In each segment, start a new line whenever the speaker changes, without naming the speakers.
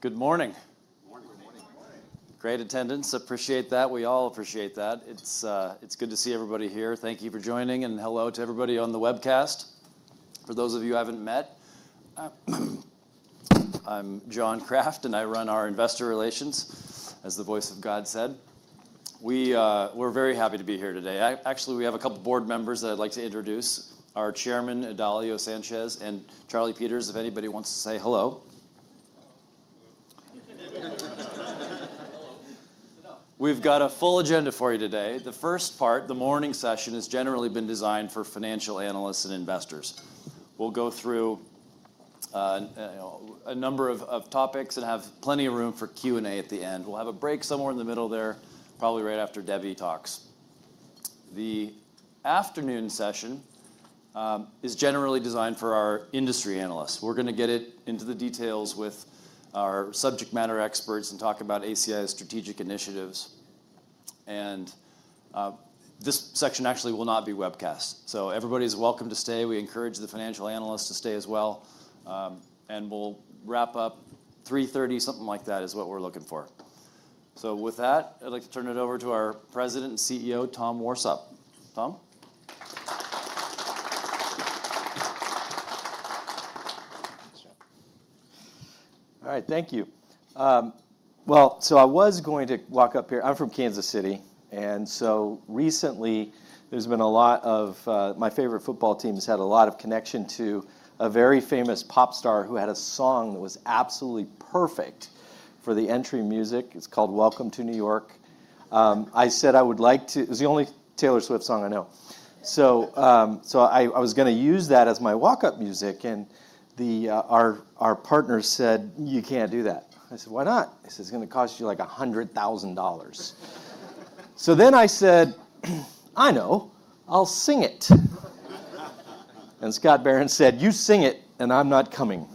Good morning.
Good morning.
Great attendance. Appreciate that. We all appreciate that. It's good to see everybody here. Thank you for joining. Hello to everybody on the webcast. For those of you who haven't met, I'm John Kraft, and I run our investor relations, as the voice of God said. We're very happy to be here today. Actually, we have a couple of board members that I'd like to introduce: our chairman, Ron Almeida, and Charlie Peters. If anybody wants to say hello.
Hello.
Hello.
We've got a full agenda for you today. The first part, the morning session, has generally been designed for financial analysts and investors. We'll go through a number of topics and have plenty of room for Q&A at the end. We'll have a break somewhere in the middle there, probably right after Debbie talks. The afternoon session is generally designed for our industry analysts. We're going to get into the details with our subject matter experts and talk about ACI's strategic initiatives. This section actually will not be webcast. Everybody is welcome to stay. We encourage the financial analysts to stay as well. We'll wrap up. 3:30 P.M., something like that, is what we're looking for. With that, I'd like to turn it over to our President and CEO, Tom Warsop. Tom?
All right. Thank you. Well, so I was going to walk up here. I'm from Kansas City. And so recently, there's been a lot of my favorite football team has had a lot of connection to a very famous pop star who had a song that was absolutely perfect for the entry music. It's called "Welcome to New York." I said I would like to it was the only Taylor Swift song I know. So I was going to use that as my walk-up music. And our partner said, "You can't do that." I said, "Why not?" He says, "It's going to cost you like $100,000." So then I said, "I know. I'll sing it." And Scott Behrens said, "You sing it, and I'm not coming."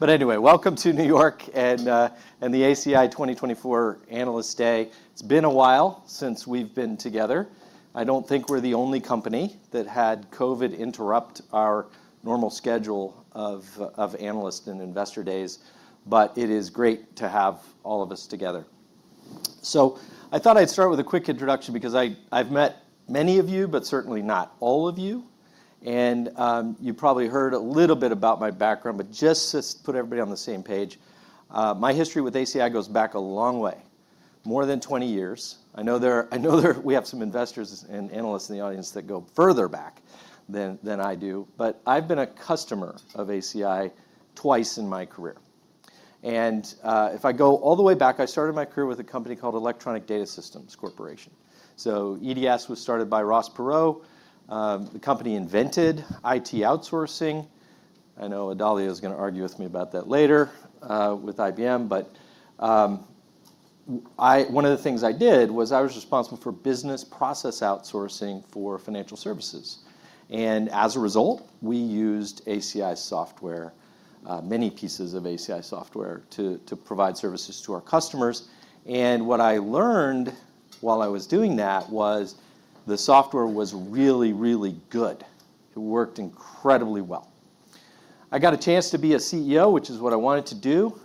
But anyway, welcome to New York and the ACI 2024 Analyst Day. It's been a while since we've been together. I don't think we're the only company that had COVID interrupt our normal schedule of analyst and investor days. But it is great to have all of us together. So I thought I'd start with a quick introduction because I've met many of you, but certainly not all of you. And you probably heard a little bit about my background. But just to put everybody on the same page, my history with ACI goes back a long way, more than 20 years. I know we have some investors and analysts in the audience that go further back than I do. But I've been a customer of ACI twice in my career. And if I go all the way back, I started my career with a company called Electronic Data Systems Corporation. So EDS was started by Ross Perot. The company invented IT outsourcing. I know Ron is going to argue with me about that later with IBM. But one of the things I did was I was responsible for business process outsourcing for financial services. And as a result, we used ACI software, many pieces of ACI software, to provide services to our customers. And what I learned while I was doing that was the software was really, really good. It worked incredibly well. I got a chance to be a CEO, which is what I wanted to do.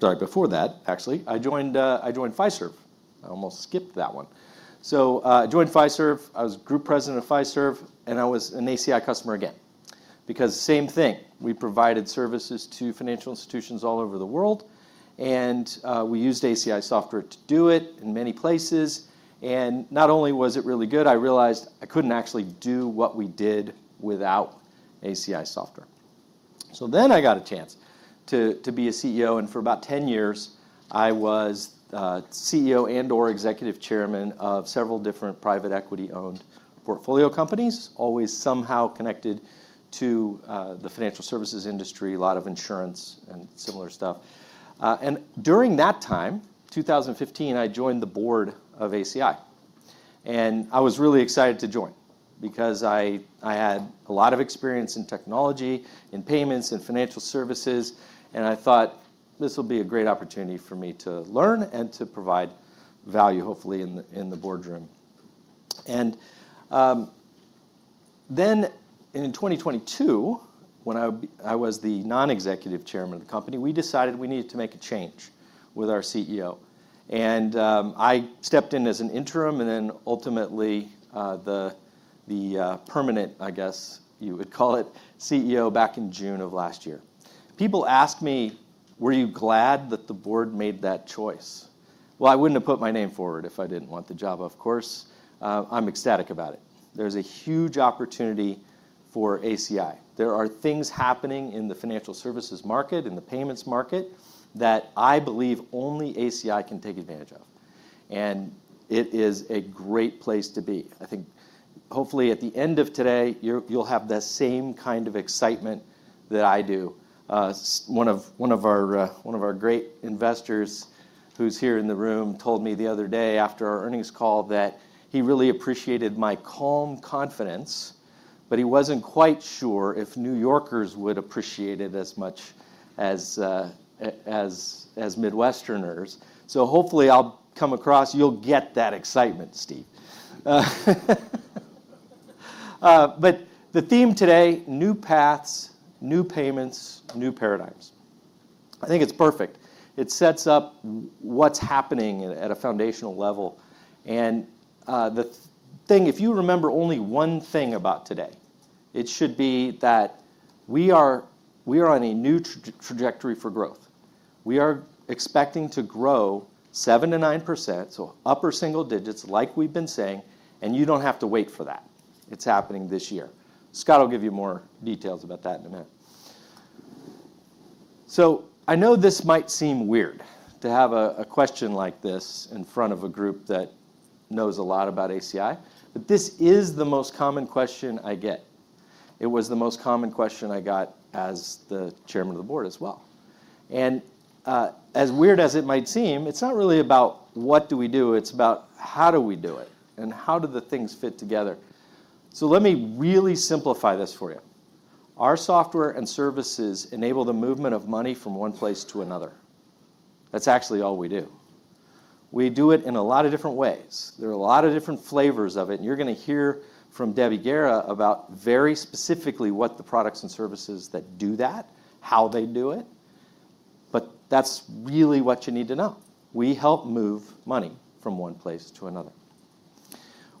Sorry, before that, actually, I joined Fiserv. I almost skipped that one. So I joined Fiserv. I was group president of Fiserv. And I was an ACI customer again because same thing. We provided services to financial institutions all over the world. And we used ACI software to do it in many places. Not only was it really good, I realized I couldn't actually do what we did without ACI software. Then I got a chance to be a CEO. For about 10 years, I was CEO and/or executive chairman of several different private equity-owned portfolio companies, always somehow connected to the financial services industry, a lot of insurance, and similar stuff. During that time, 2015, I joined the board of ACI. I was really excited to join because I had a lot of experience in technology, in payments, in financial services. I thought, this will be a great opportunity for me to learn and to provide value, hopefully, in the boardroom. Then in 2022, when I was the non-executive chairman of the company, we decided we needed to make a change with our CEO. And I stepped in as an interim and then ultimately the permanent, I guess you would call it, CEO back in June of last year. People ask me, were you glad that the board made that choice? Well, I wouldn't have put my name forward if I didn't want the job, of course. I'm ecstatic about it. There's a huge opportunity for ACI. There are things happening in the financial services market, in the payments market, that I believe only ACI can take advantage of. And it is a great place to be. I think hopefully, at the end of today, you'll have the same kind of excitement that I do. One of our great investors who's here in the room told me the other day after our earnings call that he really appreciated my calm confidence. But he wasn't quite sure if New Yorkers would appreciate it as much as Midwesterners. So hopefully, I'll come across you'll get that excitement, Steve. But the theme today, new paths, new payments, new paradigms. I think it's perfect. It sets up what's happening at a foundational level. And the thing, if you remember only one thing about today, it should be that we are on a new trajectory for growth. We are expecting to grow 7%-9%, so upper single digits, like we've been saying. And you don't have to wait for that. It's happening this year. Scott will give you more details about that in a minute. So I know this might seem weird to have a question like this in front of a group that knows a lot about ACI. But this is the most common question I get. It was the most common question I got as the chairman of the board as well. As weird as it might seem, it's not really about what do we do. It's about how do we do it? How do the things fit together? Let me really simplify this for you. Our software and services enable the movement of money from one place to another. That's actually all we do. We do it in a lot of different ways. There are a lot of different flavors of it. You're going to hear from Debbie Guerra about very specifically what the products and services that do that, how they do it. That's really what you need to know. We help move money from one place to another.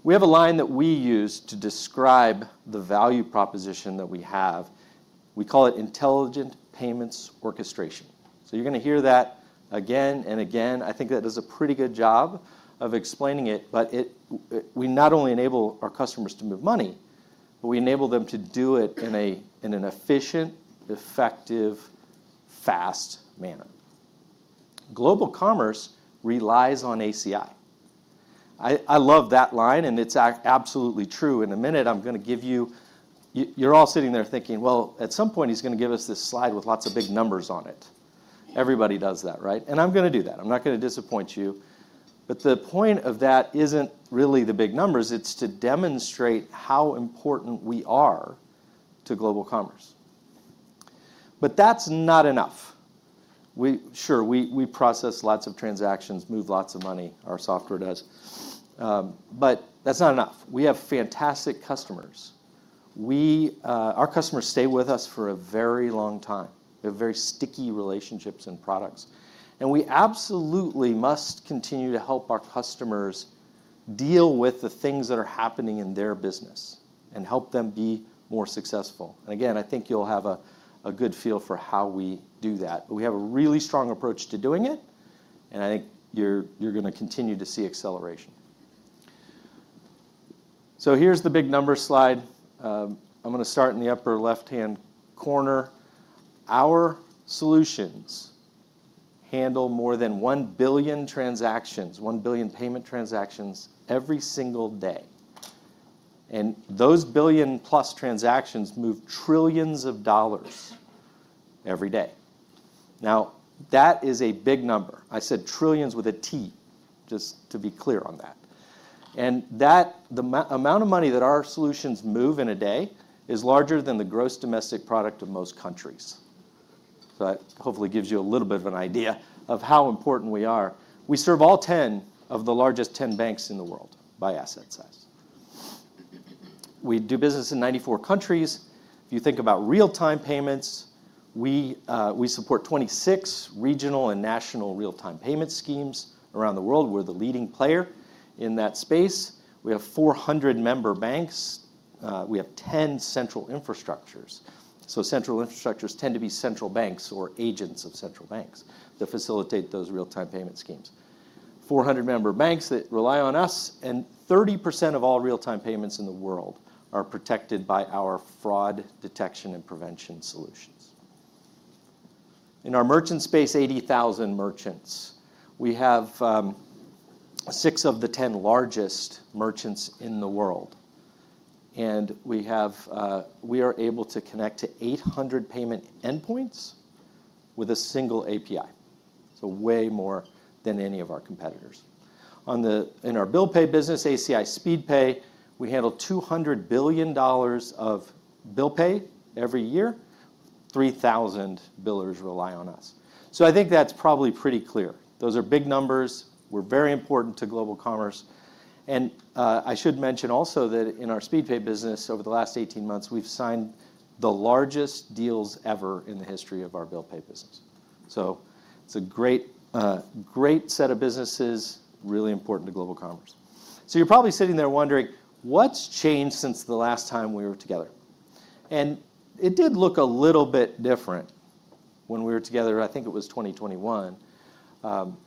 We have a line that we use to describe the value proposition that we have. We call it intelligent payments orchestration. So you're going to hear that again and again. I think that does a pretty good job of explaining it. But we not only enable our customers to move money, but we enable them to do it in an efficient, effective, fast manner. Global commerce relies on ACI. I love that line. And it's absolutely true. In a minute, I'm going to give you. You're all sitting there thinking, well, at some point, he's going to give us this slide with lots of big numbers on it. Everybody does that, right? And I'm going to do that. I'm not going to disappoint you. But the point of that isn't really the big numbers. It's to demonstrate how important we are to global commerce. But that's not enough. Sure, we process lots of transactions, move lots of money. Our software does. But that's not enough. We have fantastic customers. Our customers stay with us for a very long time. They have very sticky relationships and products. We absolutely must continue to help our customers deal with the things that are happening in their business and help them be more successful. Again, I think you'll have a good feel for how we do that. But we have a really strong approach to doing it. I think you're going to continue to see acceleration. Here's the big number slide. I'm going to start in the upper left-hand corner. Our solutions handle more than 1 billion transactions, 1 billion payment transactions, every single day. Those billion-plus transactions move $trillions every day. Now, that is a big number. I said trillions with a T, just to be clear on that. The amount of money that our solutions move in a day is larger than the gross domestic product of most countries. So that hopefully gives you a little bit of an idea of how important we are. We serve all 10 of the largest 10 banks in the world by asset size. We do business in 94 countries. If you think about real-time payments, we support 26 regional and national real-time payment schemes around the world. We're the leading player in that space. We have 400 member banks. We have 10 central infrastructures. So central infrastructures tend to be central banks or agents of central banks that facilitate those real-time payment schemes, 400 member banks that rely on us. And 30% of all real-time payments in the world are protected by our fraud detection and prevention solutions. In our merchant space, 80,000 merchants. We have 6 of the 10 largest merchants in the world. We are able to connect to 800 payment endpoints with a single API, so way more than any of our competitors. In our bill pay ACI Speedpay, we handle $200 billion of bill pay every year. 3,000 billers rely on us. I think that's probably pretty clear. Those are big numbers. We're very important to global commerce. I should mention also that in our Speedpay business, over the last 18 months, we've signed the largest deals ever in the history of our bill pay business. It's a great set of businesses, really important to global commerce. You're probably sitting there wondering, what's changed since the last time we were together? It did look a little bit different when we were together. I think it was 2021.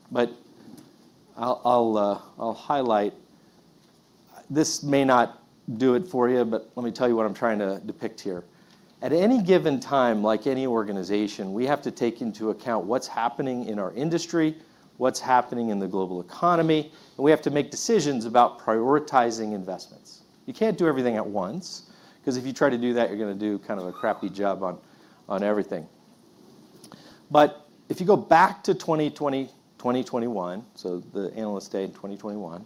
But I'll highlight this may not do it for you. But let me tell you what I'm trying to depict here. At any given time, like any organization, we have to take into account what's happening in our industry, what's happening in the global economy. We have to make decisions about prioritizing investments. You can't do everything at once because if you try to do that, you're going to do kind of a crappy job on everything. But if you go back to 2020, 2021, so the analyst day in 2021,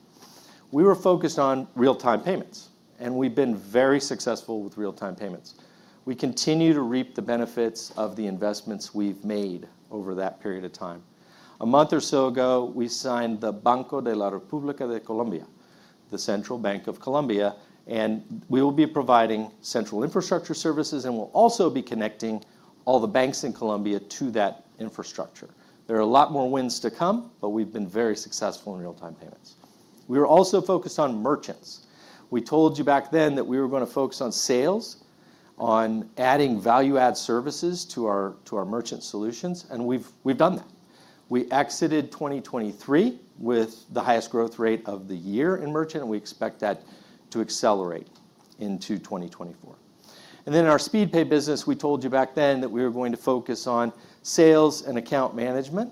we were focused on real-time payments. We've been very successful with real-time payments. We continue to reap the benefits of the investments we've made over that period of time. A month or so ago, we signed the Banco de la República de Colombia, the Central Bank of Colombia. We will be providing central infrastructure services. We'll also be connecting all the banks in Colombia to that infrastructure. There are a lot more wins to come. But we've been very successful in real-time payments. We were also focused on merchants. We told you back then that we were going to focus on sales, on adding value-add services to our merchant solutions. And we've done that. We exited 2023 with the highest growth rate of the year in merchant. And we expect that to accelerate into 2024. And then in our Speedpay business, we told you back then that we were going to focus on sales and account management.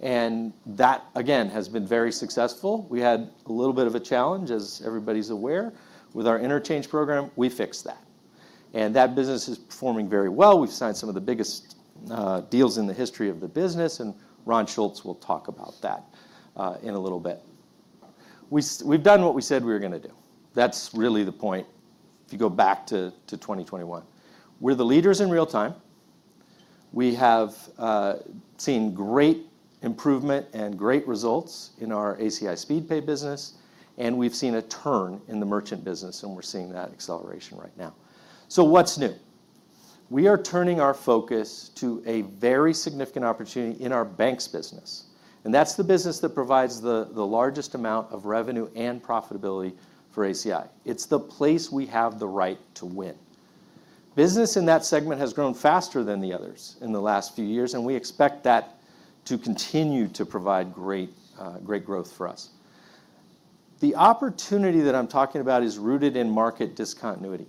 And that, again, has been very successful. We had a little bit of a challenge, as everybody's aware. With our interchange program, we fixed that. And that business is performing very well. We've signed some of the biggest deals in the history of the business. Ron Shultz will talk about that in a little bit. We've done what we said we were going to do. That's really the point, if you go back to 2021. We're the leaders in real-time. We have seen great improvement and great results in ACI Speedpay business. We've seen a turn in the merchant business. We're seeing that acceleration right now. What's new? We are turning our focus to a very significant opportunity in our banks business. That's the business that provides the largest amount of revenue and profitability for ACI. It's the place we have the right to win. Business in that segment has grown faster than the others in the last few years. We expect that to continue to provide great growth for us. The opportunity that I'm talking about is rooted in market discontinuity.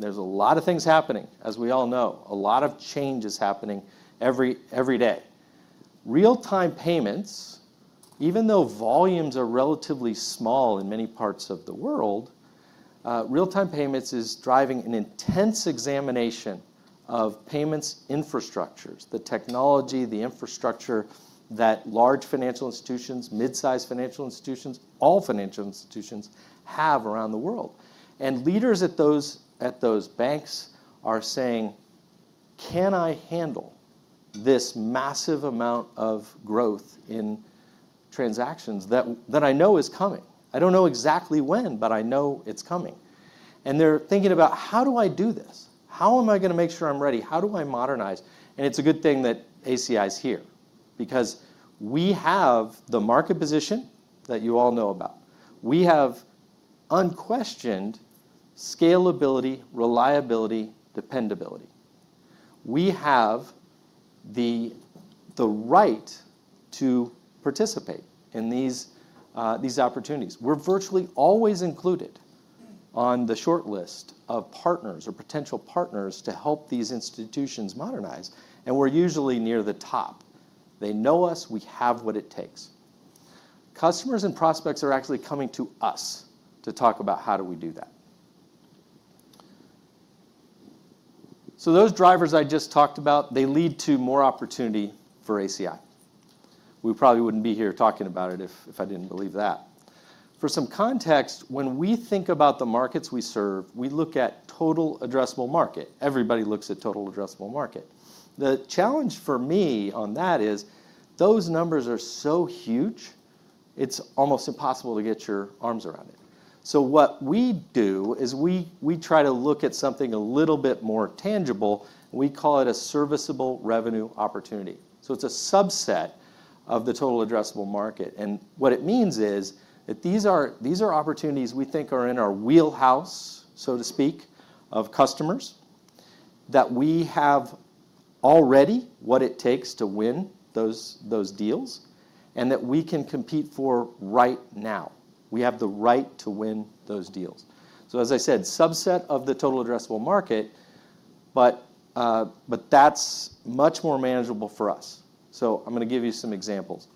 There's a lot of things happening, as we all know. A lot of change is happening every day. Real-time payments, even though volumes are relatively small in many parts of the world, real-time payments is driving an intense examination of payments infrastructures, the technology, the infrastructure that large financial institutions, midsize financial institutions, all financial institutions have around the world. Leaders at those banks are saying, can I handle this massive amount of growth in transactions that I know is coming? I don't know exactly when. But I know it's coming. They're thinking about, how do I do this? How am I going to make sure I'm ready? How do I modernize? It's a good thing that ACI is here because we have the market position that you all know about. We have unquestioned scalability, reliability, dependability. We have the right to participate in these opportunities. We're virtually always included on the short list of partners or potential partners to help these institutions modernize. We're usually near the top. They know us. We have what it takes. Customers and prospects are actually coming to us to talk about, how do we do that? Those drivers I just talked about, they lead to more opportunity for ACI. We probably wouldn't be here talking about it if I didn't believe that. For some context, when we think about the markets we serve, we look at total addressable market. Everybody looks at total addressable market. The challenge for me on that is those numbers are so huge, it's almost impossible to get your arms around it. What we do is we try to look at something a little bit more tangible. We call it a serviceable revenue opportunity. So it's a subset of the total addressable market. What it means is that these are opportunities we think are in our wheelhouse, so to speak, of customers, that we have already what it takes to win those deals, and that we can compete for right now. We have the right to win those deals. So as I said, subset of the total addressable market. But that's much more manageable for us. So I'm going to give you some examples.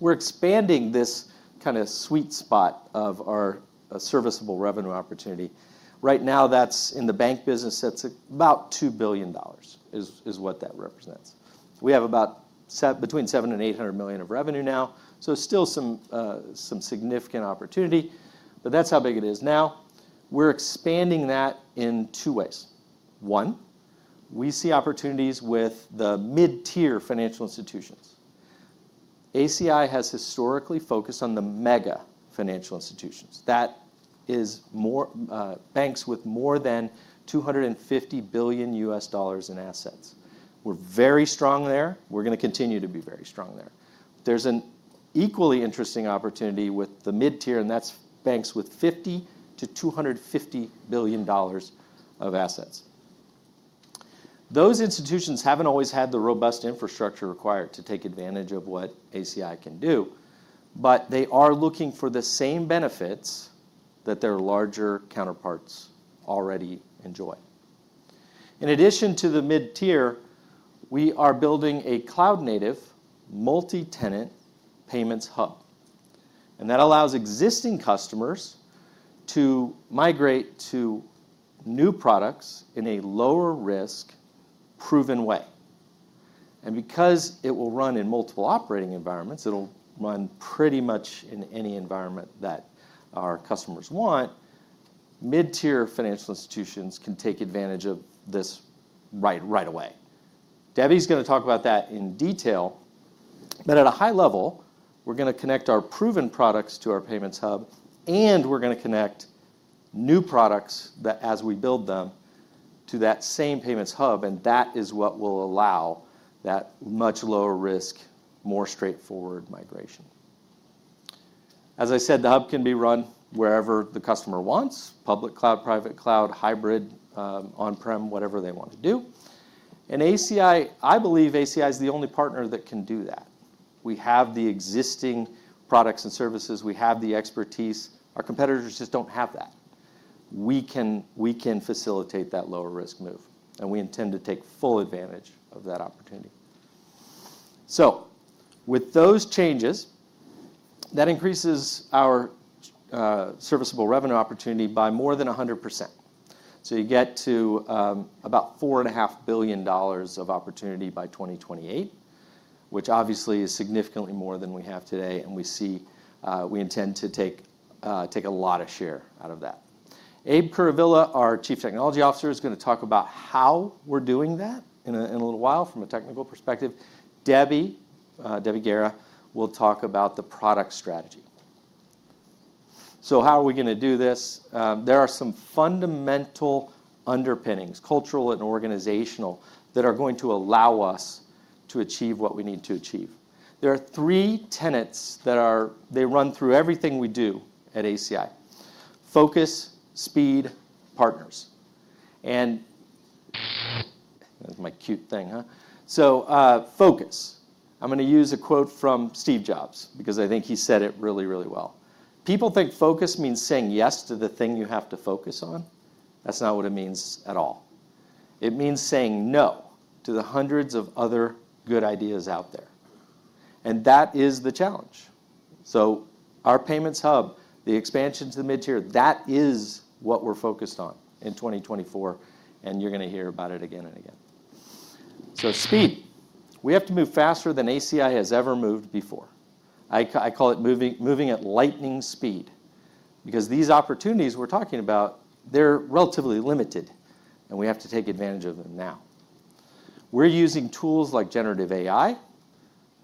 We're expanding this kind of sweet spot of our serviceable revenue opportunity. Right now, that's in the bank business. That's about $2 billion is what that represents. We have about $700 million-$800 million of revenue now. So still some significant opportunity. But that's how big it is now. We're expanding that in two ways. One, we see opportunities with the mid-tier financial institutions. ACI has historically focused on the mega financial institutions. That is banks with more than $250 billion in assets. We're very strong there. We're going to continue to be very strong there. There's an equally interesting opportunity with the mid-tier. That's banks with $50 million-$250 billion of assets. Those institutions haven't always had the robust infrastructure required to take advantage of what ACI can do. But they are looking for the same benefits that their larger counterparts already enjoy. In addition to the mid-tier, we are building a cloud-native, multi-tenant payments hub. That allows existing customers to migrate to new products in a lower-risk, proven way. Because it will run in multiple operating environments, it'll run pretty much in any environment that our customers want. Mid-tier financial institutions can take advantage of this right away. Debbie's going to talk about that in detail. At a high level, we're going to connect our proven products to our payments hub. We're going to connect new products that, as we build them, to that same payments hub. That is what will allow that much lower risk, more straightforward migration. As I said, the hub can be run wherever the customer wants: public cloud, private cloud, hybrid, on-prem, whatever they want to do. I believe ACI is the only partner that can do that. We have the existing products and services. We have the expertise. Our competitors just don't have that. We can facilitate that lower-risk move. We intend to take full advantage of that opportunity. With those changes, that increases our serviceable revenue opportunity by more than 100%. You get to about $4.5 billion of opportunity by 2028, which obviously is significantly more than we have today. And we intend to take a lot of share out of that. Abe Kuruvilla, our Chief Technology Officer, is going to talk about how we're doing that in a little while from a technical perspective. Debbie Guerra will talk about the product strategy. So how are we going to do this? There are some fundamental underpinnings, cultural and organizational, that are going to allow us to achieve what we need to achieve. There are three tenets that run through everything we do at ACI: focus, speed, partners. And that's my cute thing, huh? So focus. I'm going to use a quote from Steve Jobs because I think he said it really, really well. People think focus means saying yes to the thing you have to focus on. That's not what it means at all. It means saying no to the hundreds of other good ideas out there. That is the challenge. Our payments hub, the expansion to the mid-tier, that is what we're focused on in 2024. You're going to hear about it again and again. Speed, we have to move faster than ACI has ever moved before. I call it moving at lightning speed because these opportunities we're talking about, they're relatively limited. We have to take advantage of them now. We're using tools like generative AI,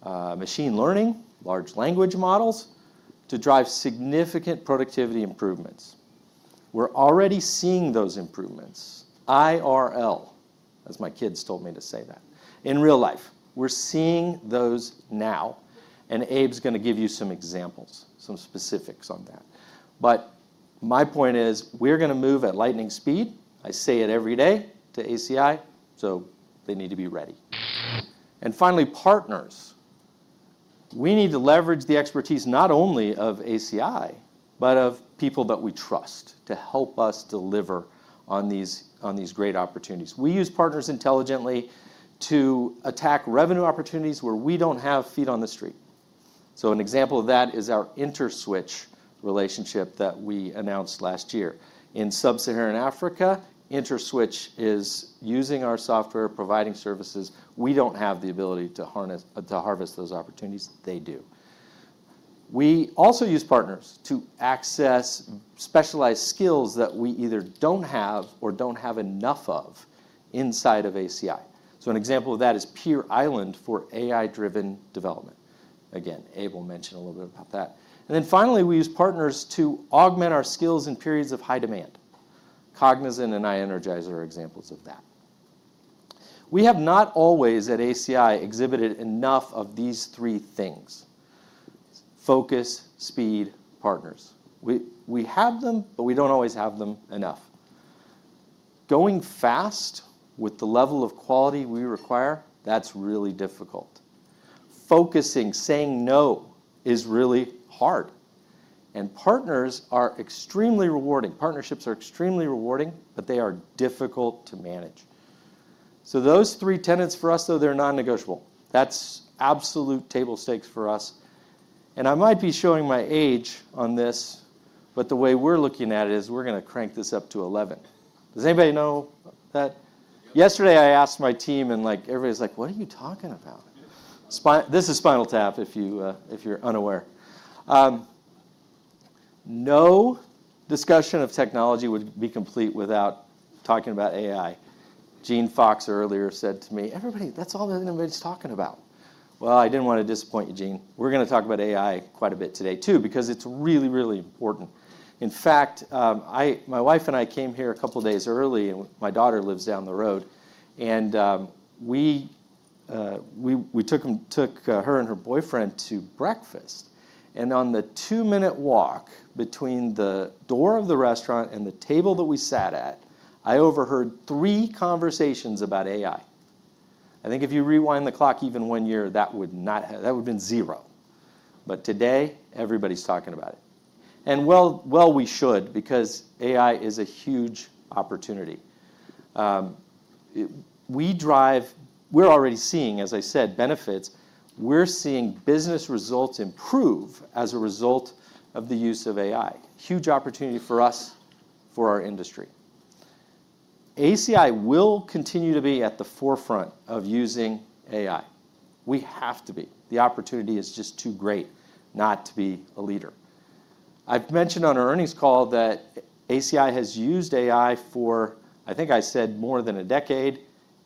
machine learning, large language models to drive significant productivity improvements. We're already seeing those improvements. IRL, as my kids told me to say that in real life. We're seeing those now. Abe's going to give you some examples, some specifics on that. My point is we're going to move at lightning speed. I say it every day to ACI. They need to be ready. Finally, partners. We need to leverage the expertise not only of ACI but of people that we trust to help us deliver on these great opportunities. We use partners intelligently to attack revenue opportunities where we don't have feet on the street. So an example of that is our Interswitch relationship that we announced last year. In Sub-Saharan Africa, Interswitch is using our software, providing services. We don't have the ability to harvest those opportunities. They do. We also use partners to access specialized skills that we either don't have or don't have enough of inside of ACI. So an example of that is PeerIslands for AI-driven development. Again, Abe will mention a little bit about that. And then finally, we use partners to augment our skills in periods of high demand. Cognizant and iEnergizer are examples of that. We have not always at ACI exhibited enough of these three things: focus, speed, partners. We have them. But we don't always have them enough. Going fast with the level of quality we require, that's really difficult. Focusing, saying no, is really hard. And partners are extremely rewarding. Partnerships are extremely rewarding. But they are difficult to manage. So those three tenets for us, though, they're non-negotiable. That's absolute table stakes for us. And I might be showing my age on this. But the way we're looking at it is we're going to crank this up to 11. Does anybody know that? Yesterday, I asked my team. And everybody was like, what are you talking about? This is Spinal Tap if you're unaware. No discussion of technology would be complete without talking about AI. Gene Fox earlier said to me, "everybody, that's all that anybody's talking about. Well, I didn't want to disappoint you, Gene. We're going to talk about AI quite a bit today too because it's really, really important. In fact, my wife and I came here a couple of days early. My daughter lives down the road. We took her and her boyfriend to breakfast. On the two-minute walk between the door of the restaurant and the table that we sat at, I overheard three conversations about AI. I think if you rewind the clock even one year, that would have been zero. But today, everybody's talking about it. Well, we should because AI is a huge opportunity. We're already seeing, as I said, benefits. We're seeing business results improve as a result of the use of AI, huge opportunity for us, for our industry. ACI will continue to be at the forefront of using AI. We have to be. The opportunity is just too great not to be a leader. I've mentioned on our earnings call that ACI has used AI for, I think I said, more than a decade.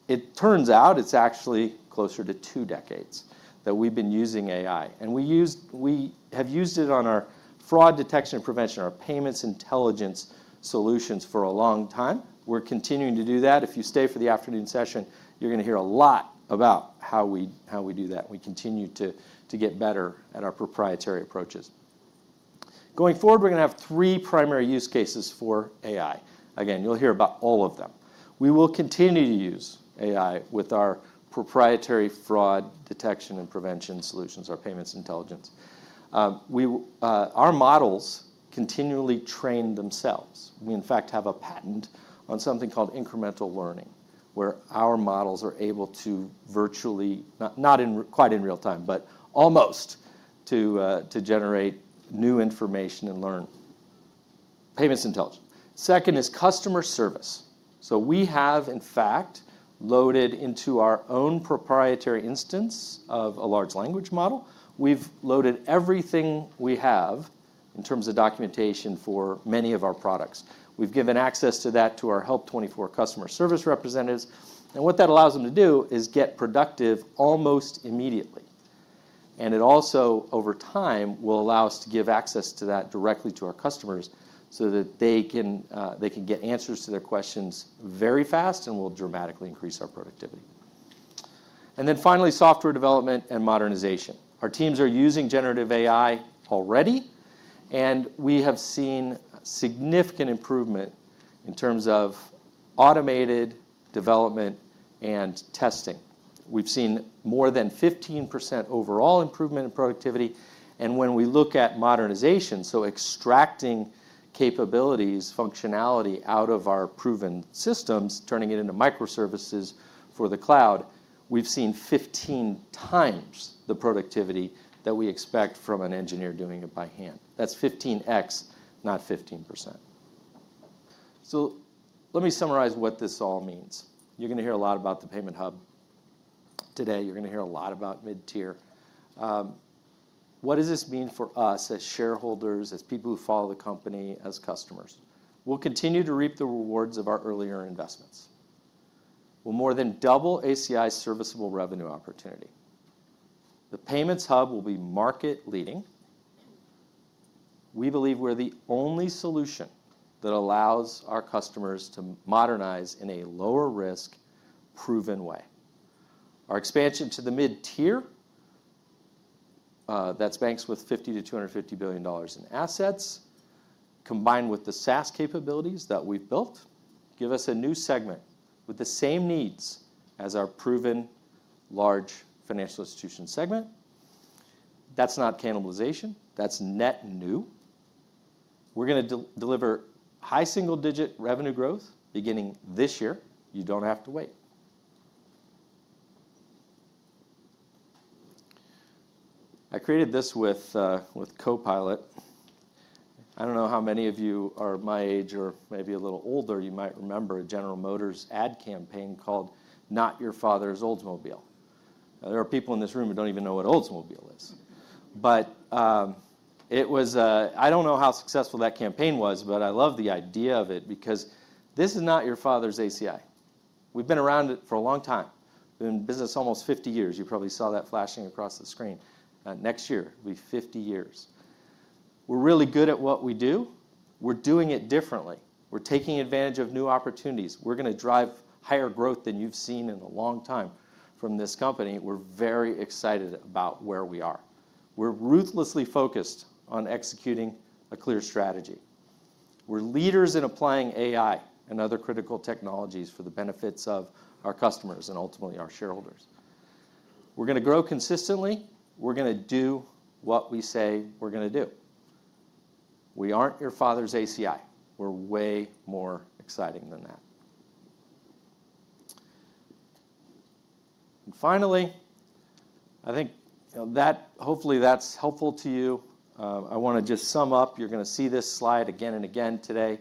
It turns out it's actually closer to two decades that we've been using AI. We have used it on our fraud detection and prevention, our payments intelligence solutions for a long time. We're continuing to do that. If you stay for the afternoon session, you're going to hear a lot about how we do that. We continue to get better at our proprietary approaches. Going forward, we're going to have three primary use cases for AI. Again, you'll hear about all of them. We will continue to use AI with our proprietary fraud detection and prevention solutions, our payments intelligence. Our models continually train themselves. We, in fact, have a patent on something called incremental learning where our models are able to virtually not quite in real time but almost to generate new information and learn payments intelligence. Second is customer service. So we have, in fact, loaded into our own proprietary instance of a large language model. We've loaded everything we have in terms of documentation for many of our products. We've given access to that to our Help24 customer service representatives. And what that allows them to do is get productive almost immediately. And it also, over time, will allow us to give access to that directly to our customers so that they can get answers to their questions very fast and will dramatically increase our productivity. And then finally, software development and modernization. Our teams are using generative AI already. We have seen significant improvement in terms of automated development and testing. We've seen more than 15% overall improvement in productivity. When we look at modernization, so extracting capabilities, functionality out of our proven systems, turning it into microservices for the cloud, we've seen 15 times the productivity that we expect from an engineer doing it by hand. That's 15x, not 15%. Let me summarize what this all means. You're going to hear a lot about the payment hub today. You're going to hear a lot about mid-tier. What does this mean for us as shareholders, as people who follow the company, as customers? We'll continue to reap the rewards of our earlier investments. We'll more than double ACI's serviceable revenue opportunity. The payments hub will be market-leading. We believe we're the only solution that allows our customers to modernize in a lower-risk, proven way. Our expansion to the mid-tier, that's banks with $50 million-$250 billion in assets, combined with the SaaS capabilities that we've built, gives us a new segment with the same needs as our proven large financial institution segment. That's not cannibalization. That's net new. We're going to deliver high single-digit revenue growth beginning this year. You don't have to wait. I created this with Copilot. I don't know how many of you are my age or maybe a little older. You might remember a General Motors ad campaign called "Not Your Father's Oldsmobile." There are people in this room who don't even know what Oldsmobile is. But I don't know how successful that campaign was. But I love the idea of it because this is not your father's ACI. We've been around it for a long time. We've been in business almost 50 years. You probably saw that flashing across the screen. Next year it'll be 50 years. We're really good at what we do. We're doing it differently. We're taking advantage of new opportunities. We're going to drive higher growth than you've seen in a long time from this company. We're very excited about where we are. We're ruthlessly focused on executing a clear strategy. We're leaders in applying AI and other critical technologies for the benefits of our customers and ultimately our shareholders. We're going to grow consistently. We're going to do what we say we're going to do. We aren't your father's ACI. We're way more exciting than that. And finally, I think hopefully, that's helpful to you. I want to just sum up. You're going to see this slide again and again today.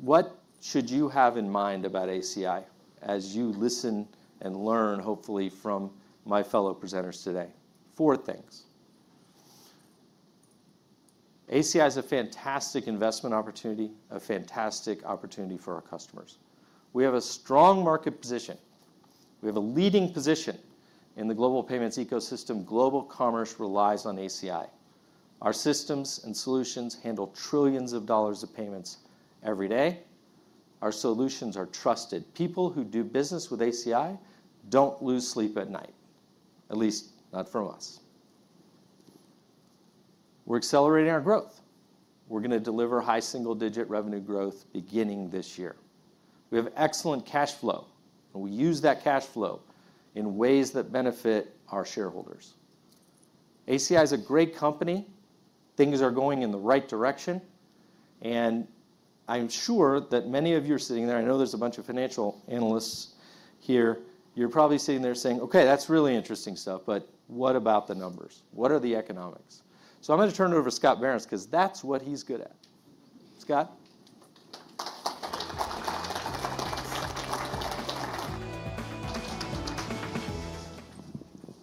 What should you have in mind about ACI as you listen and learn, hopefully, from my fellow presenters today? Four things. ACI is a fantastic investment opportunity, a fantastic opportunity for our customers. We have a strong market position. We have a leading position in the global payments ecosystem. Global commerce relies on ACI. Our systems and solutions handle $ trillions of payments every day. Our solutions are trusted. People who do business with ACI don't lose sleep at night, at least not from us. We're accelerating our growth. We're going to deliver high single-digit revenue growth beginning this year. We have excellent cash flow. We use that cash flow in ways that benefit our shareholders. ACI is a great company. Things are going in the right direction. I'm sure that many of you are sitting there. I know there's a bunch of financial analysts here. You're probably sitting there saying, OK, that's really interesting stuff. But what about the numbers? What are the economics? So I'm going to turn it over to Scott Behrens because that's what he's good at. Scott?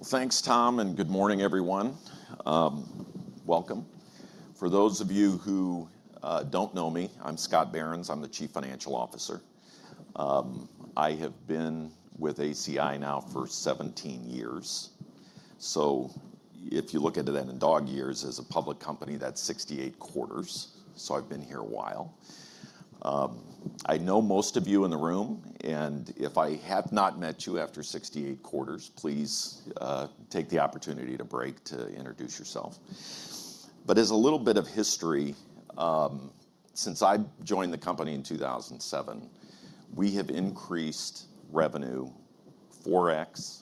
Thanks, Tom. Good morning, everyone. Welcome. For those of you who don't know me, I'm Scott Behrens. I'm the Chief Financial Officer. I have been with ACI now for 17 years. So if you look into that in dog years, as a public company, that's 68 quarters. So I've been here a while. I know most of you in the room. And if I have not met you after 68 quarters, please take the opportunity to break to introduce yourself. But as a little bit of history, since I joined the company in 2007, we have increased revenue 4x.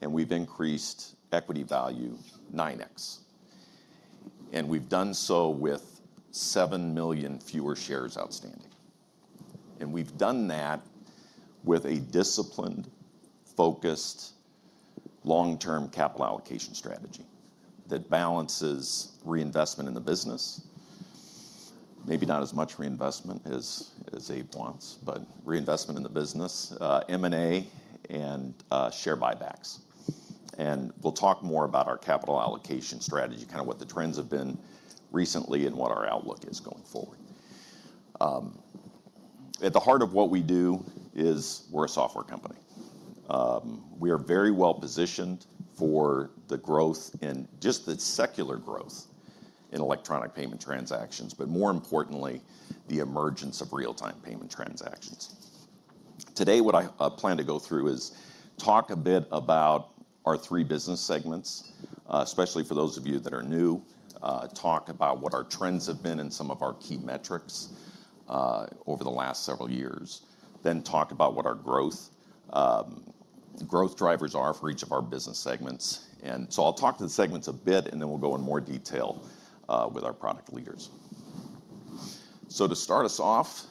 And we've increased equity value 9x. And we've done so with 7 million fewer shares outstanding. We've done that with a disciplined, focused, long-term capital allocation strategy that balances reinvestment in the business, maybe not as much reinvestment as Abe wants, but reinvestment in the business, M&A, and share buybacks. We'll talk more about our capital allocation strategy, kind of what the trends have been recently and what our outlook is going forward. At the heart of what we do is we're a software company. We are very well positioned for the growth and just the secular growth in electronic payment transactions, but more importantly, the emergence of real-time payment transactions. Today, what I plan to go through is talk a bit about our three business segments, especially for those of you that are new, talk about what our trends have been in some of our key metrics over the last several years, then talk about what our growth drivers are for each of our business segments. So I'll talk to the segments a bit. And then we'll go in more detail with our product leaders. To start us off,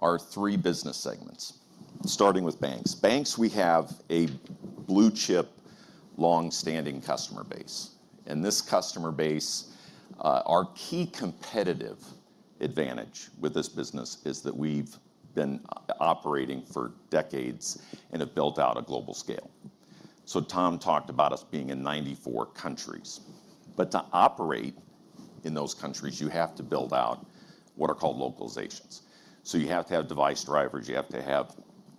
our three business segments, starting with banks. Banks, we have a blue-chip, long-standing customer base. And this customer base, our key competitive advantage with this business is that we've been operating for decades and have built out a global scale. So Tom talked about us being in 94 countries. But to operate in those countries, you have to build out what are called localizations. So you have to have device drivers. You have to have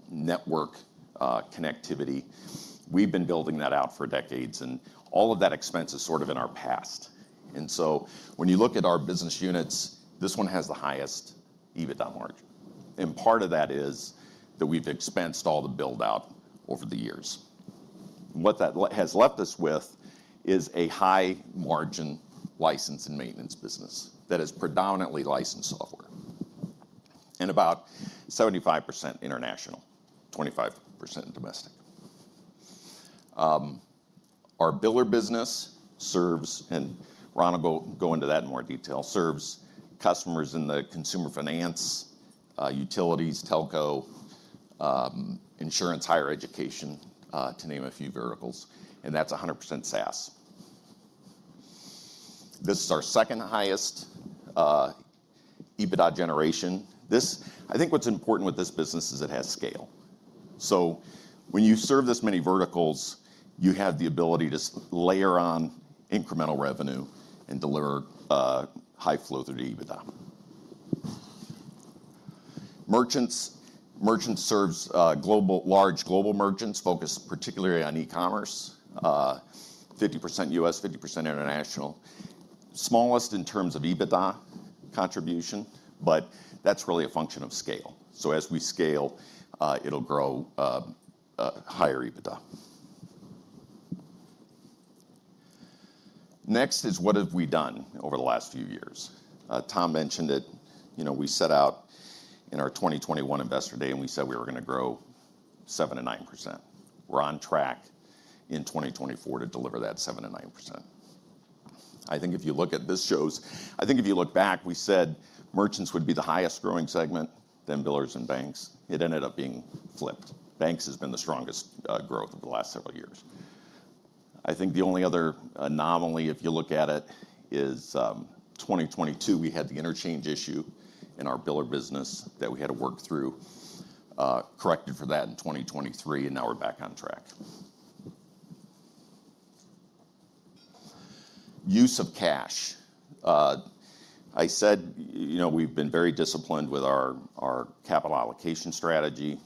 network connectivity. We've been building that out for decades. And all of that expense is sort of in our past. And so when you look at our business units, this one has the highest EBITDA margin. And part of that is that we've expensed all the build-out over the years. What that has left us with is a high-margin license and maintenance business that is predominantly licensed software and about 75% international, 25% domestic. Our biller business serves, and Ron will go into that in more detail, serves customers in the consumer finance, utilities, telco, insurance, higher education, to name a few verticals. And that's 100% SaaS. This is our second highest EBITDA generation. I think what's important with this business is it has scale. So when you serve this many verticals, you have the ability to layer on incremental revenue and deliver high flow through the EBITDA. Merchant solutions serves large global merchants focused particularly on e-commerce, 50% U.S., 50% international, smallest in terms of EBITDA contribution. But that's really a function of scale. So as we scale, it'll grow higher EBITDA. Next is what have we done over the last few years? Tom mentioned that we set out in our 2021 Investor Day. We said we were going to grow 7%-9%. We're on track in 2024 to deliver that 7%-9%. I think if you look back, we said merchants would be the highest growing segment, then billers and banks. It ended up being flipped. Banks has been the strongest growth over the last several years. I think the only other anomaly, if you look at it, is 2022, we had the interchange issue in our biller business that we had to work through, corrected for that in 2023. Now we're back on track. Use of cash. I said we've been very disciplined with our capital allocation strategy.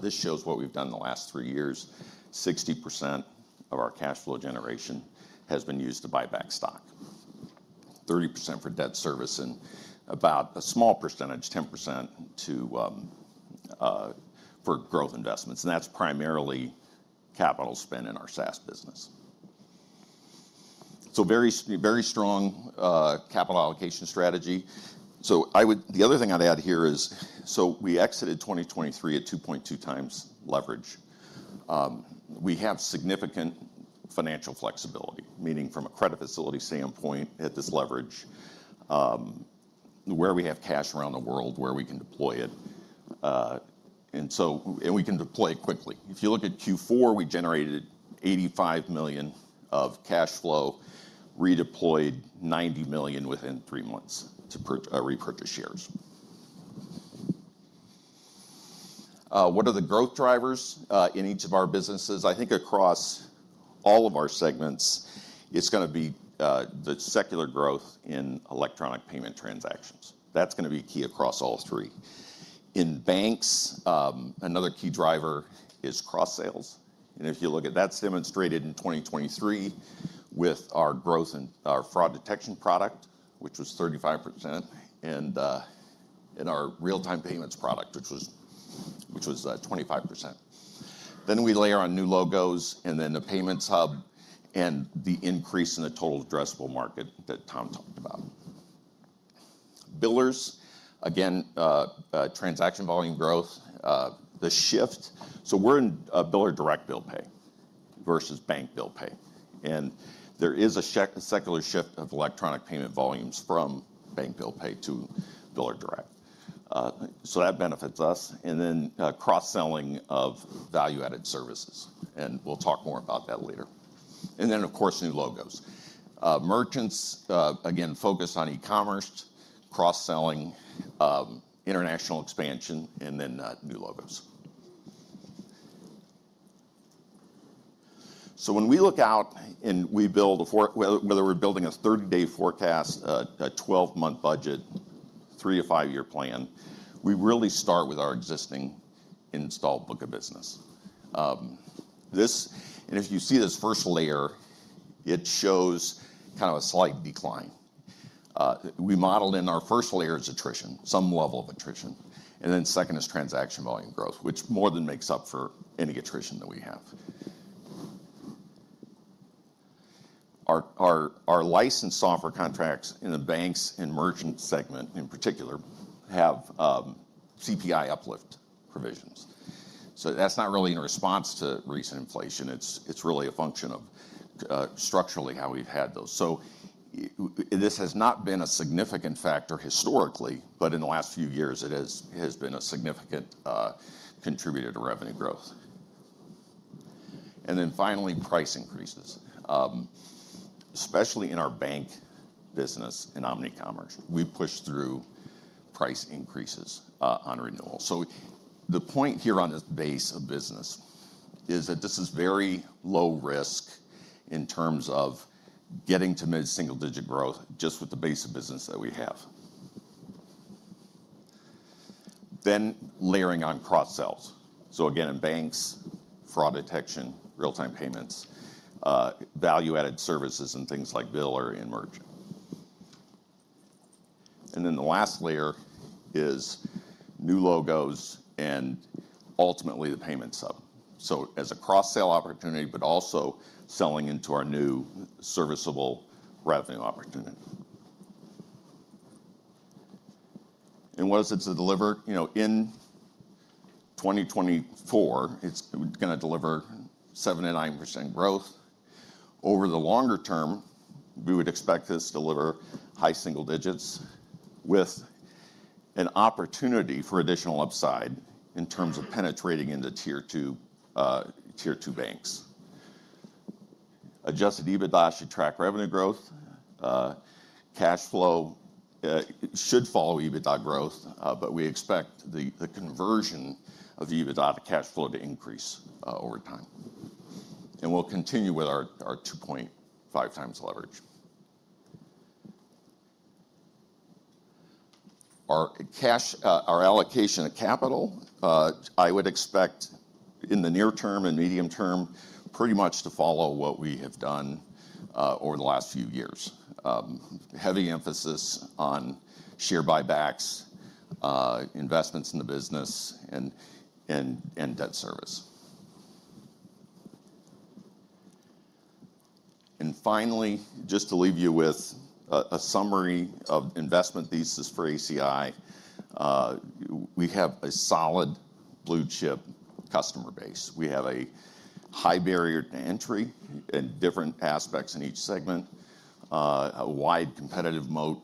This shows what we've done in the last 3 years. 60% of our cash flow generation has been used to buy back stock, 30% for debt service, and about a small percentage, 10%, for growth investments. That's primarily capital spend in our SaaS business. Very strong capital allocation strategy. The other thing I'd add here is so we exited 2023 at 2.2x leverage. We have significant financial flexibility, meaning from a credit facility standpoint at this leverage, where we have cash around the world, where we can deploy it, and we can deploy it quickly. If you look at Q4, we generated $85 million of cash flow, redeployed $90 million within three months to repurchase shares. What are the growth drivers in each of our businesses? I think across all of our segments, it's going to be the secular growth in electronic payment transactions. That's going to be key across all three. In banks, another key driver is cross sales. And if you look at that, it's demonstrated in 2023 with our growth and our fraud detection product, which was 35%, and our real-time payments product, which was 25%. Then we layer on new logos and then the payments hub and the increase in the total addressable market that Tom talked about. Billers, again, transaction volume growth, the shift so we're in biller direct bill pay versus bank bill pay. There is a secular shift of electronic payment volumes from bank bill pay to biller direct. So that benefits us. Then cross-selling of value-added services. And we'll talk more about that later. And then, of course, new logos. Merchants, again, focused on e-commerce, cross-selling, international expansion, and then new logos. So when we look out and we build a whether we're building a 30-day forecast, a 12-month budget, 3- or 5-year plan, we really start with our existing installed book of business. If you see this first layer, it shows kind of a slight decline. We modeled in our first layer is attrition, some level of attrition. Then second is transaction volume growth, which more than makes up for any attrition that we have. Our licensed software contracts in the banks and merchant segment in particular have CPI uplift provisions. So that's not really in response to recent inflation. It's really a function of structurally how we've had those. So this has not been a significant factor historically. But in the last few years, it has been a significant contributor to revenue growth. And then finally, price increases, especially in our bank business and omni-commerce. We push through price increases on renewal. So the point here on this base of business is that this is very low risk in terms of getting to mid-single-digit growth just with the base of business that we have, then layering on cross sales. So again, in banks, fraud detection, real-time payments, value-added services, and things like biller and merchant. Then the last layer is new logos and ultimately the payments hub, so as a cross-sale opportunity, but also selling into our new serviceable revenue opportunity. What is it to deliver? In 2024, it's going to deliver 7%-9% growth. Over the longer term, we would expect this to deliver high single digits with an opportunity for additional upside in terms of penetrating into tier two banks. Adjusted EBITDA should track revenue growth. Cash flow should follow EBITDA growth. But we expect the conversion of EBITDA to cash flow to increase over time. We'll continue with our 2.5x leverage. Our allocation of capital, I would expect in the near term and medium term pretty much to follow what we have done over the last few years, heavy emphasis on share buybacks, investments in the business, and debt service. Finally, just to leave you with a summary of investment thesis for ACI, we have a solid blue chip customer base. We have a high barrier to entry and different aspects in each segment, a wide competitive moat,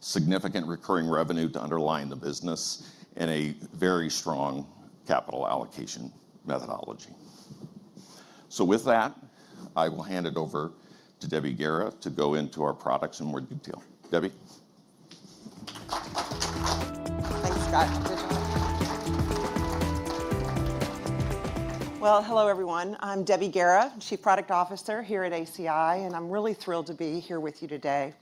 significant recurring revenue to underline the business, and a very strong capital allocation methodology. With that, I will hand it over to Debbie Guerra to go into our products in more detail. Debbie?
Thanks, Scott. Good job. Well, hello, everyone. I'm Debbie Guerra, Chief Product Officer here at ACI. And I'm really thrilled to be here with you today,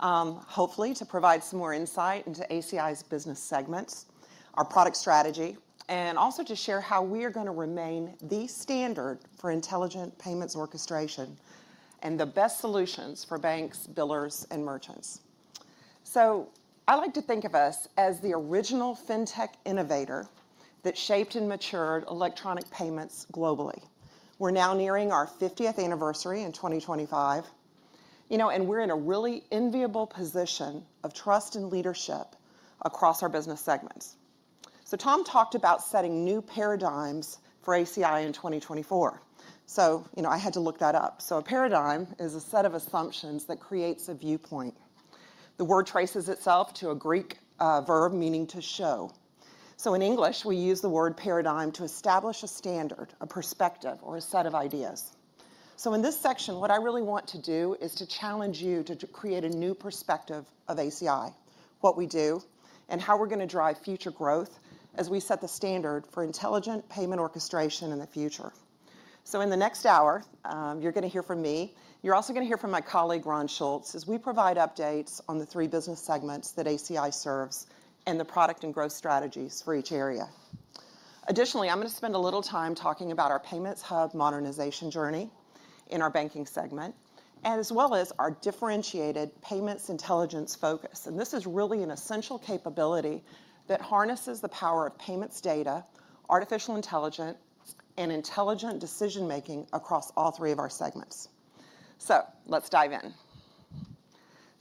hopefully, to provide some more insight into ACI's business segments, our product strategy, and also to share how we are going to remain the standard for intelligent payments orchestration and the best solutions for banks, billers, and merchants. So I like to think of us as the original fintech innovator that shaped and matured electronic payments globally. We're now nearing our 50th anniversary in 2025. And we're in a really enviable position of trust and leadership across our business segments. So Tom talked about setting new paradigms for ACI in 2024. So I had to look that up. So a paradigm is a set of assumptions that creates a viewpoint. The word traces itself to a Greek verb meaning to show. So in English, we use the word paradigm to establish a standard, a perspective, or a set of ideas. So in this section, what I really want to do is to challenge you to create a new perspective of ACI, what we do, and how we're going to drive future growth as we set the standard for intelligent payment orchestration in the future. So in the next hour, you're going to hear from me. You're also going to hear from my colleague, Ron Shultz, as we provide updates on the three business segments that ACI serves and the product and growth strategies for each area. Additionally, I'm going to spend a little time talking about our payments hub modernization journey in our banking segment, as well as our differentiated payments intelligence focus. This is really an essential capability that harnesses the power of payments data, artificial intelligence, and intelligent decision-making across all three of our segments. Let's dive in.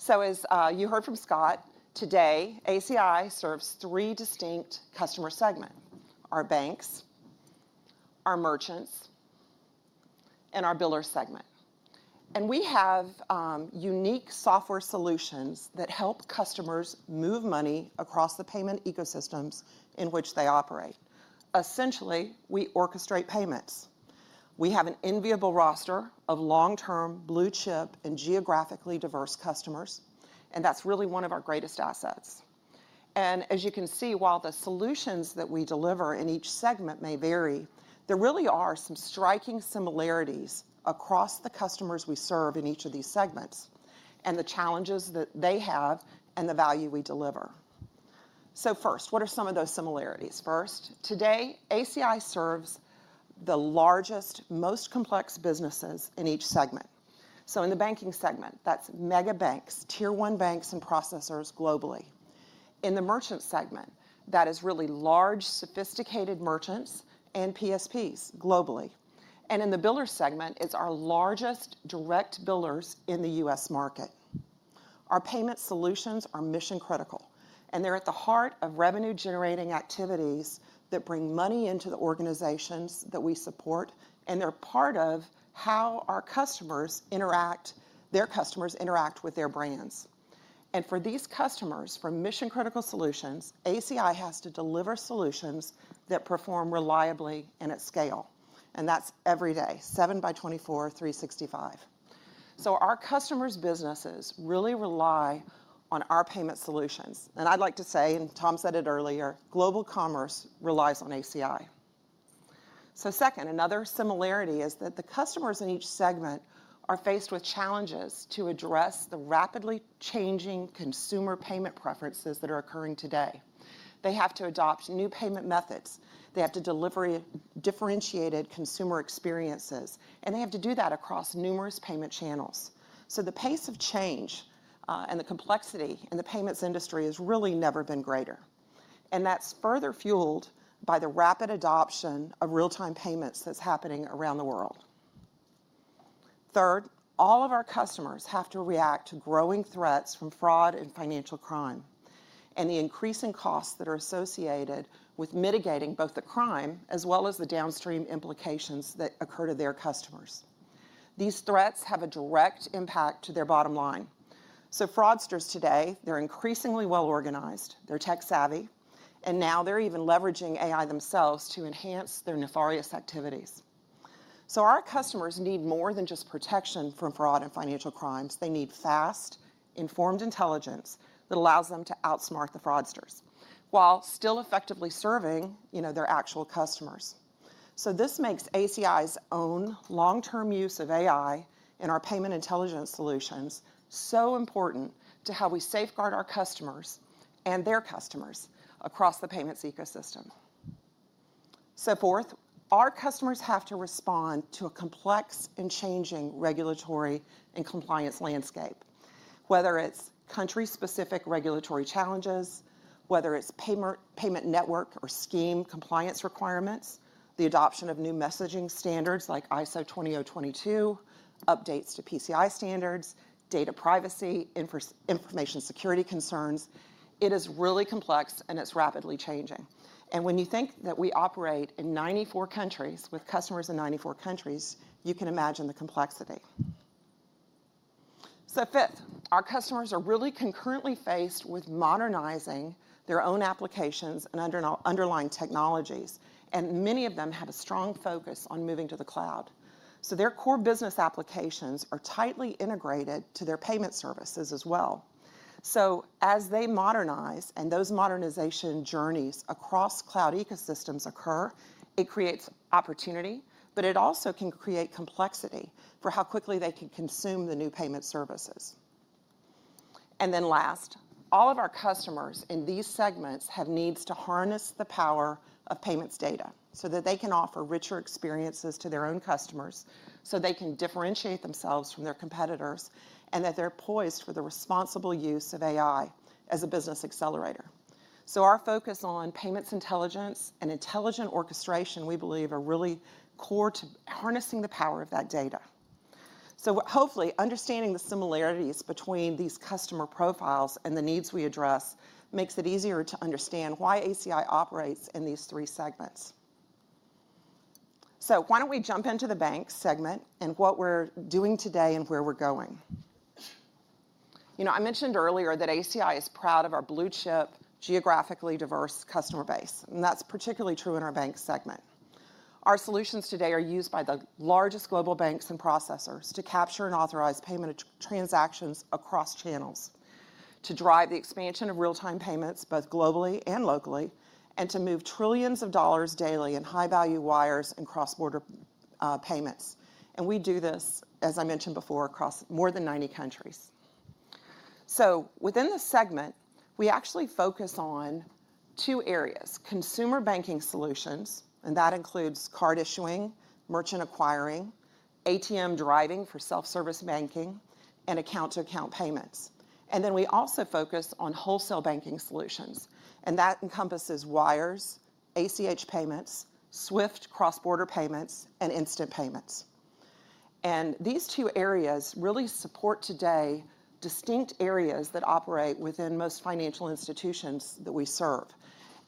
As you heard from Scott, today, ACI serves three distinct customer segments, our banks, our merchants, and our biller segment. We have unique software solutions that help customers move money across the payment ecosystems in which they operate. Essentially, we orchestrate payments. We have an enviable roster of long-term blue chip and geographically diverse customers. That's really one of our greatest assets. As you can see, while the solutions that we deliver in each segment may vary, there really are some striking similarities across the customers we serve in each of these segments and the challenges that they have and the value we deliver. First, what are some of those similarities? First, today, ACI serves the largest, most complex businesses in each segment. In the banking segment, that's mega banks, tier one banks, and processors globally. In the merchant segment, that is really large, sophisticated merchants and PSPs globally. In the biller segment, it's our largest direct billers in the U.S. market. Our payment solutions are mission-critical. They're at the heart of revenue-generating activities that bring money into the organizations that we support. They're part of how our customers interact their customers interact with their brands. For these customers from mission-critical solutions, ACI has to deliver solutions that perform reliably and at scale. That's every day, seven by 24, 365. Our customers' businesses really rely on our payment solutions. I'd like to say, and Tom said it earlier, global commerce relies on ACI. So second, another similarity is that the customers in each segment are faced with challenges to address the rapidly changing consumer payment preferences that are occurring today. They have to adopt new payment methods. They have to deliver differentiated consumer experiences. And they have to do that across numerous payment channels. So the pace of change and the complexity in the payments industry has really never been greater. And that's further fueled by the rapid adoption of real-time payments that's happening around the world. Third, all of our customers have to react to growing threats from fraud and financial crime and the increasing costs that are associated with mitigating both the crime as well as the downstream implications that occur to their customers. These threats have a direct impact to their bottom line. So fraudsters today, they're increasingly well organized. They're tech-savvy. And now, they're even leveraging AI themselves to enhance their nefarious activities. So our customers need more than just protection from fraud and financial crimes. They need fast, informed intelligence that allows them to outsmart the fraudsters while still effectively serving their actual customers. So this makes ACI's own long-term use of AI in our payment intelligence solutions so important to how we safeguard our customers and their customers across the payments ecosystem. So fourth, our customers have to respond to a complex and changing regulatory and compliance landscape, whether it's country-specific regulatory challenges, whether it's payment network or scheme compliance requirements, the adoption of new messaging standards like ISO 20022, updates to PCI standards, data privacy, information security concerns. It is really complex. And it's rapidly changing. And when you think that we operate in 94 countries with customers in 94 countries, you can imagine the complexity. So fifth, our customers are really concurrently faced with modernizing their own applications and underlying technologies. Many of them have a strong focus on moving to the cloud. Their core business applications are tightly integrated to their payment services as well. As they modernize and those modernization journeys across cloud ecosystems occur, it creates opportunity. But it also can create complexity for how quickly they can consume the new payment services. Then last, all of our customers in these segments have needs to harness the power of payments data so that they can offer richer experiences to their own customers, so they can differentiate themselves from their competitors, and that they're poised for the responsible use of AI as a business accelerator. Our focus on payments intelligence and intelligent orchestration, we believe, are really core to harnessing the power of that data. So hopefully, understanding the similarities between these customer profiles and the needs we address makes it easier to understand why ACI operates in these three segments. So why don't we jump into the banks segment and what we're doing today and where we're going? I mentioned earlier that ACI is proud of our blue chip, geographically diverse customer base. And that's particularly true in our banks segment. Our solutions today are used by the largest global banks and processors to capture and authorize payment transactions across channels, to drive the expansion of real-time payments both globally and locally, and to move $ trillions daily in high-value wires and cross-border payments. And we do this, as I mentioned before, across more than 90 countries. So within this segment, we actually focus on two areas, consumer banking solutions. That includes card issuing, merchant acquiring, ATM driving for self-service banking, and account-to-account payments. Then we also focus on wholesale banking solutions. That encompasses wires, ACH payments, SWIFT cross-border payments, and instant payments. These two areas really support today distinct areas that operate within most financial institutions that we serve.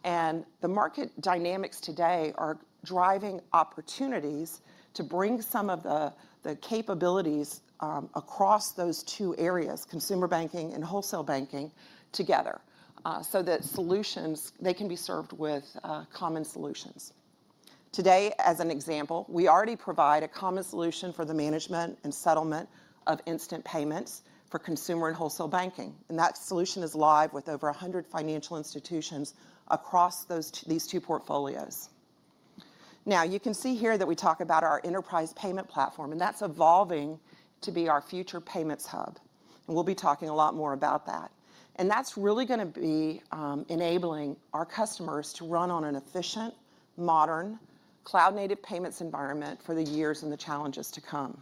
The market dynamics today are driving opportunities to bring some of the capabilities across those two areas, consumer banking and wholesale banking, together so that solutions, they can be served with common solutions. Today, as an example, we already provide a common solution for the management and settlement of instant payments for consumer and wholesale banking. That solution is live with over 100 financial institutions across these two portfolios. Now, you can see here that we talk about our Enterprise Payment Platform. That's evolving to be our future Payments Hub. We'll be talking a lot more about that. That's really going to be enabling our customers to run on an efficient, modern, cloud-native payments environment for the years and the challenges to come.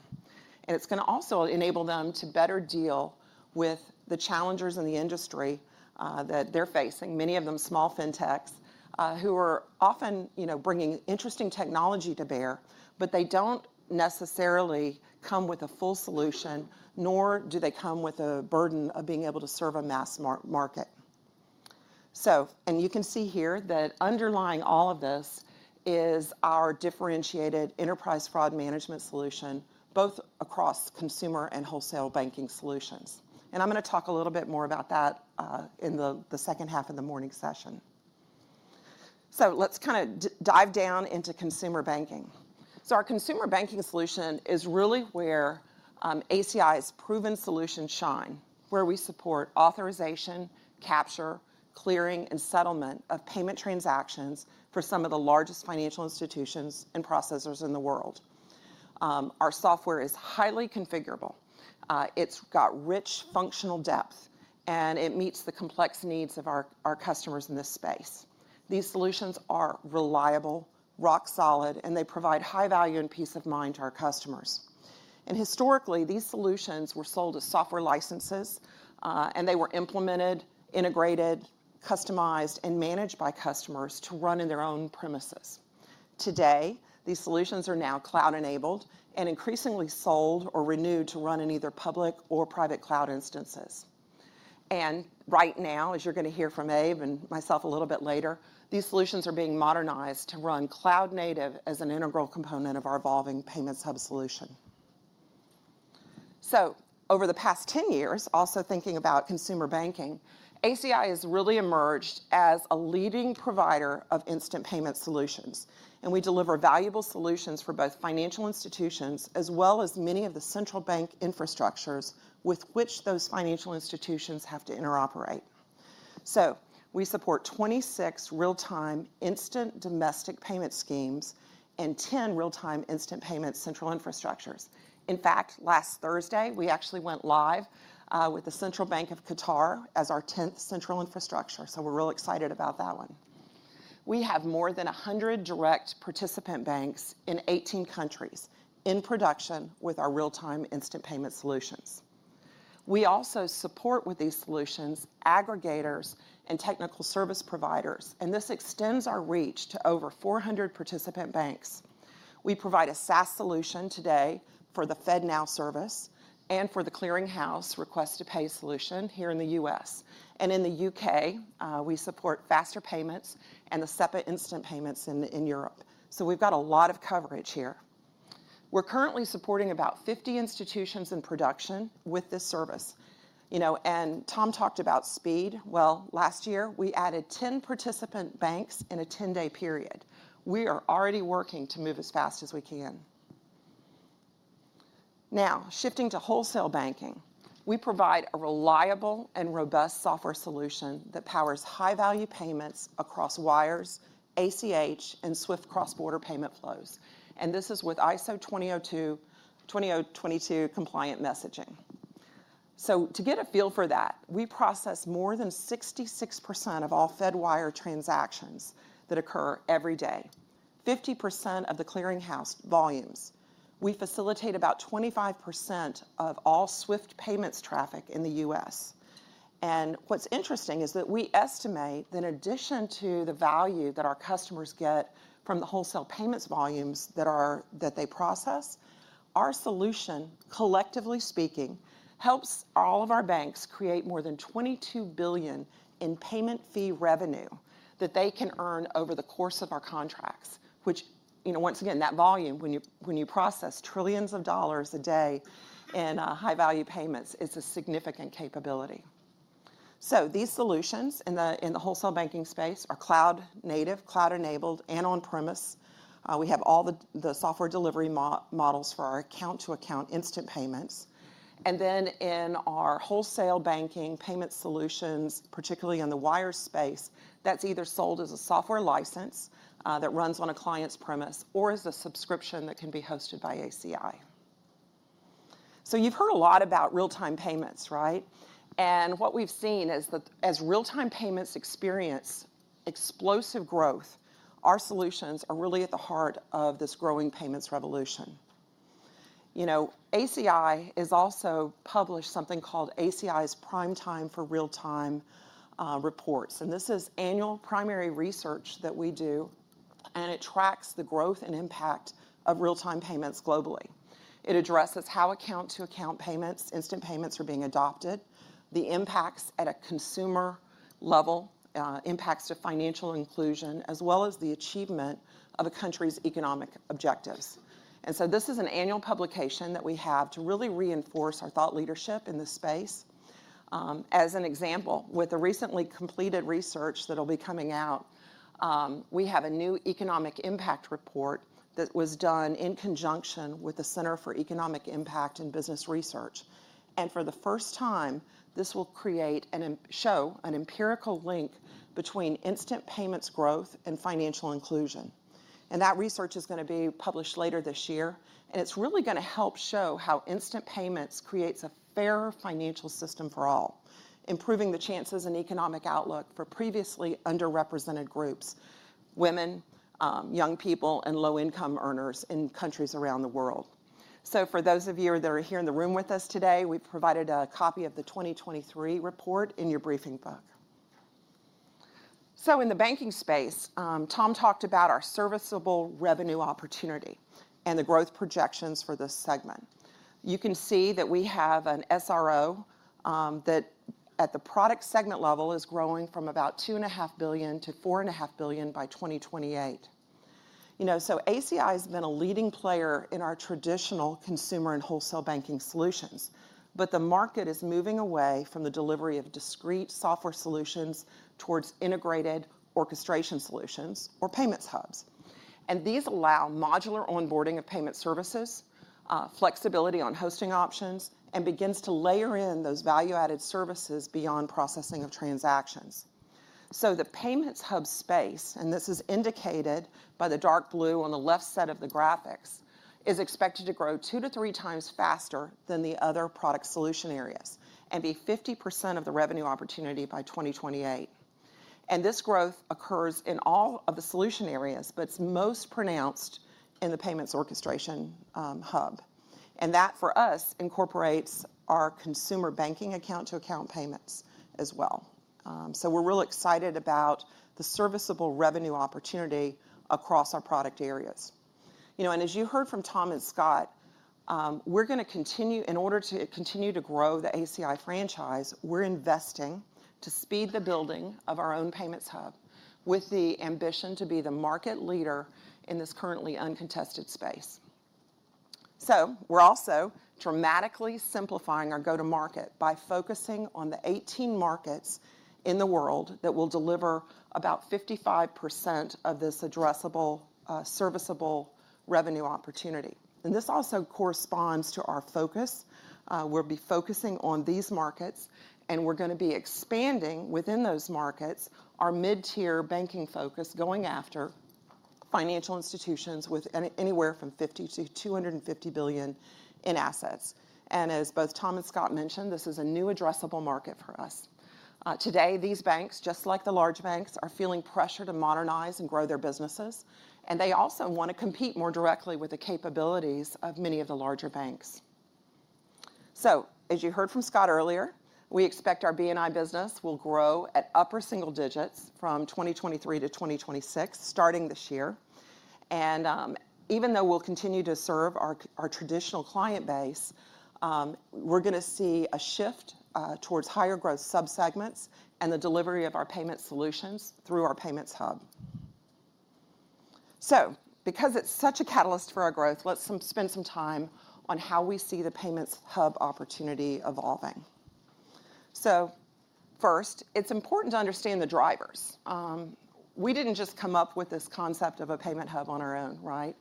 It's going to also enable them to better deal with the challenges in the industry that they're facing, many of them small fintechs, who are often bringing interesting technology to bear. But they don't necessarily come with a full solution, nor do they come with a burden of being able to serve a mass market. You can see here that underlying all of this is our differentiated enterprise fraud management solution both across consumer and wholesale banking solutions. I'm going to talk a little bit more about that in the second half of the morning session. Let's kind of dive down into consumer banking. So our consumer banking solution is really where ACI's proven solutions shine, where we support authorization, capture, clearing, and settlement of payment transactions for some of the largest financial institutions and processors in the world. Our software is highly configurable. It's got rich functional depth. It meets the complex needs of our customers in this space. These solutions are reliable, rock solid. They provide high value and peace of mind to our customers. Historically, these solutions were sold as software licenses. They were implemented, integrated, customized, and managed by customers to run in their own premises. Today, these solutions are now cloud-enabled and increasingly sold or renewed to run in either public or private cloud instances. Right now, as you're going to hear from Abe and myself a little bit later, these solutions are being modernized to run cloud-native as an integral component of our evolving payments hub solution. Over the past 10 years, also thinking about consumer banking, ACI has really emerged as a leading provider of instant payment solutions. We deliver valuable solutions for both financial institutions as well as many of the central bank infrastructures with which those financial institutions have to interoperate. We support 26 real-time instant domestic payment schemes and 10 real-time instant payment central infrastructures. In fact, last Thursday, we actually went live with the Central Bank of Qatar as our 10th central infrastructure. We're really excited about that one. We have more than 100 direct participant banks in 18 countries in production with our real-time instant payment solutions. We also support, with these solutions, aggregators and technical service providers. This extends our reach to over 400 participant banks. We provide a SaaS solution today for the FedNow service and for the The Clearing House Request to Pay solution here in the U.S. In the U.K., we support faster payments and the SEPA instant payments in Europe. We've got a lot of coverage here. We're currently supporting about 50 institutions in production with this service. Tom talked about speed. Well, last year, we added 10 participant banks in a 10-day period. We are already working to move as fast as we can. Now, shifting to wholesale banking, we provide a reliable and robust software solution that powers high-value payments across wires, ACH, and SWIFT cross-border payment flows. This is with ISO 20022 compliant messaging. So to get a feel for that, we process more than 66% of all Fedwire transactions that occur every day, 50% of the The Clearing House volumes. We facilitate about 25% of all SWIFT payments traffic in the U.S. And what's interesting is that we estimate that in addition to the value that our customers get from the wholesale payments volumes that they process, our solution, collectively speaking, helps all of our banks create more than $22 billion in payment fee revenue that they can earn over the course of our contracts, which, once again, that volume, when you process trillions of dollars a day in high-value payments, is a significant capability. So these solutions in the wholesale banking space are cloud-native, cloud-enabled, and on-premise. We have all the software delivery models for our account-to-account instant payments. Then in our wholesale banking payment solutions, particularly in the wire space, that's either sold as a software license that runs on a client's premise or as a subscription that can be hosted by ACI. So you've heard a lot about real-time payments, right? And what we've seen is that as real-time payments experience explosive growth, our solutions are really at the heart of this growing payments revolution. ACI has also published something called ACI's Prime Time for Real-Time Reports. And this is annual primary research that we do. And it tracks the growth and impact of real-time payments globally. It addresses how account-to-account payments, instant payments, are being adopted, the impacts at a consumer level, impacts to financial inclusion, as well as the achievement of a country's economic objectives. And so this is an annual publication that we have to really reinforce our thought leadership in this space. As an example, with the recently completed research that'll be coming out, we have a new economic impact report that was done in conjunction with the Center for Economic Impact and Business Research. And for the first time, this will show an empirical link between instant payments growth and financial inclusion. And that research is going to be published later this year. And it's really going to help show how instant payments create a fairer financial system for all, improving the chances and economic outlook for previously underrepresented groups, women, young people, and low-income earners in countries around the world. So for those of you that are here in the room with us today, we've provided a copy of the 2023 report in your briefing book. So in the banking space, Tom talked about our serviceable revenue opportunity and the growth projections for this segment. You can see that we have an SRO that, at the product segment level, is growing from about $2.5 billion-$4.5 billion by 2028. So ACI has been a leading player in our traditional consumer and wholesale banking solutions. But the market is moving away from the delivery of discrete software solutions towards integrated orchestration solutions or payments hubs. And these allow modular onboarding of payment services, flexibility on hosting options, and begin to layer in those value-added services beyond processing of transactions. So the payments hub space, and this is indicated by the dark blue on the left side of the graphics, is expected to grow 2-3 times faster than the other product solution areas and be 50% of the revenue opportunity by 2028. And this growth occurs in all of the solution areas. But it's most pronounced in the payments orchestration hub. That, for us, incorporates our consumer banking account-to-account payments as well. We're really excited about the serviceable revenue opportunity across our product areas. As you heard from Tom and Scott, we're going to continue in order to continue to grow the ACI franchise; we're investing to speed the building of our own payments hub with the ambition to be the market leader in this currently uncontested space. We're also dramatically simplifying our go-to-market by focusing on the 18 markets in the world that will deliver about 55% of this addressable, serviceable revenue opportunity. This also corresponds to our focus. We'll be focusing on these markets. We're going to be expanding within those markets our mid-tier banking focus going after financial institutions with anywhere from $50-$250 billion in assets. As both Tom and Scott mentioned, this is a new addressable market for us. Today, these banks, just like the large banks, are feeling pressure to modernize and grow their businesses. And they also want to compete more directly with the capabilities of many of the larger banks. So as you heard from Scott earlier, we expect our B&I business will grow at upper single digits from 2023 to 2026, starting this year. And even though we'll continue to serve our traditional client base, we're going to see a shift towards higher growth subsegments and the delivery of our payments solutions through our Payments Hub. So because it's such a catalyst for our growth, let's spend some time on how we see the Payments Hub opportunity evolving. So first, it's important to understand the drivers. We didn't just come up with this concept of a payment hub on our own, right?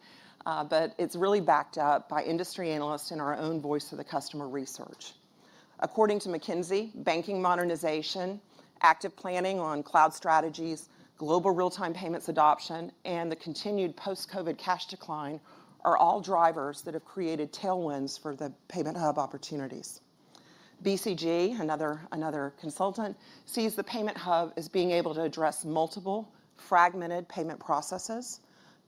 But it's really backed up by industry analysts and our own voice of the customer research. According to McKinsey, banking modernization, active planning on cloud strategies, global real-time payments adoption, and the continued post-COVID cash decline are all drivers that have created tailwinds for the payment hub opportunities. BCG, another consultant, sees the payment hub as being able to address multiple fragmented payment processes,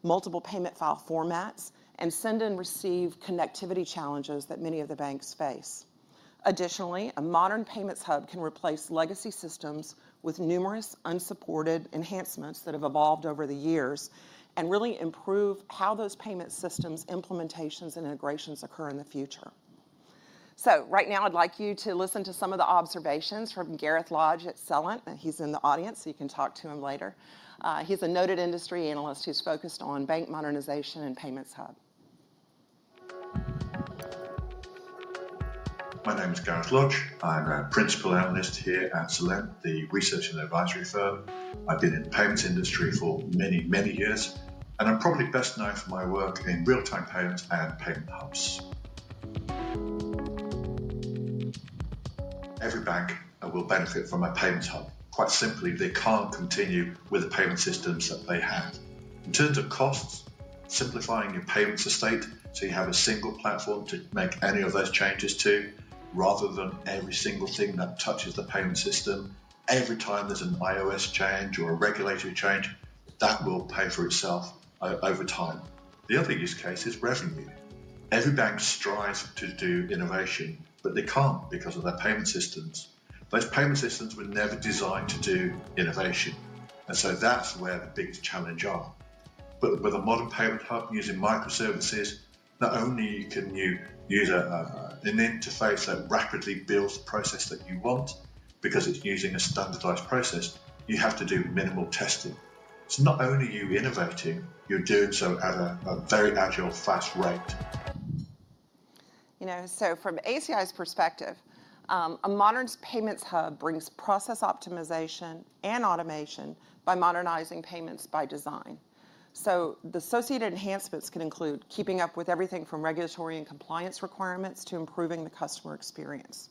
multiple payment file formats, and send and receive connectivity challenges that many of the banks face. Additionally, a modern payments hub can replace legacy systems with numerous unsupported enhancements that have evolved over the years and really improve how those payment systems implementations and integrations occur in the future. So right now, I'd like you to listen to some of the observations from Gareth Lodge at Celent. He's in the audience. So you can talk to him later. He's a noted industry analyst who's focused on bank modernization and payments hub.
My name is Gareth Lodge. I'm a principal analyst here at Celent, the research and advisory firm. I've been in the payments industry for many, many years. I'm probably best known for my work in real-time payments and payment hubs. Every bank will benefit from a payments hub. Quite simply, they can't continue with the payment systems that they have. In terms of costs, simplifying your payments estate so you have a single platform to make any of those changes to rather than every single thing that touches the payment system, every time there's an iOS change or a regulatory change, that will pay for itself over time. The other use case is revenue. Every bank strives to do innovation. They can't because of their payment systems. Those payment systems were never designed to do innovation. So that's where the biggest challenge are. But with a modern payment hub using microservices, not only can you use an interface that rapidly builds the process that you want because it's using a standardized process, you have to do minimal testing. So not only are you innovating, you're doing so at a very agile, fast rate.
So from ACI's perspective, a modern payments hub brings process optimization and automation by modernizing payments by design. So the associated enhancements can include keeping up with everything from regulatory and compliance requirements to improving the customer experience.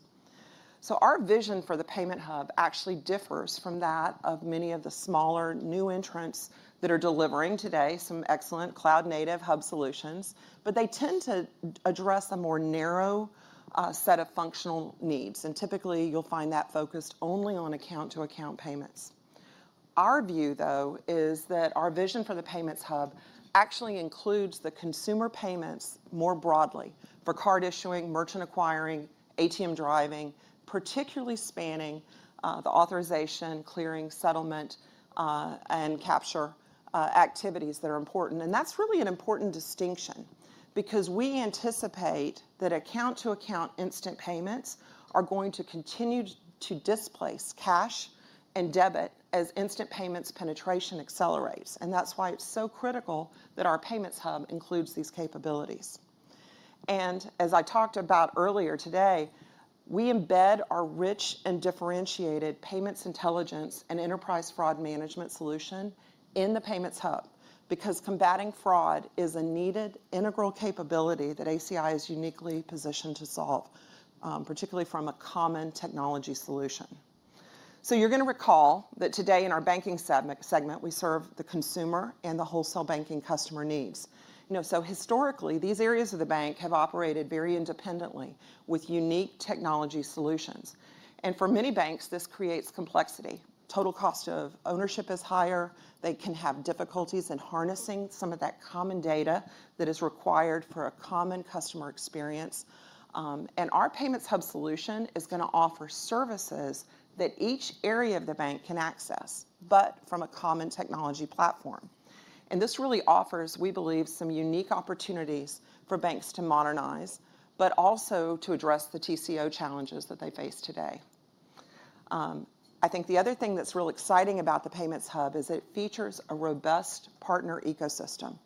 So our vision for the payment hub actually differs from that of many of the smaller new entrants that are delivering today some excellent cloud-native hub solutions. But they tend to address a more narrow set of functional needs. And typically, you'll find that focused only on account-to-account payments. Our view, though, is that our vision for the payments hub actually includes the consumer payments more broadly for card issuing, merchant acquiring, ATM driving, particularly spanning the authorization, clearing, settlement, and capture activities that are important. That's really an important distinction because we anticipate that account-to-account instant payments are going to continue to displace cash and debit as instant payments penetration accelerates. That's why it's so critical that our payments hub includes these capabilities. As I talked about earlier today, we embed our rich and differentiated payments intelligence and enterprise fraud management solution in the payments hub because combating fraud is a needed integral capability that ACI is uniquely positioned to solve, particularly from a common technology solution. You're going to recall that today, in our banking segment, we serve the consumer and the wholesale banking customer needs. Historically, these areas of the bank have operated very independently with unique technology solutions. For many banks, this creates complexity. Total cost of ownership is higher. They can have difficulties in harnessing some of that common data that is required for a common customer experience. Our payments hub solution is going to offer services that each area of the bank can access but from a common technology platform. This really offers, we believe, some unique opportunities for banks to modernize but also to address the TCO challenges that they face today. I think the other thing that's really exciting about the payments hub is it features a robust partner ecosystem.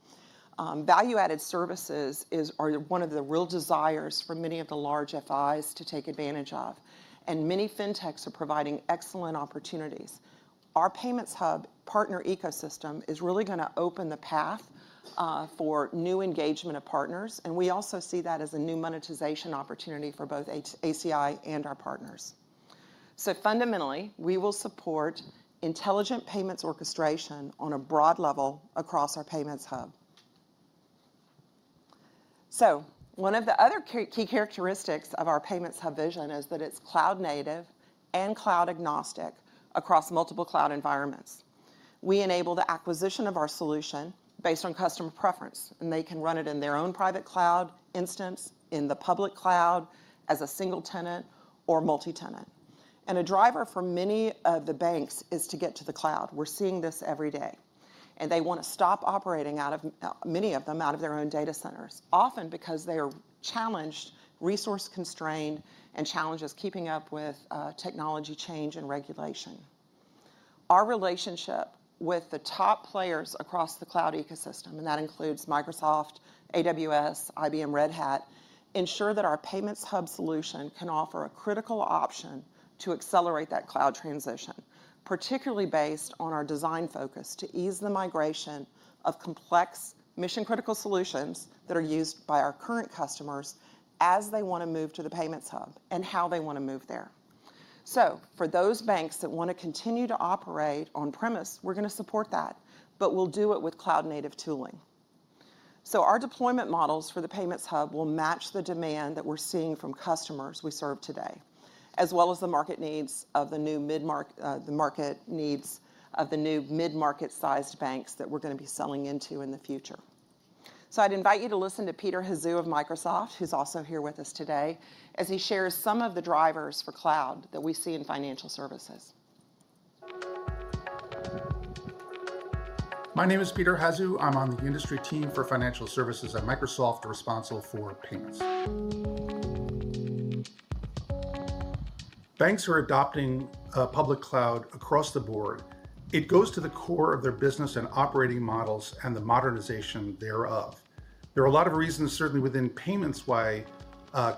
Value-added services are one of the real desires for many of the large FIs to take advantage of. Many fintechs are providing excellent opportunities. Our payments hub partner ecosystem is really going to open the path for new engagement of partners. We also see that as a new monetization opportunity for both ACI and our partners. Fundamentally, we will support intelligent payments orchestration on a broad level across our payments hub. One of the other key characteristics of our payments hub vision is that it's cloud-native and cloud-agnostic across multiple cloud environments. We enable the acquisition of our solution based on customer preference. They can run it in their own private cloud instance, in the public cloud, as a single tenant or multi-tenant. A driver for many of the banks is to get to the cloud. We're seeing this every day. They want to stop operating, many of them, out of their own data centers, often because they are challenged, resource-constrained, and challenges keeping up with technology change and regulation. Our relationship with the top players across the cloud ecosystem, and that includes Microsoft, AWS, IBM, Red Hat, ensures that our Payments Hub solution can offer a critical option to accelerate that cloud transition, particularly based on our design focus to ease the migration of complex mission-critical solutions that are used by our current customers as they want to move to the Payments Hub and how they want to move there. So for those banks that want to continue to operate on-premise, we're going to support that. But we'll do it with cloud-native tooling. So our deployment models for the Payments Hub will match the demand that we're seeing from customers we serve today as well as the market needs of the new mid-market needs of the new mid-market-sized banks that we're going to be selling into in the future. I'd invite you to listen to Peter Hazou of Microsoft, who's also here with us today, as he shares some of the drivers for cloud that we see in financial services.
My name is Peter Hazou. I'm on the industry team for financial services at Microsoft responsible for payments. Banks are adopting public cloud across the board. It goes to the core of their business and operating models and the modernization thereof. There are a lot of reasons, certainly within payments, why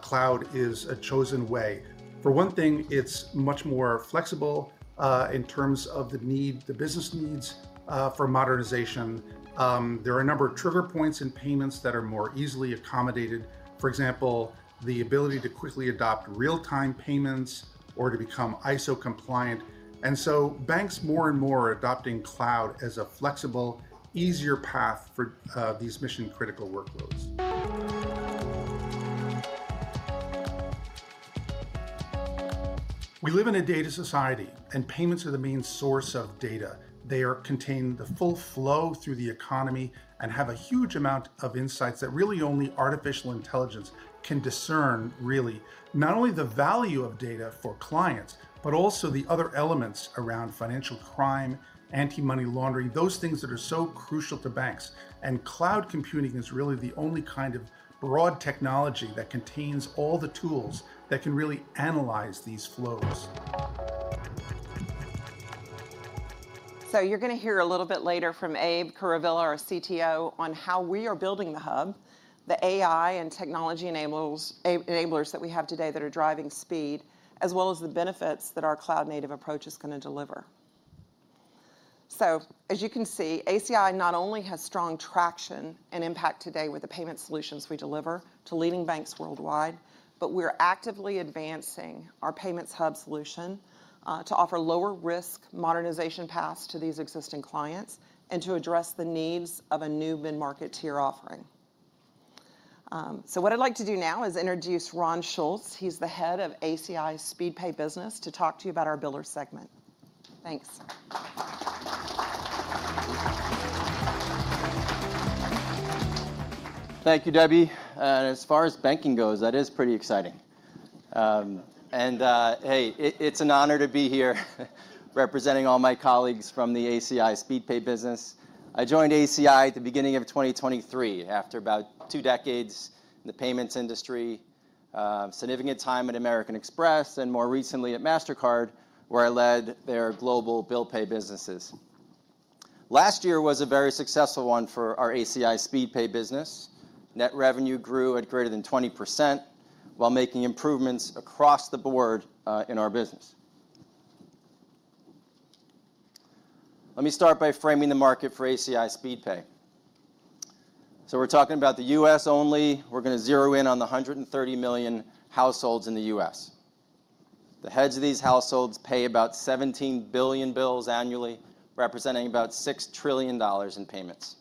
cloud is a chosen way. For one thing, it's much more flexible in terms of the business needs for modernization. There are a number of trigger points in payments that are more easily accommodated, for example, the ability to quickly adopt real-time payments or to become ISO compliant. Banks more and more are adopting cloud as a flexible, easier path for these mission-critical workloads. We live in a data society. Payments are the main source of data. They contain the full flow through the economy and have a huge amount of insights that really only artificial intelligence can discern, really, not only the value of data for clients but also the other elements around financial crime, anti-money laundering, those things that are so crucial to banks. Cloud computing is really the only kind of broad technology that contains all the tools that can really analyze these flows.
So you're going to hear a little bit later from Abe Kuruvilla, our CTO, on how we are building the hub, the AI and technology enablers that we have today that are driving speed, as well as the benefits that our cloud-native approach is going to deliver. So as you can see, ACI not only has strong traction and impact today with the payment solutions we deliver to leading banks worldwide, but we're actively advancing our payments hub solution to offer lower-risk modernization paths to these existing clients and to address the needs of a new mid-market tier offering. So what I'd like to do now is introduce Ron Shultz. He's the head of ACI's Speedpay business to talk to you about our biller segment. Thanks.
Thank you, Debbie. As far as banking goes, that is pretty exciting. Hey, it's an honor to be here representing all my colleagues from ACI Speedpay business. I joined ACI at the beginning of 2023 after about two decades in the payments industry, significant time at American Express, and more recently at Mastercard, where I led their global bill pay businesses. Last year was a very successful one for ACI Speedpay business. Net revenue grew at greater than 20% while making improvements across the board in our business. Let me start by framing the market ACI Speedpay. so we're talking about the U.S. only. We're going to zero in on the 130 million households in the U.S. The heads of these households pay about 17 billion bills annually, representing about $6 trillion in payments.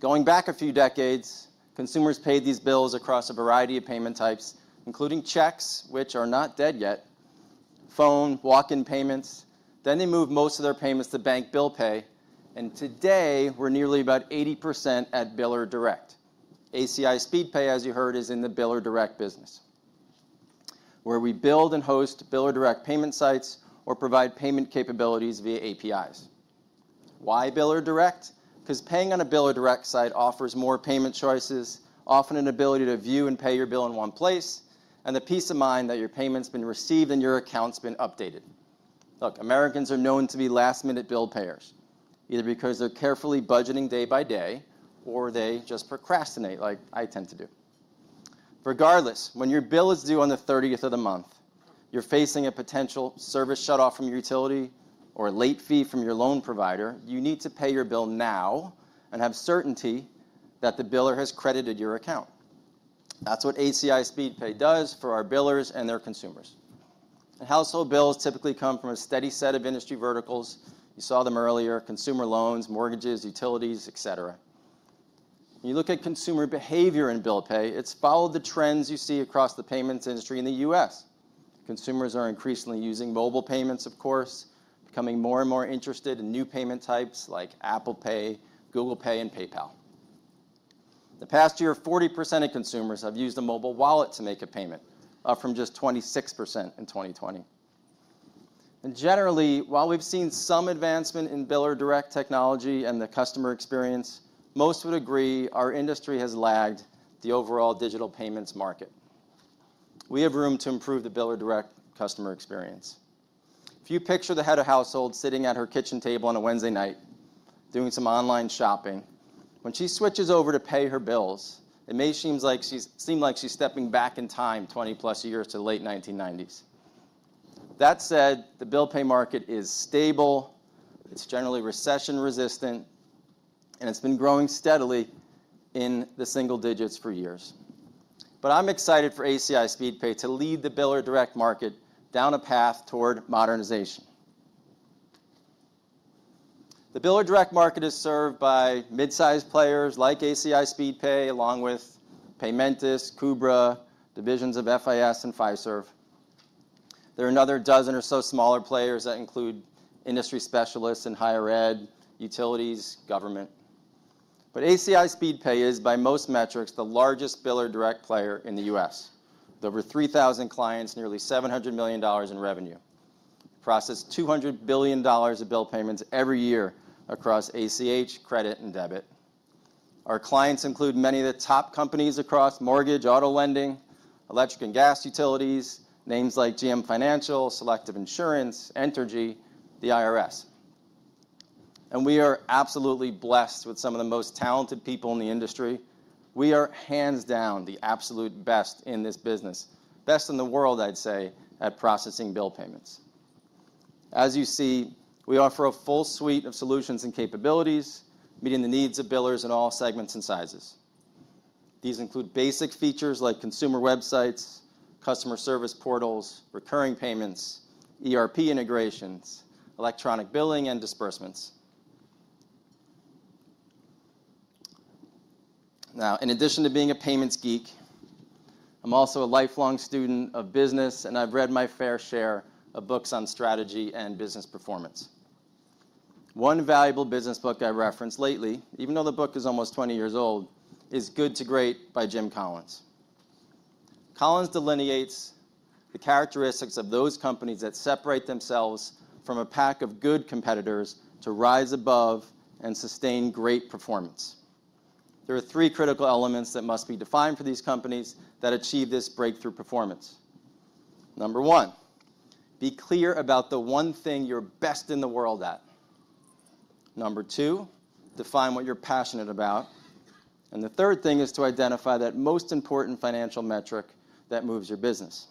Going back a few decades, consumers paid these bills across a variety of payment types, including checks, which are not dead yet, phone, walk-in payments. They moved most of their payments to bank bill pay. Today, we're nearly about 80% at biller ACI Speedpay, as you heard, is in the biller direct business, where we build and host biller direct payment sites or provide payment capabilities via APIs. Why biller direct? Because paying on a biller direct site offers more payment choices, often an ability to view and pay your bill in one place, and the peace of mind that your payment's been received and your account's been updated. Look, Americans are known to be last-minute bill payers, either because they're carefully budgeting day by day or they just procrastinate like I tend to do. Regardless, when your bill is due on the 30th of the month, you're facing a potential service shutoff from your utility or a late fee from your loan provider. You need to pay your bill now and have certainty that the biller has credited your account. That's ACI Speedpay does for our billers and their consumers. Household bills typically come from a steady set of industry verticals. You saw them earlier, consumer loans, mortgages, utilities, et cetera. When you look at consumer behavior in bill pay, it's followed the trends you see across the payments industry in the U.S. Consumers are increasingly using mobile payments, of course, becoming more and more interested in new payment types like Apple Pay, Google Pay, and PayPal. In the past year, 40% of consumers have used a mobile wallet to make a payment, up from just 26% in 2020. Generally, while we've seen some advancement in biller direct technology and the customer experience, most would agree our industry has lagged the overall digital payments market. We have room to improve the biller direct customer experience. If you picture the head of household sitting at her kitchen table on a Wednesday night doing some online shopping, when she switches over to pay her bills, it may seem like she's stepping back in time 20-plus years to the late 1990s. That said, the bill pay market is stable. It's generally recession resistant. It's been growing steadily in the single digits for years. But I'm excited ACI Speedpay to lead the biller direct market down a path toward modernization. The biller direct market is served by midsize players ACI Speedpay, along with Paymentus, Kubra, divisions of FIS, and Fiserv. There are another dozen or so smaller players that include industry specialists in higher ed, utilities, government. ACI Speedpay is, by most metrics, the largest biller direct player in the U.S. with over 3,000 clients, nearly $700 million in revenue. It processes $200 billion of bill payments every year across ACH, credit, and debit. Our clients include many of the top companies across mortgage, auto lending, electric and gas utilities, names like GM Financial, Selective Insurance, Entergy, the IRS. We are absolutely blessed with some of the most talented people in the industry. We are hands down the absolute best in this business, best in the world, I'd say, at processing bill payments. As you see, we offer a full suite of solutions and capabilities meeting the needs of billers in all segments and sizes. These include basic features like consumer websites, customer service portals, recurring payments, ERP integrations, electronic billing, and disbursements. Now, in addition to being a payments geek, I'm also a lifelong student of business. I've read my fair share of books on strategy and business performance. One valuable business book I reference lately, even though the book is almost 20 years old, is "Good to Great" by Jim Collins. Collins delineates the characteristics of those companies that separate themselves from a pack of good competitors to rise above and sustain great performance. There are three critical elements that must be defined for these companies that achieve this breakthrough performance. Number 1, be clear about the one thing you're best in the world at. Number two, define what you're passionate about. The third thing is to identify that most important financial metric that moves your business.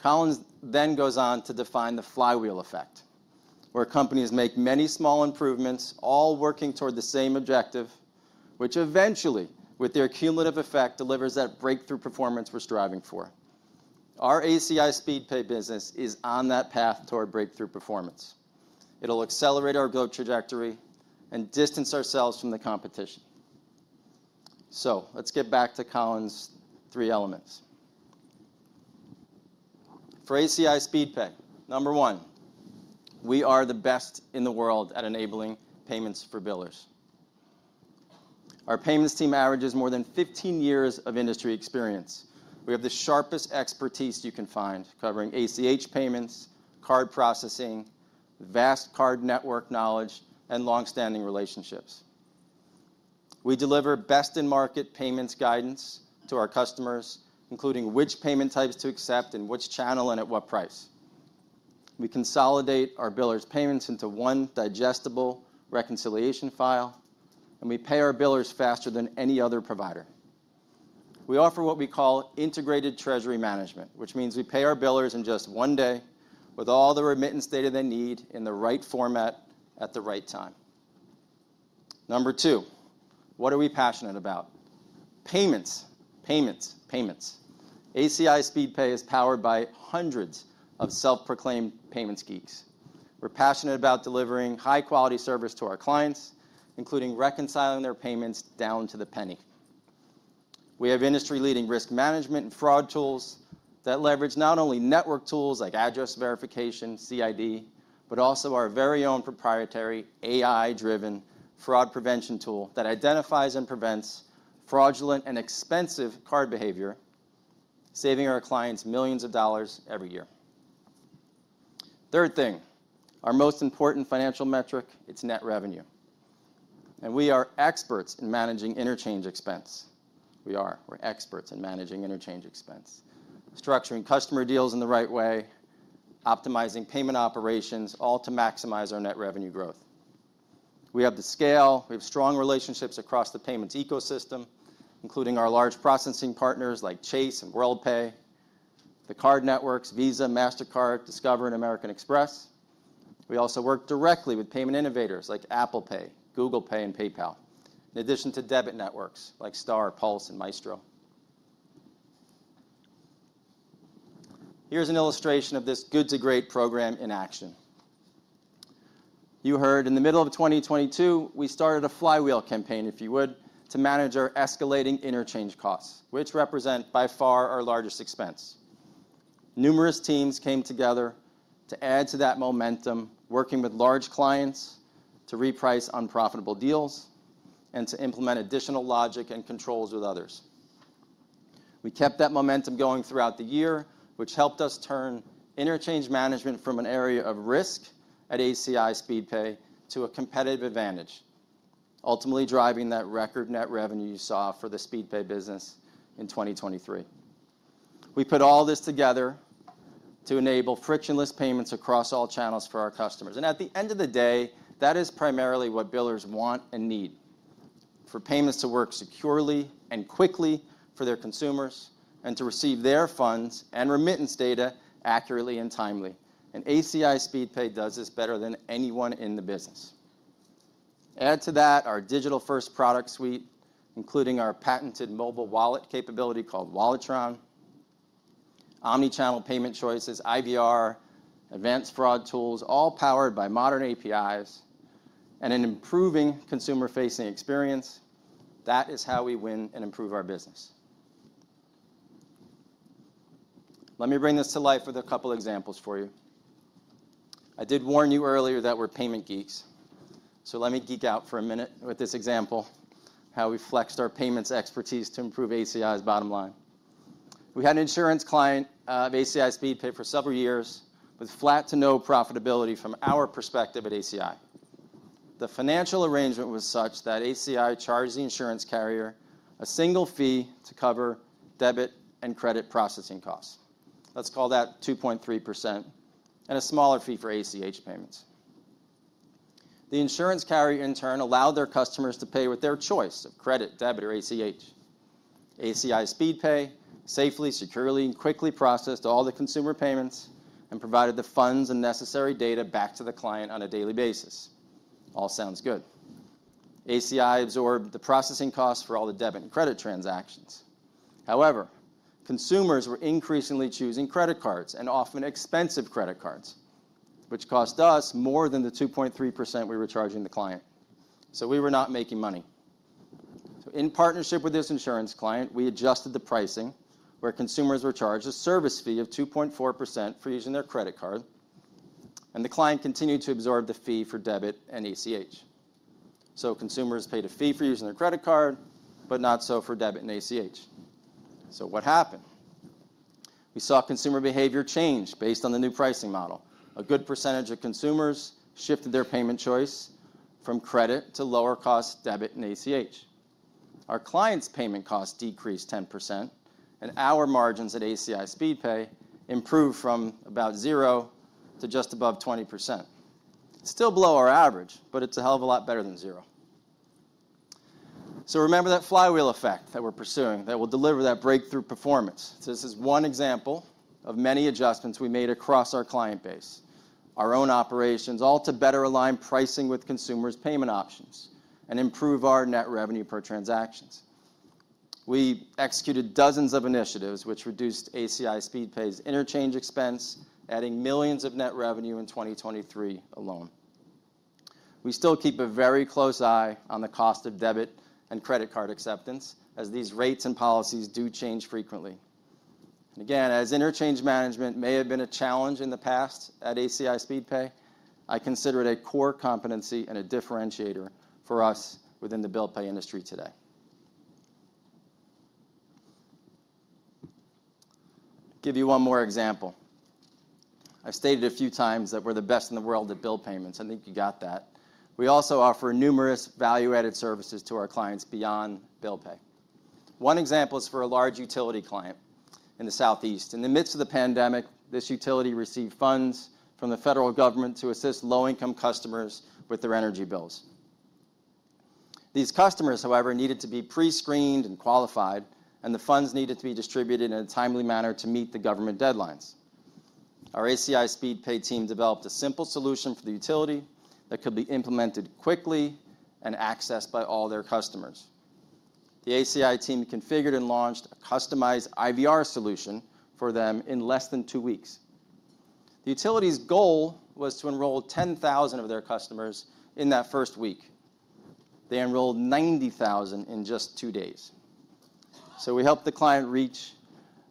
Collins then goes on to define the flywheel effect, where companies make many small improvements, all working toward the same objective, which eventually, with their cumulative effect, delivers that breakthrough performance we're striving for. ACI Speedpay business is on that path toward breakthrough performance. It'll accelerate our growth trajectory and distance ourselves from the competition. So let's get back to Collins' three elements. ACI Speedpay, number one, we are the best in the world at enabling payments for billers. Our payments team averages more than 15 years of industry experience. We have the sharpest expertise you can find, covering ACH payments, card processing, vast card network knowledge, and longstanding relationships. We deliver best-in-market payments guidance to our customers, including which payment types to accept and which channel and at what price. We consolidate our billers' payments into one digestible reconciliation file. We pay our billers faster than any other provider. We offer what we call integrated treasury management, which means we pay our billers in just one day with all the remittance data they need in the right format at the right time. Number two, what are we passionate about? Payments, payments, ACI Speedpay is powered by hundreds of self-proclaimed payments geeks. We're passionate about delivering high-quality service to our clients, including reconciling their payments down to the penny. We have industry-leading risk management and fraud tools that leverage not only network tools like address verification, CID, but also our very own proprietary AI-driven fraud prevention tool that identifies and prevents fraudulent and expensive card behavior, saving our clients $ millions every year. Third thing, our most important financial metric, it's net revenue. We are experts in managing interchange expense. We're experts in managing interchange expense, structuring customer deals in the right way, optimizing payment operations, all to maximize our net revenue growth. We have the scale. We have strong relationships across the payments ecosystem, including our large processing partners like Chase and Worldpay, the card networks Visa, Mastercard, Discover, and American Express. We also work directly with payment innovators like Apple Pay, Google Pay, and PayPal, in addition to debit networks like Star, Pulse, and Maestro. Here's an illustration of this "Good to Great" program in action. You heard, in the middle of 2022, we started a flywheel campaign, if you would, to manage our escalating interchange costs, which represent by far our largest expense. Numerous teams came together to add to that momentum, working with large clients to reprice unprofitable deals and to implement additional logic and controls with others. We kept that momentum going throughout the year, which helped us turn interchange management from an area of risk ACI Speedpay to a competitive advantage, ultimately driving that record net revenue you saw for the Speedpay business in 2023. We put all this together to enable frictionless payments across all channels for our customers. And at the end of the day, that is primarily what billers want and need for payments to work securely and quickly for their consumers and to receive their funds and remittance data accurately and timely. ACI Speedpay does this better than anyone in the business. Add to that our digital-first product suite, including our patented mobile wallet capability called Walletron, omnichannel payment choices, IVR, advanced fraud tools, all powered by modern APIs, and an improving consumer-facing experience. That is how we win and improve our business. Let me bring this to life with a couple of examples for you. I did warn you earlier that we're payment geeks. So let me geek out for a minute with this example, how we flexed our payments expertise to improve ACI's bottom line. We had an insurance client ACI Speedpay for several years with flat to no profitability from our perspective at ACI. The financial arrangement was such that ACI charged the insurance carrier a single fee to cover debit and credit processing costs. Let's call that 2.3% and a smaller fee for ACH payments. The insurance carrier, in turn, allowed their customers to pay with their choice of credit, debit, or ACI Speedpay safely, securely, and quickly processed all the consumer payments and provided the funds and necessary data back to the client on a daily basis. All sounds good. ACI absorbed the processing costs for all the debit and credit transactions. However, consumers were increasingly choosing credit cards and often expensive credit cards, which cost us more than the 2.3% we were charging the client. We were not making money. In partnership with this insurance client, we adjusted the pricing, where consumers were charged a service fee of 2.4% for using their credit card. The client continued to absorb the fee for debit and ACH. Consumers paid a fee for using their credit card, but not so for debit and ACH. What happened? We saw consumer behavior change based on the new pricing model. A good percentage of consumers shifted their payment choice from credit to lower-cost debit and ACH. Our clients' payment costs decreased 10%. Our margins ACI Speedpay improved from about 0% to just above 20%. Still below our average, but it's a hell of a lot better than 0%. So remember that flywheel effect that we're pursuing that will deliver that breakthrough performance. So this is one example of many adjustments we made across our client base, our own operations, all to better align pricing with consumers' payment options and improve our net revenue per transactions. We executed dozens of initiatives, which ACI Speedpay's interchange expense, adding $ millions of net revenue in 2023 alone. We still keep a very close eye on the cost of debit and credit card acceptance, as these rates and policies do change frequently. And again, as interchange management may have been a challenge in the past ACI Speedpay, i consider it a core competency and a differentiator for us within the bill pay industry today. Give you one more example. I stated a few times that we're the best in the world at bill payments. I think you got that. We also offer numerous value-added services to our clients beyond bill pay. One example is for a large utility client in the Southeast. In the midst of the pandemic, this utility received funds from the federal government to assist low-income customers with their energy bills. These customers, however, needed to be prescreened and qualified. The funds needed to be distributed in a timely manner to meet the government deadlines. ACI Speedpay team developed a simple solution for the utility that could be implemented quickly and accessed by all their customers. The ACI team configured and launched a customized IVR solution for them in less than two weeks. The utility's goal was to enroll 10,000 of their customers in that first week. They enrolled 90,000 in just two days. We helped the client reach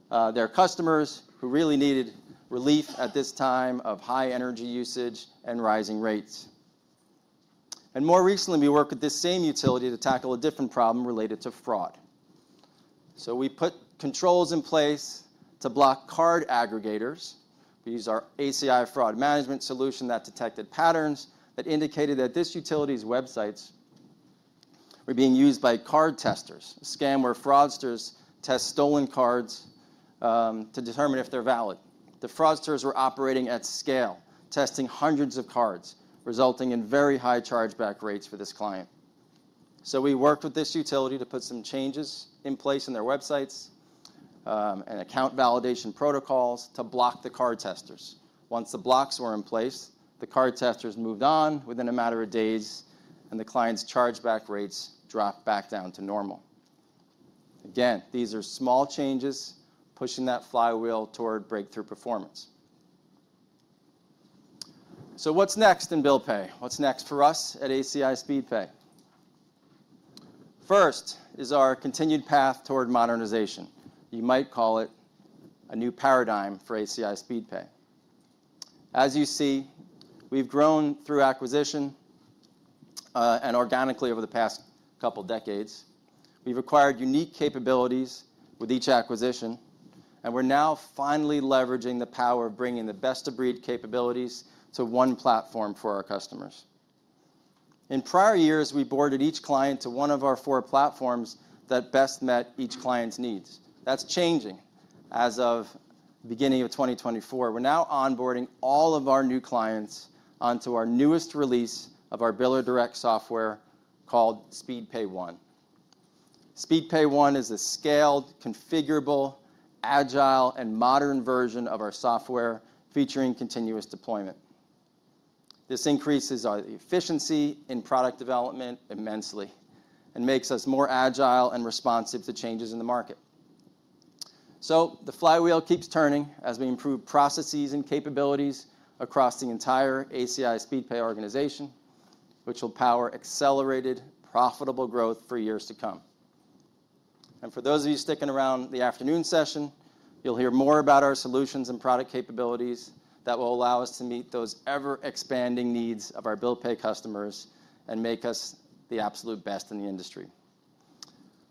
their customers who really needed relief at this time of high energy usage and rising rates. More recently, we worked with this same utility to tackle a different problem related to fraud. We put controls in place to block card aggregators. We used our ACI Fraud Management solution that detected patterns that indicated that this utility's websites were being used by card testers, a scam where fraudsters test stolen cards to determine if they're valid. The fraudsters were operating at scale, testing hundreds of cards, resulting in very high chargeback rates for this client. We worked with this utility to put some changes in place on their websites and account validation protocols to block the card testers. Once the blocks were in place, the card testers moved on within a matter of days. The clients' chargeback rates dropped back down to normal. Again, these are small changes pushing that flywheel toward breakthrough performance. So what's next in bill pay? What's next for us ACI Speedpay? first is our continued path toward modernization. You might call it a new paradigm ACI Speedpay. as you see, we've grown through acquisition and organically over the past couple of decades. We've acquired unique capabilities with each acquisition. And we're now finally leveraging the power of bringing the best-of-breed capabilities to one platform for our customers. In prior years, we onboarded each client to one of our four platforms that best met each client's needs. That's changing as of the beginning of 2024. We're now onboarding all of our new clients onto our newest release of our biller direct software called Speedpay One. Speedpay One is a scaled, configurable, agile, and modern version of our software featuring continuous deployment. This increases the efficiency in product development immensely and makes us more agile and responsive to changes in the market. So the flywheel keeps turning as we improve processes and capabilities across the ACI Speedpay organization, which will power accelerated, profitable growth for years to come. And for those of you sticking around the afternoon session, you'll hear more about our solutions and product capabilities that will allow us to meet those ever-expanding needs of our bill pay customers and make us the absolute best in the industry.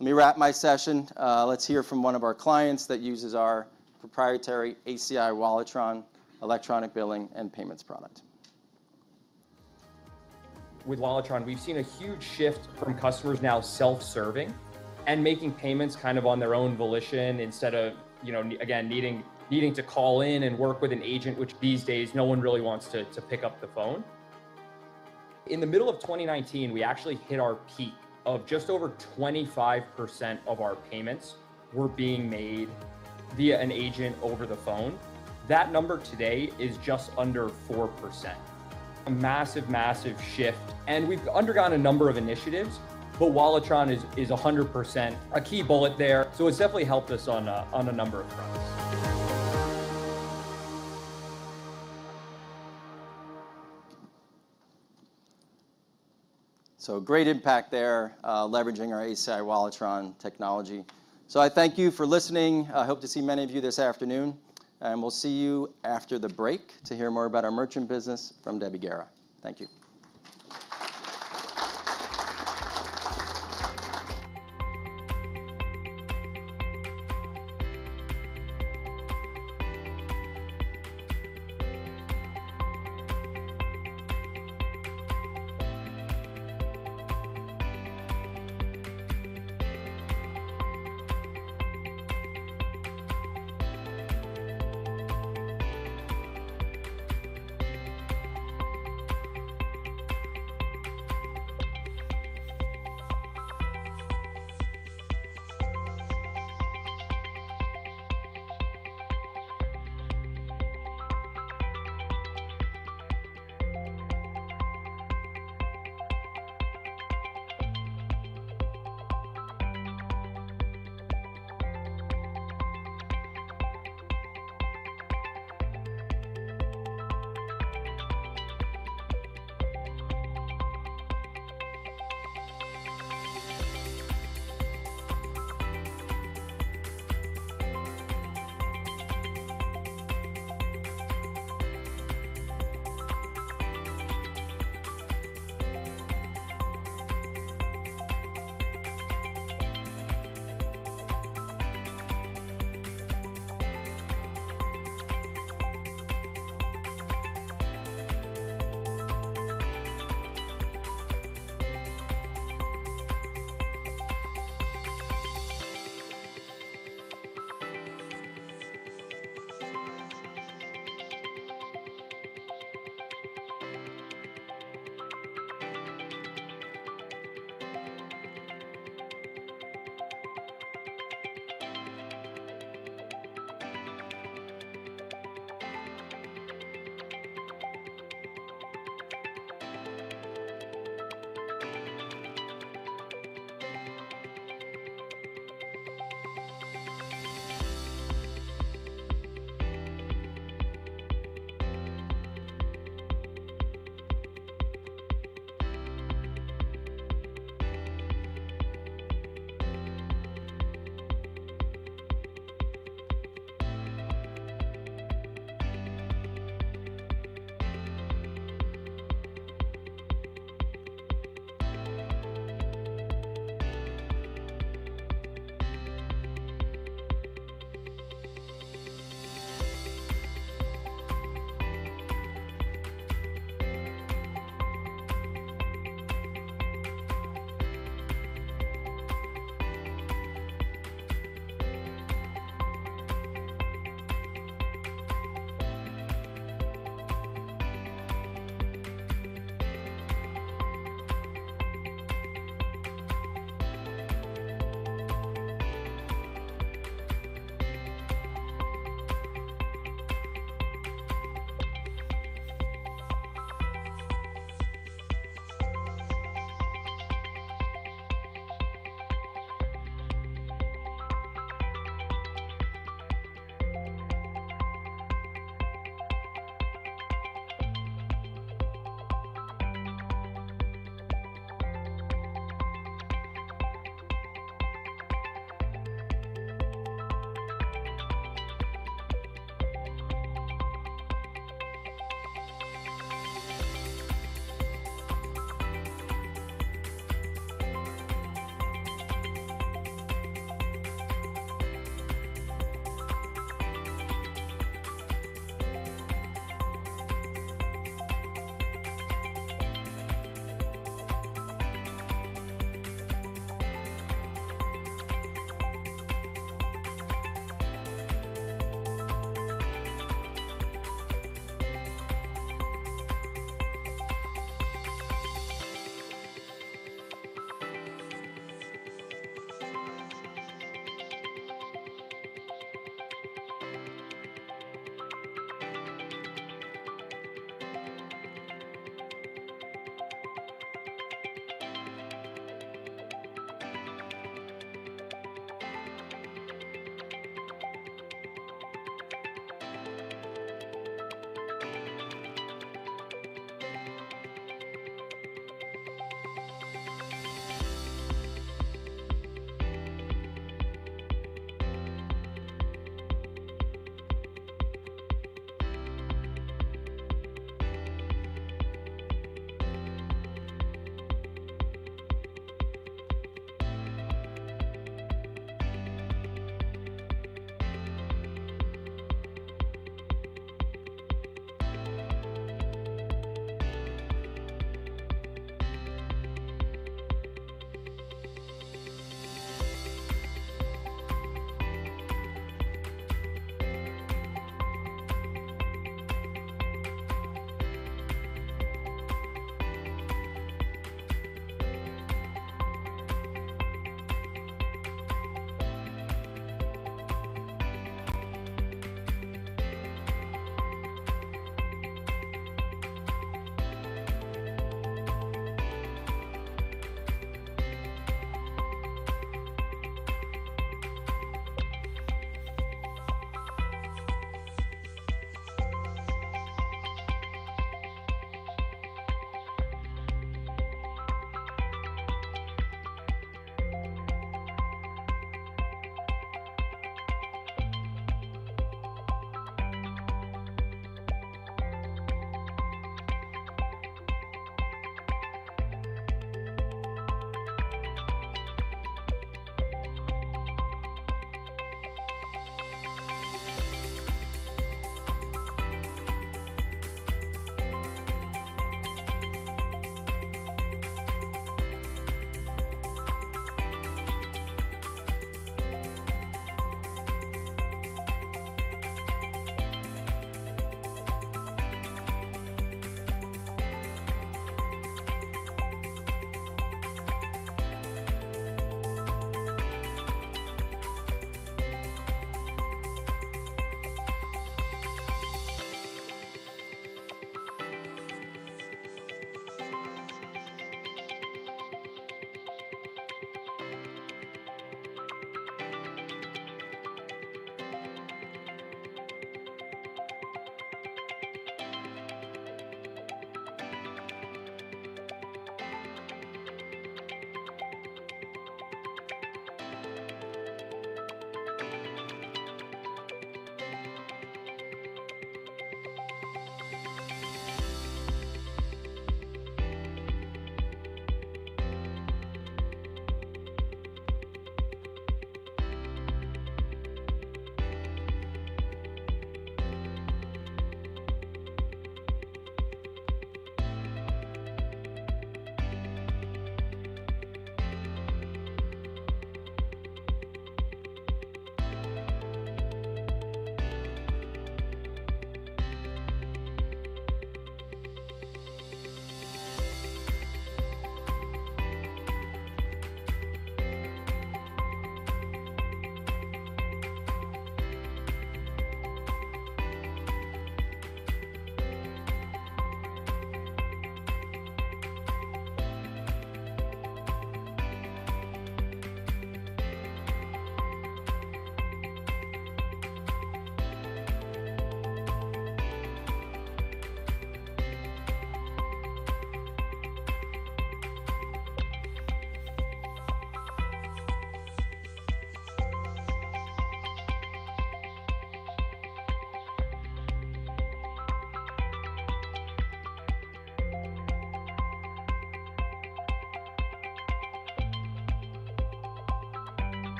Let me wrap my session. Let's hear from one of our clients that uses our proprietary ACI Walletron electronic billing and payments product.
With Walletron, we've seen a huge shift from customers now self-serving and making payments kind of on their own volition instead of, again, needing to call in and work with an agent, which these days, no one really wants to pick up the phone. In the middle of 2019, we actually hit our peak of just over 25% of our payments were being made via an agent over the phone. That number today is just under 4%, a massive, massive shift. And we've undergone a number of initiatives. But Walletron is 100% a key bullet there. So it's definitely helped us on a number of fronts.
So great impact there, leveraging our ACI Walletron technology. So I thank you for listening. I hope to see many of you this afternoon. And we'll see you after the break to hear more about our merchant business from Debbie Guerra. Thank you.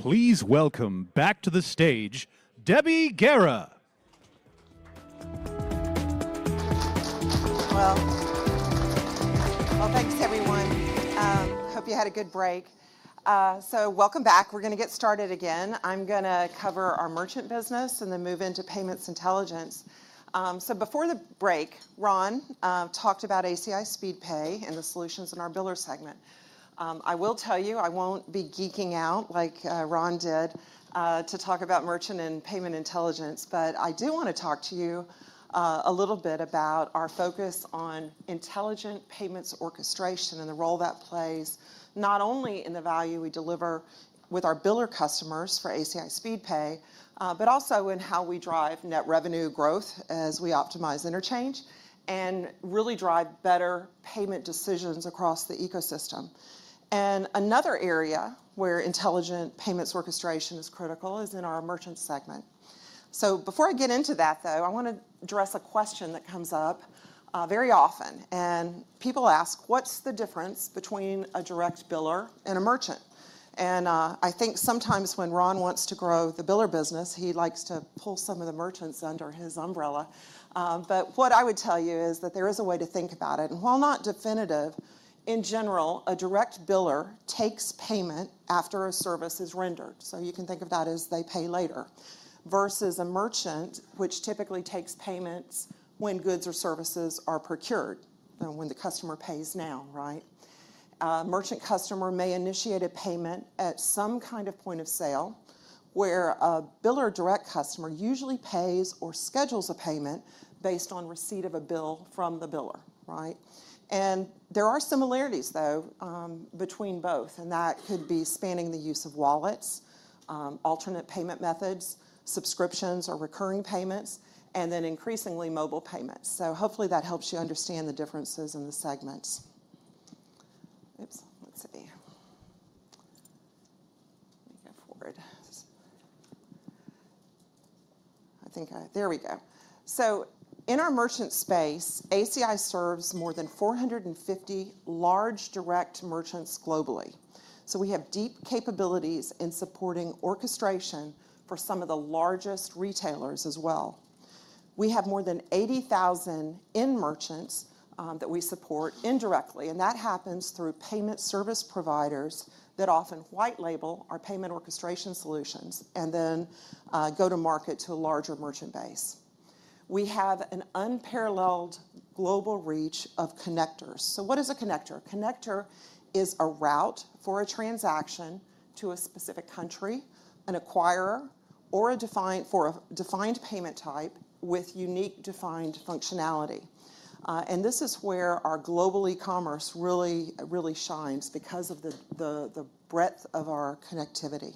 Please welcome back to the stage Debbie Guerra.
Well, well, thanks, everyone. Hope you had a good break. So welcome back. We're gonna get started again. I'm gonna cover our merchant business and then move into payments intelligence. So before the break, Ron talked ACI Speedpay and the solutions in our biller segment. I will tell you, I won't be geeking out like Ron did, to talk about merchant and payment intelligence. But I do wanna talk to you, a little bit about our focus on intelligent payments orchestration and the role that plays not only in the value we deliver with our biller customers ACI Speedpay, but also in how we drive net revenue growth as we optimize interchange and really drive better payment decisions across the ecosystem. Another area where intelligent payments orchestration is critical is in our merchant segment. Before I get into that, though, I wanna address a question that comes up very often. People ask, what's the difference between a direct biller and a merchant? I think sometimes when Ron wants to grow the biller business, he likes to pull some of the merchants under his umbrella. But what I would tell you is that there is a way to think about it. While not definitive, in general, a direct biller takes payment after a service is rendered. So you can think of that as they pay later versus a merchant, which typically takes payments when goods or services are procured, when the customer pay s now, right? Merchant customer may initiate a payment at some kind of point of sale where a biller direct customer usually pays or schedules a payment based on receipt of a bill from the biller, right? And there are similarities, though, between both. And that could be spanning the use of wallets, alternate payment methods, subscriptions or recurring payments, and then increasingly mobile payments. So hopefully that helps you understand the differences in the segments. Oops. Let's see. Let me go forward. I think I there we go. So in our merchant space, ACI serves more than 450 large direct merchants globally. So we have deep capabilities in supporting orchestration for some of the largest retailers as well. We have more than 80,000 in-merchants that we support indirectly. And that happens through payment service providers that often white label our payment orchestration solutions and then go to market to a larger merchant base. We have an unparalleled global reach of connectors. So what is a connector? A connector is a route for a transaction to a specific country, an acquirer, or a defined payment type with unique defined functionality. And this is where our global e-commerce really, really shines because of the breadth of our connectivity.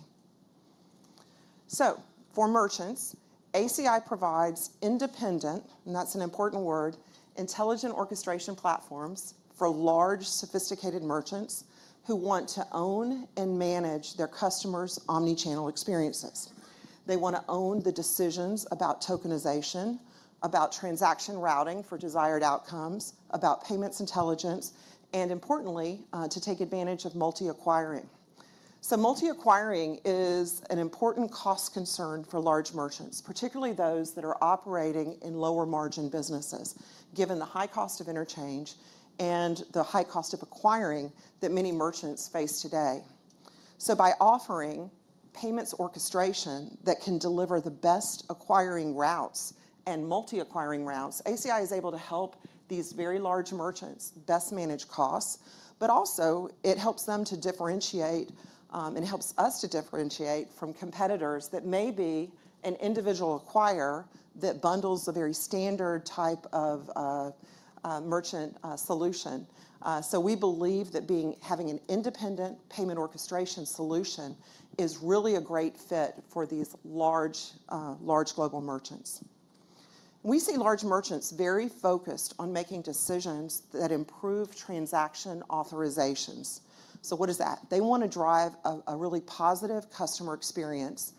So for merchants, ACI provides independent, and that's an important word, intelligent orchestration platforms for large, sophisticated merchants who want to own and manage their customers' omnichannel experiences. They wanna own the decisions about tokenization, about transaction routing for desired outcomes, about payments intelligence, and importantly, to take advantage of multi-acquiring. So multi-acquiring is an important cost concern for large merchants, particularly those that are operating in lower margin businesses given the high cost of interchange and the high cost of acquiring that many merchants face today. So by offering payments orchestration that can deliver the best acquiring routes and multi-acquiring routes, ACI is able to help these very large merchants best manage costs. But also it helps them to differentiate, and helps us to differentiate from competitors that may be an individual acquirer that bundles a very standard type of merchant solution. So we believe that being, having an independent payment orchestration solution is really a great fit for these large, large global merchants. We see large merchants very focused on making decisions that improve transaction authorizations. So what is that? They wanna drive a, a really positive customer experience.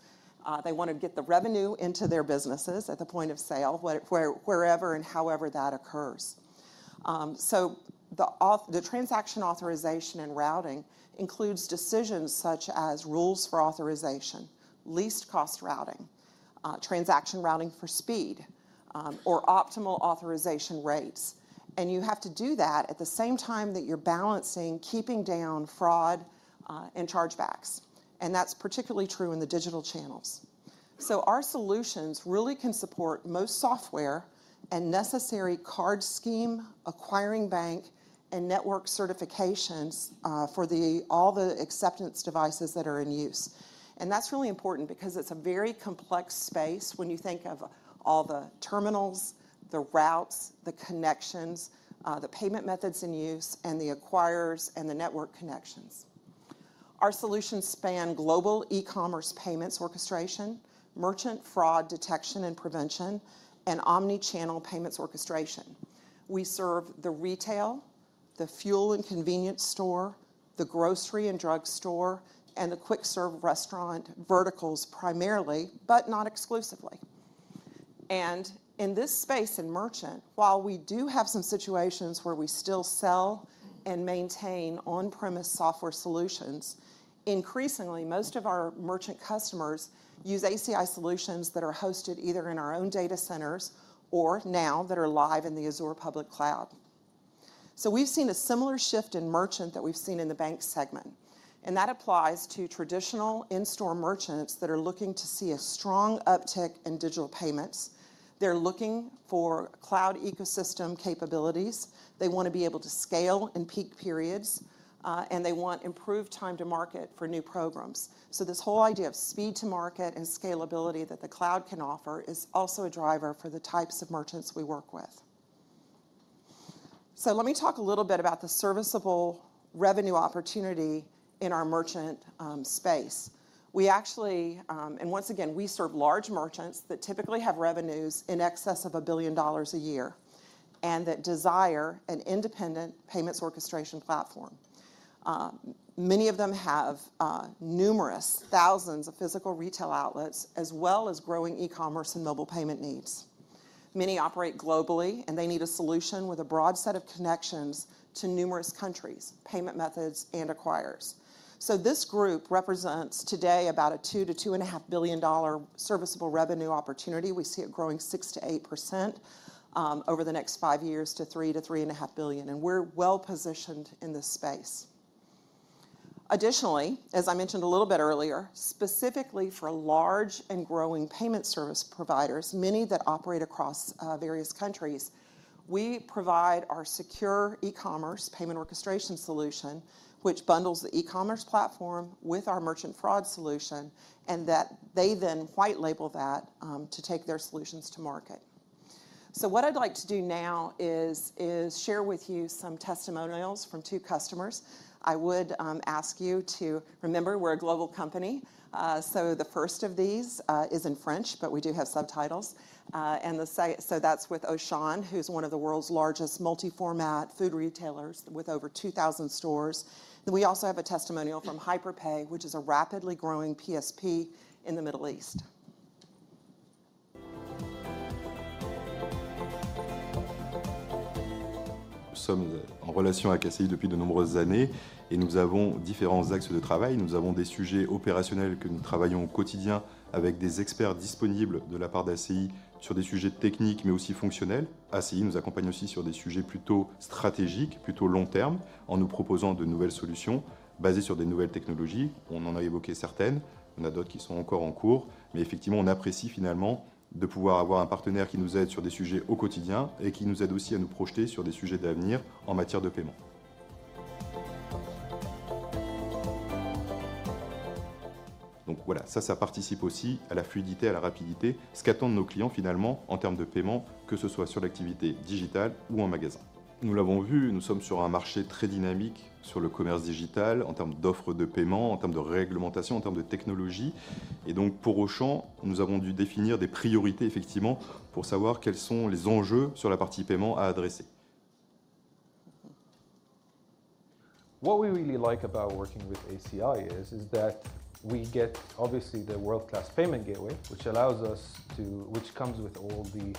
They wanna get the revenue into their businesses at the point of sale, whatever, wherever and however that occurs. So the auth the transaction authorization and routing includes decisions such as rules for authorization, least cost routing, transaction routing for speed, or optimal authorization rates. And you have to do that at the same time that you're balancing keeping down fraud, and chargebacks. And that's particularly true in the digital channels. So our solutions really can support most software and necessary card scheme, acquiring bank, and network certifications, for all the acceptance devices that are in use. And that's really important because it's a very complex space when you think of all the terminals, the routes, the connections, the payment methods in use, and the acquirers and the network connections. Our solutions span global e-commerce payments orchestration, merchant fraud detection and prevention, and omnichannel payments orchestration. We serve the retail, the fuel and convenience store, the grocery and drug store, and the quick serve restaurant verticals primarily, but not exclusively. And in this space in merchant, while we do have some situations where we still sell and maintain on-premise software solutions, increasingly most of our merchant customers use ACI solutions that are hosted either in our own data centers or now that are live in the Azure public cloud. So we've seen a similar shift in merchant that we've seen in the bank segment. And that applies to traditional in-store merchants that are looking to see a strong uptick in digital payments. They're looking for cloud ecosystem capabilities. They wanna be able to scale in peak periods, and they want improved time to market for new programs. This whole idea of speed to market and scalability that the cloud can offer is also a driver for the types of merchants we work with. Let me talk a little bit about the serviceable revenue opportunity in our merchant space. We actually, and once again, we serve large merchants that typically have revenues in excess of $1 billion a year and that desire an independent payments orchestration platform. Many of them have numerous thousands of physical retail outlets as well as growing e-commerce and mobile payment needs. Many operate globally, and they need a solution with a broad set of connections to numerous countries, payment methods, and acquirers. This group represents today about a $2 billion-$2.5 billion serviceable revenue opportunity. We see it growing 6%-8%, over the next five years to $3 billion-$3.5 billion. And we're well positioned in this space. Additionally, as I mentioned a little bit earlier, specifically for large and growing payment service providers, many that operate across various countries, we provide our secure e-commerce payment orchestration solution, which bundles the e-commerce platform with our merchant fraud solution, and that they then white label that, to take their solutions to market. So what I'd like to do now is share with you some testimonials from two customers. I would ask you to remember we're a global company. So the first of these is in French, but we do have subtitles. And so that's with Auchan, who's one of the world's largest multi-format food retailers with over 2,000 stores. Then we also have a testimonial from HyperPay, which is a rapidly growing PSP in the Middle East.
Sommes en relation avec ACI depuis de nombreuses années, et nous avons différents axes de travail. Nous avons des sujets opérationnels que nous travaillons au quotidien avec des experts disponibles de la part d'ACI sur des sujets techniques, mais aussi fonctionnels. ACI nous accompagne aussi sur des sujets plutôt stratégiques, plutôt long terme, en nous proposant de nouvelles solutions basées sur des nouvelles technologies. On en a évoqué certaines. On a d'autres qui sont encore en cours. Mais effectivement, on apprécie finalement de pouvoir avoir un partenaire qui nous aide sur des sujets au quotidien et qui nous aide aussi à nous projeter sur des sujets d'avenir en matière de paiement. Donc voilà, ça, ça participe aussi à la fluidité, à la rapidité, ce qu'attendent nos clients finalement en termes de paiement, que ce soit sur l'activité digitale ou en magasin. Nous l'avons vu, nous sommes sur un marché très dynamique sur le commerce digital en termes d'offres de paiement, en termes de réglementation, en termes de technologie. Et donc pour Auchan, nous avons dû définir des priorités effectivement pour savoir quels sont les enjeux sur la partie paiement à adresser. What we really like about working with ACI is that we get obviously the world-class payment gateway, which allows us to, which comes with all the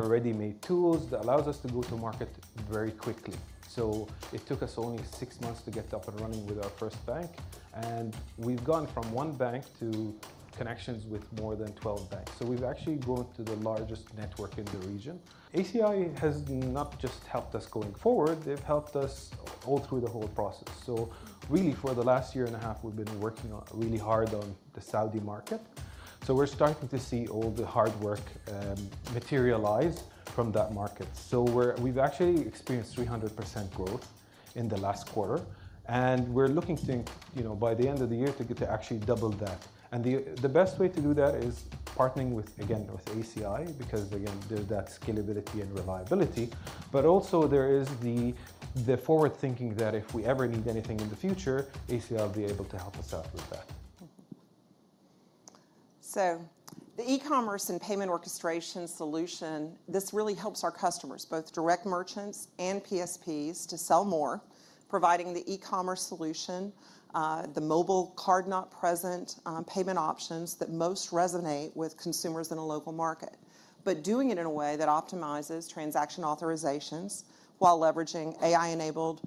ready-made tools that allows us to go to market very quickly. So it took us only six months to get up and running with our first bank. And we've gone from one bank to connections with more than 12 banks. So we've actually grown to the largest network in the region. ACI has not just helped us going forward. They've helped us all through the whole process. So really, for the last year and a half, we've been working really hard on the Saudi market. So we're starting to see all the hard work materialize from that market. So we've actually experienced 300% growth in the last quarter. We're looking to, you know, by the end of the year to get to actually double that. The best way to do that is partnering with, again, with ACI because, again, there's that scalability and reliability. But also there is the forward thinking that if we ever need anything in the future, ACI will berable to help us out with that. So the e-commerce and payment orchestration solution, this really helps our customers, both direct merchants and PSPs, to sell more, providing the e-commerce solution
The mobile card-not-present, payment options that most resonate with consumers in a local market, but doing it in a way that optimizes transaction authorizations while leveraging AI-enabled,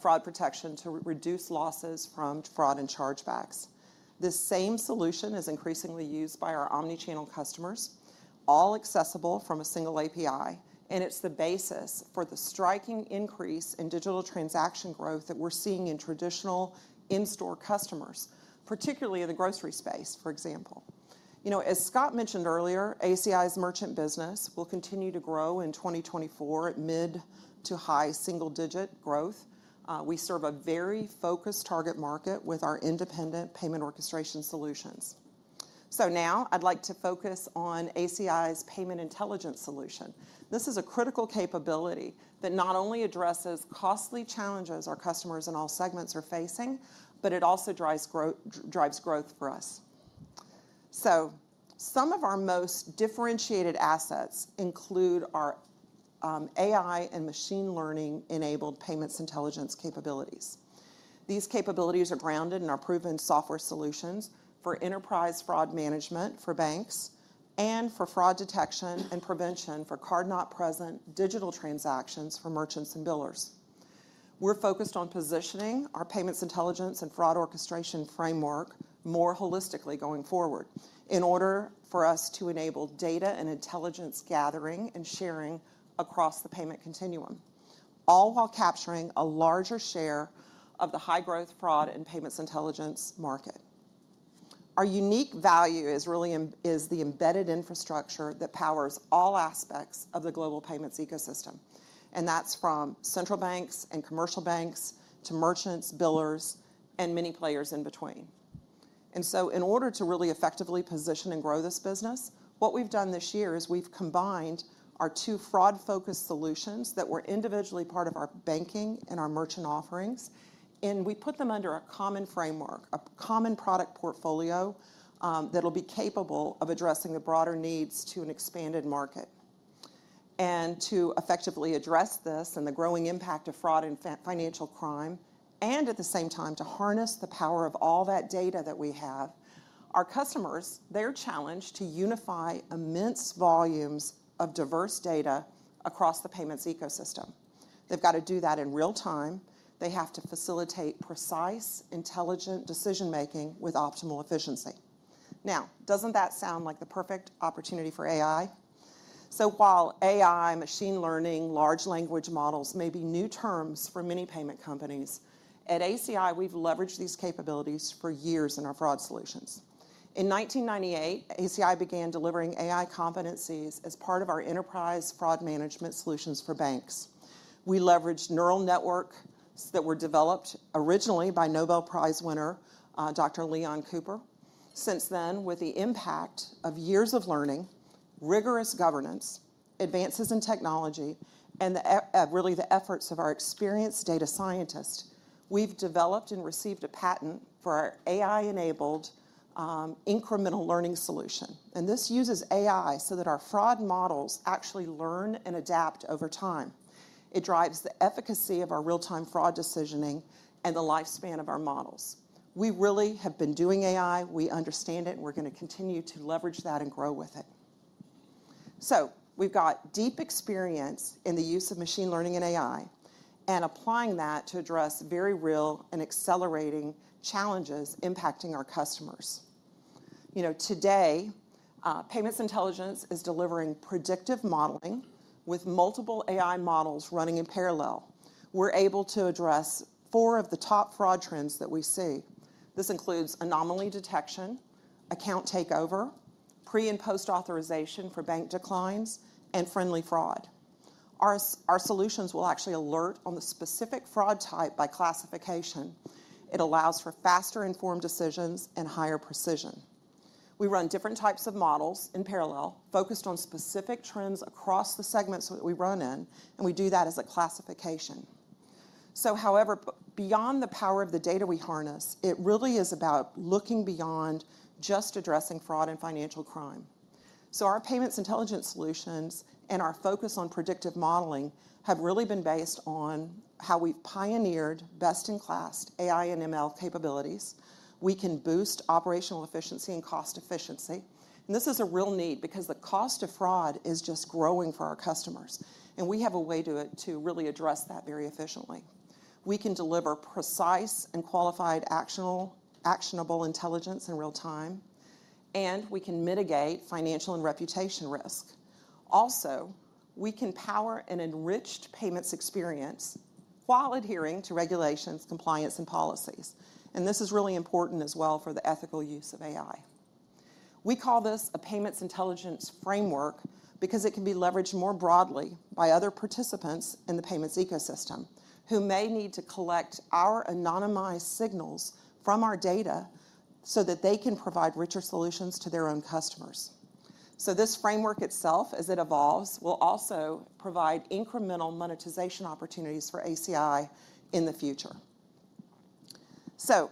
fraud protection to reduce losses from fraud and chargebacks. This same solution is increasingly used by our omnichannel customers, all accessible from a single API. And it's the basis for the striking increase in digital transaction growth that we're seeing in traditional in-store customers, particularly in the grocery space, for example. You know, as Scott mentioned earlier, ACI's merchant business will continue to grow in 2024 at mid to high single-digit growth. We serve a very focused target market with our independent payment orchestration solutions. So now I'd like to focus on ACI's payment intelligence solution. This is a critical capability that not only addresses costly challenges our customers in all segments are facing, but it also drives growth drives growth for us. So some of our most differentiated assets include our AI and machine learning-enabled payments intelligence capabilities. These capabilities are grounded in our proven software solutions for enterprise fraud management for banks and for fraud detection and prevention for card-not-present digital transactions for merchants and billers. We're focused on positioning our payments intelligence and fraud orchestration framework more holistically going forward in order for us to enable data and intelligence gathering and sharing across the payment continuum, all while capturing a larger share of the high-growth fraud and payments intelligence market. Our unique value is really in the embedded infrastructure that powers all aspects of the global payments ecosystem. That's from central banks and commercial banks to merchants, billers, and many players in between. So in order to really effectively position and grow this business, what we've done this year is we've combined our two fraud-focused solutions that were individually part of our banking and our merchant offerings, and we put them under a common framework, a common product portfolio, that'll be capable of addressing the broader needs to an expanded market. To effectively address this and the growing impact of fraud and financial crime and at the same time to harness the power of all that data that we have, our customers, they're challenged to unify immense volumes of diverse data across the payments ecosystem. They've gotta do that in real time. They have to facilitate precise, intelligent decision-making with optimal efficiency. Now, doesn't that sound like the perfect opportunity for AI? So while AI, machine learning, large language models may be new terms for many payment companies, at ACI, we've leveraged these capabilities for years in our fraud solutions. In 1998, ACI began delivering AI competencies as part of our enterprise fraud management solutions for banks. We leveraged neural networks that were developed originally by Nobel Prize winner, Dr. Leon Cooper. Since then, with the impact of years of learning, rigorous governance, advances in technology, and the really the efforts of our experienced data scientists, we've developed and received a patent for our AI-enabled, incremental learning solution. And this uses AI so that our fraud models actually learn and adapt over time. It drives the efficacy of our real-time fraud decisioning and the lifespan of our models. We really have been doing AI. We understand it, and we're gonna continue to leverage that and grow with it. So we've got deep experience in the use of machine learning and AI and applying that to address very real and accelerating challenges impacting our customers. You know, today, payments intelligence is delivering predictive modeling with multiple AI models running in parallel. We're able to address four of the top fraud trends that we see. This includes anomaly detection, account takeover, pre- and post-authorization for bank declines, and friendly fraud. Our solutions will actually alert on the specific fraud type by classification. It allows for faster-informed decisions and higher precision. We run different types of models in parallel focused on specific trends across the segments that we run in, and we do that as a classification. So however, beyond the power of the data we harness, it really is about looking beyond just addressing fraud and financial crime. So our payments intelligence solutions and our focus on predictive modeling have really been based on how we've pioneered best-in-class AI and ML capabilities. We can boost operational efficiency and cost efficiency. This is a real need because the cost of fraud is just growing for our customers. We have a way to really address that very efficiently. We can deliver precise and qualified actionable intelligence in real time, and we can mitigate financial and reputation risk. Also, we can power an enriched payments experience while adhering to regulations, compliance, and policies. This is really important as well for the ethical use of AI. We call this a payments intelligence framework because it can be leveraged more broadly by other participants in the payments ecosystem who may need to collect our anonymized signals from our data so that they can provide richer solutions to their own customers. So this framework itself, as it evolves, will also provide incremental monetization opportunities for ACI in the future. So,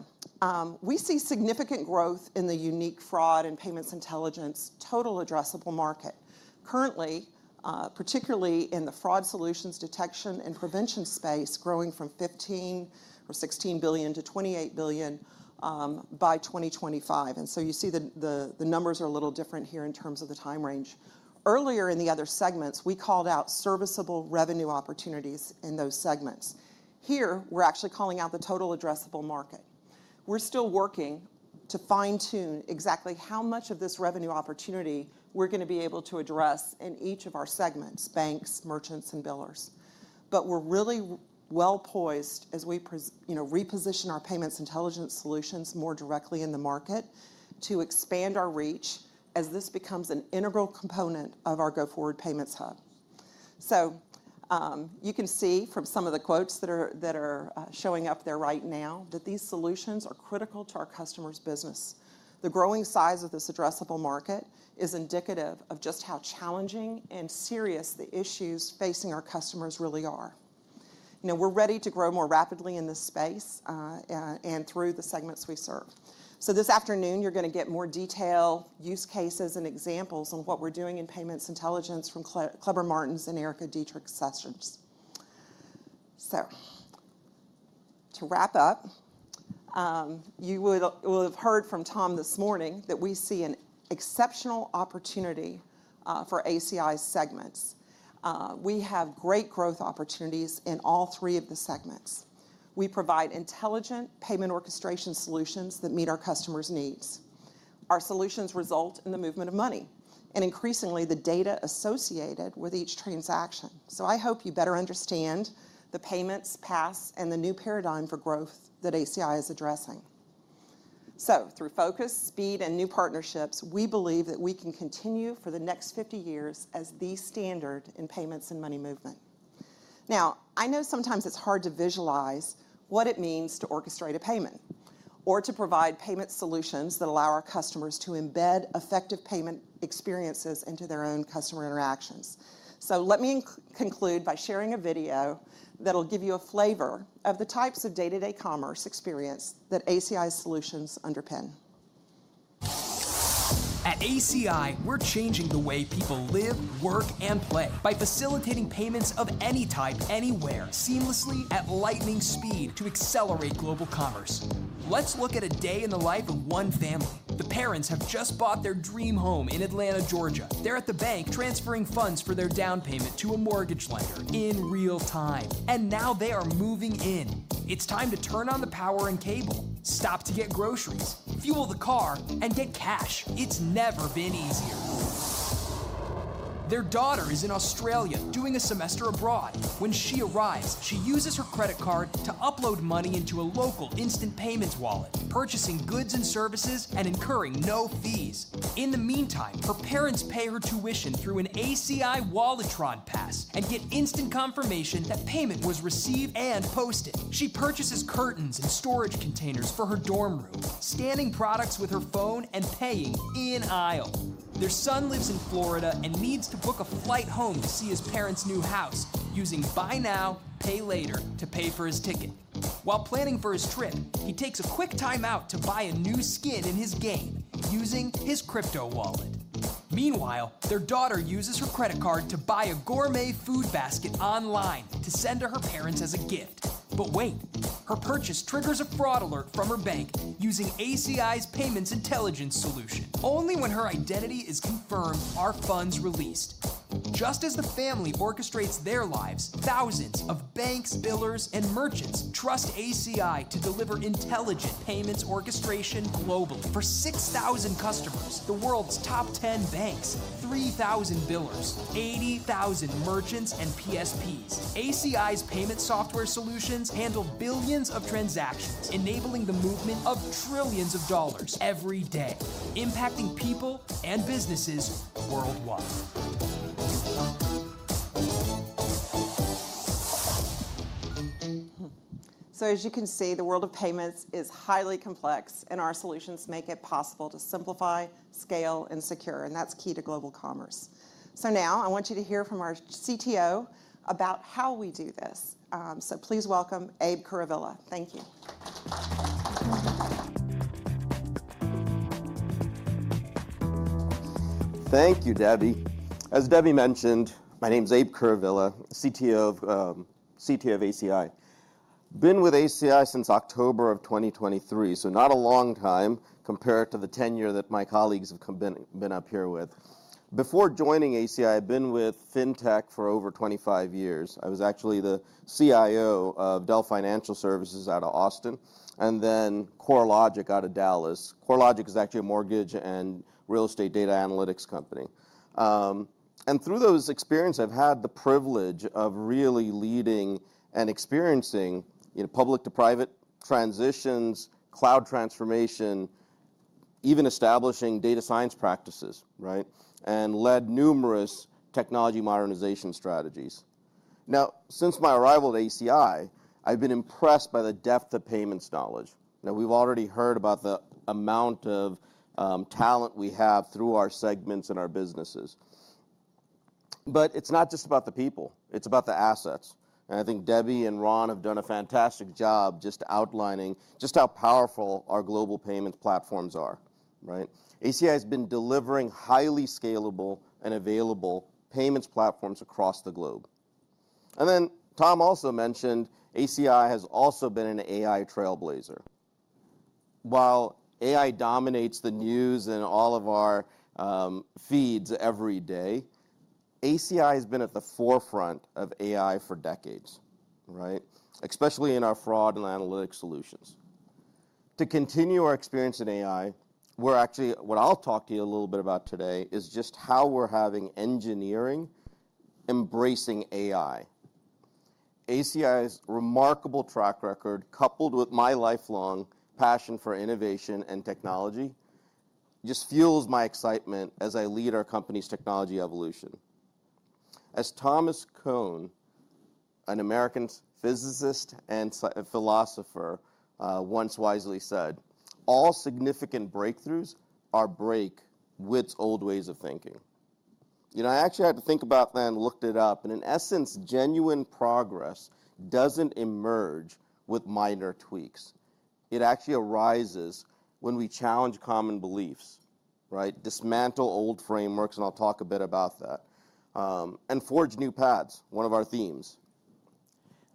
we see significant growth in the unique fraud and payments intelligence total addressable market currently, particularly in the fraud solutions detection and prevention space growing from $15 billion or $16 billion to $28 billion by 2025. And so you see the, the, the numbers are a little different here in terms of the time range. Earlier in the other segments, we called out serviceable revenue opportunities in those segments. Here, we're actually calling out the total addressable market. We're still working to fine-tune exactly how much of this revenue opportunity we're gonna be able to address in each of our segments: banks, merchants, and billers. But we're really well-poised as we, you know, reposition our payments intelligence solutions more directly in the market to expand our reach as this becomes an integral component of our go-forward payments hub. So, you can see from some of the quotes that are showing up there right now that these solutions are critical to our customers' business. The growing size of this addressable market is indicative of just how challenging and serious the issues facing our customers really are. You know, we're ready to grow more rapidly in this space, and through the segments we serve. So this afternoon, you're gonna get more detail, use cases, and examples on what we're doing in payments intelligence from Cleber Martins and Erica Dietrich sessions. So to wrap up, you will have heard from Tom this morning that we see an exceptional opportunity for ACI's segments. We have great growth opportunities in all three of the segments. We provide intelligent payment orchestration solutions that meet our customers' needs. Our solutions result in the movement of money and increasingly the data associated with each transaction. So I hope you better understand the payments paths and the new paradigm for growth that ACI is addressing. So through focus, speed, and new partnerships, we believe that we can continue for the next 50 years as the standard in payments and money movement. Now, I know sometimes it's hard to visualize what it means to orchestrate a payment or to provide payment solutions that allow our customers to embed effective payment experiences into their own customer interactions. So let me conclude by sharing a video that'll give you a flavor of the types of day-to-day commerce experience that ACI's solutions underpin.
At ACI, we're changing the way people live, work, and play by facilitating payments of any type, anywhere, seamlessly, at lightning speed to accelerate global commerce. Let's look at a day in the life of one family. The parents have just bought their dream home in Atlanta, Georgia. They're at the bank transferring funds for their down payment to a mortgage lender in real time. Now they are moving in. It's time to turn on the power and cable, stop to get groceries, fuel the car, and get cash. It's never been easier. Their daughter is in Australia doing a semester abroad. When she arrives, she uses her credit card to upload money into a local instant payments wallet, purchasing goods and services and incurring no fees. In the meantime, her parents pay her tuition through an ACI Walletron pass and get instant confirmation that payment was received and posted. She purchases curtains and storage containers for her dorm room, scanning products with her phone and paying in aisle. Their son lives in Florida and needs to book a flight home to see his parents' new house using Buy Now, Pay Later to pay for his ticket. While planning for his trip, he takes a quick timeout to buy a new skin in his game using his crypto wallet. Meanwhile, their daughter uses her credit card to buy a gourmet food basket online to send to her parents as a gift. But wait. Her purchase triggers a fraud alert from her bank using ACI's payments intelligence solution. Only when her identity is confirmed are funds released. Just as the family orchestrates their lives, thousands of banks, billers, and merchants trust ACI to deliver intelligent payments orchestration globally. For 6,000 customers, the world's top 10 banks, 3,000 billers, 80,000 merchants, and PSPs, ACI's payment software solutions handle billions of transactions, enabling the movement of trillions of dollars every day, impacting people and businesses worldwide.
So as you can see, the world of payments is highly complex, and our solutions make it possible to simplify, scale, and secure. And that's key to global commerce. So now I want you to hear from our CTO about how we do this. So please welcome Abe Kuruvilla. Thank you.
Thank you, Debbie. As Debbie mentioned, my name's Abe Kuruvilla, CTO of ACI. Been with ACI since October of 2023, so not a long time compared to the tenure that my colleagues have been up here with. Before joining ACI, I've been with fintech for over 25 years. I was actually the CIO of Dell Financial Services out of Austin and then CoreLogic out of Dallas. CoreLogic is actually a mortgage and real estate data analytics company. Through those experiences, I've had the privilege of really leading and experiencing, you know, public-to-private transitions, cloud transformation, even establishing data science practices, right, and led numerous technology modernization strategies. Now, since my arrival at ACI, I've been impressed by the depth of payments knowledge. Now, we've already heard about the amount of talent we have through our segments and our businesses. But it's not just about the people. It's about the assets. And I think Debbie and Ron have done a fantastic job just outlining just how powerful our global payments platforms are, right? ACI has been delivering highly scalable and available payments platforms across the globe. And then Tom also mentioned ACI has also been an AI trailblazer. While AI dominates the news and all of our feeds every day, ACI has been at the forefront of AI for decades, right, especially in our fraud and analytics solutions. To continue our experience in AI, we're actually what I'll talk to you a little bit about today is just how we're having engineering embracing AI. ACI's remarkable track record, coupled with my lifelong passion for innovation and technology, just fuels my excitement as I lead our company's technology evolution. As Thomas Kuhn, an American physicist and philosopher, once wisely said, "All significant breakthroughs are break with old ways of thinking." You know, I actually had to think about that and looked it up. In essence, genuine progress doesn't emerge with minor tweaks. It actually arises when we challenge common beliefs, right, dismantle old frameworks, and I'll talk a bit about that, and forge new paths, one of our themes.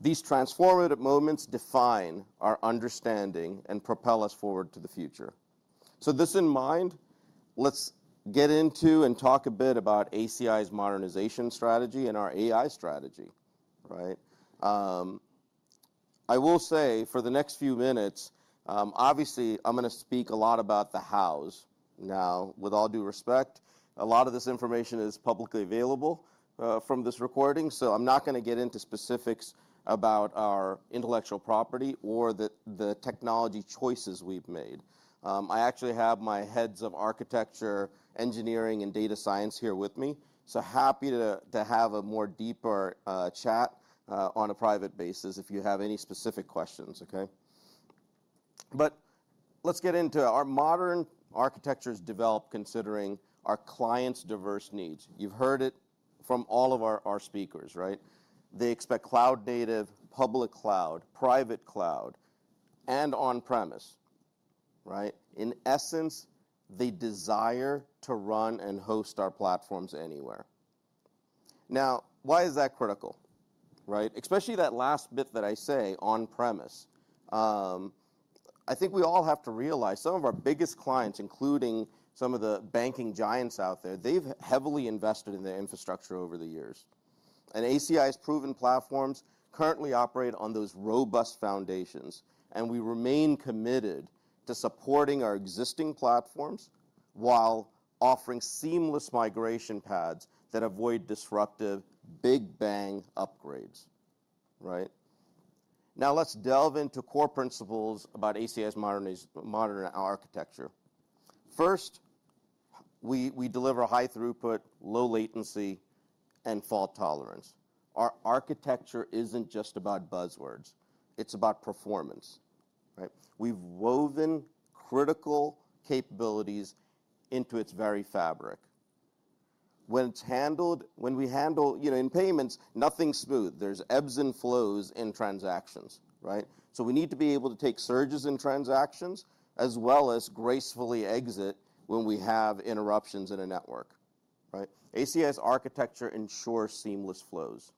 These transformative moments define our understanding and propel us forward to the future. This in mind, let's get into and talk a bit about ACI's modernization strategy and our AI strategy, right? I will say for the next few minutes, obviously, I'm gonna speak a lot about the hows. Now, with all due respect, a lot of this information is publicly available from this recording, so I'm not gonna get into specifics about our intellectual property or the technology choices we've made. I actually have my heads of architecture, engineering, and data science here with me, so happy to have a more deeper chat on a private basis if you have any specific questions, okay? But let's get into our modern architectures developed considering our clients' diverse needs. You've heard it from all of our speakers, right? They expect cloud-native, public cloud, private cloud, and on-premise, right? In essence, they desire to run and host our platforms anywhere. Now, why is that critical, right? Especially that last bit that I say, on-premise. I think we all have to realize some of our biggest clients, including some of the banking giants out there, they've heavily invested in their infrastructure over the years. ACI's proven platforms currently operate on those robust foundations, and we remain committed to supporting our existing platforms while offering seamless migration paths that avoid disruptive Big Bang upgrades, right? Now, let's delve into core principles about ACI's modern architecture. First, we deliver high throughput, low latency, and fault tolerance. Our architecture isn't just about buzzwords. It's about performance, right? We've woven critical capabilities into its very fabric. When we handle, you know, in payments, nothing's smooth. There's ebbs and flows in transactions, right? So we need to be able to take surges in transactions as well as gracefully exit when we have interruptions in a network, right? ACI's architecture ensures seamless flows.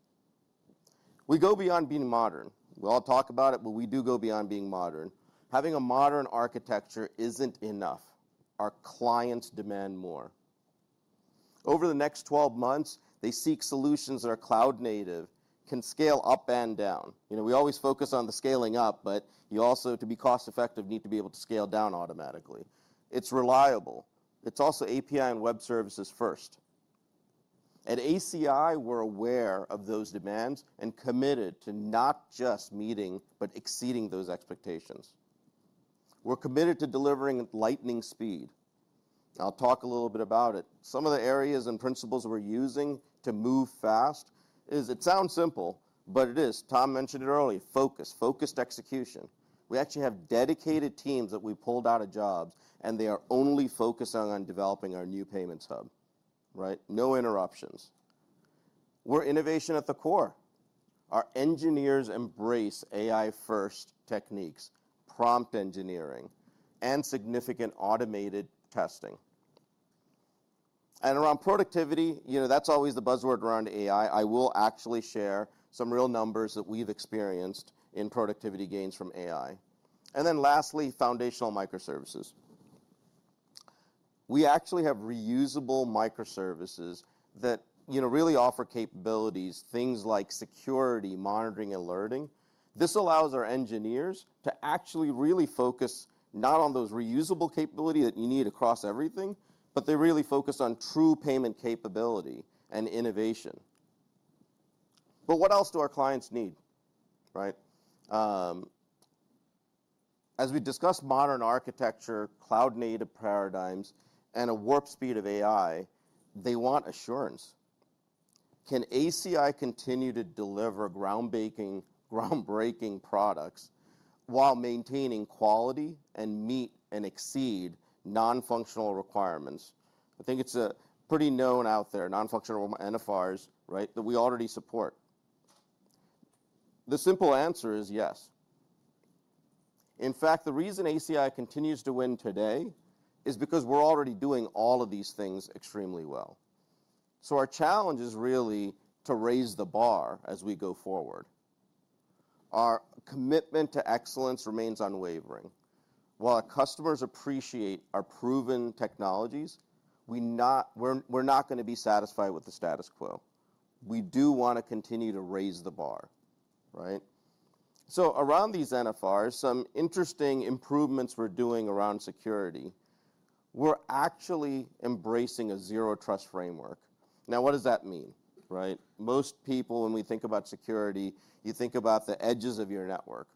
We go beyond being modern. We all talk about it, but we do go beyond being modern. Having a modern architecture isn't enough. Our clients demand more. Over the next 12 months, they seek solutions that are cloud-native, can scale up and down. You know, we always focus on the scaling up, but you also, to be cost-effective, need to be able to scale down automatically. It's reliable. It's also API and web services first. At ACI, we're aware of those demands and committed to not just meeting but exceeding those expectations. We're committed to delivering lightning speed. I'll talk a little bit about it. Some of the areas and principles we're using to move fast is it sounds simple, but it is. Tom mentioned it earlier: focus, focused execution. We actually have dedicated teams that we pulled out of jobs, and they are only focused on developing our new payments hub, right? No interruptions. We're innovation at the core. Our engineers embrace AI-first techniques, prompt engineering, and significant automated testing. And around productivity, you know, that's always the buzzword around AI. I will actually share some real numbers that we've experienced in productivity gains from AI. And then lastly, foundational microservices. We actually have reusable microservices that, you know, really offer capabilities, things like security, monitoring, and alerting. This allows our engineers to actually really focus not on those reusable capabilities that you need across everything, but they really focus on true payment capability and innovation. But what else do our clients need, right? As we discussed modern architecture, cloud-native paradigms, and a warp speed of AI, they want assurance. Can ACI continue to deliver groundbreaking products while maintaining quality and meet and exceed nonfunctional requirements? I think it's a pretty known out there, nonfunctional NFRs, right, that we already support. The simple answer is yes. In fact, the reason ACI continues to win today is because we're already doing all of these things extremely well. So our challenge is really to raise the bar as we go forward. Our commitment to excellence remains unwavering. While our customers appreciate our proven technologies, we're not gonna be satisfied with the status quo. We do wanna continue to raise the bar, right? So around these NFRs, some interesting improvements we're doing around security. We're actually embracing a zero-trust framework. Now, what does that mean, right? Most people, when we think about security, you think about the edges of your network.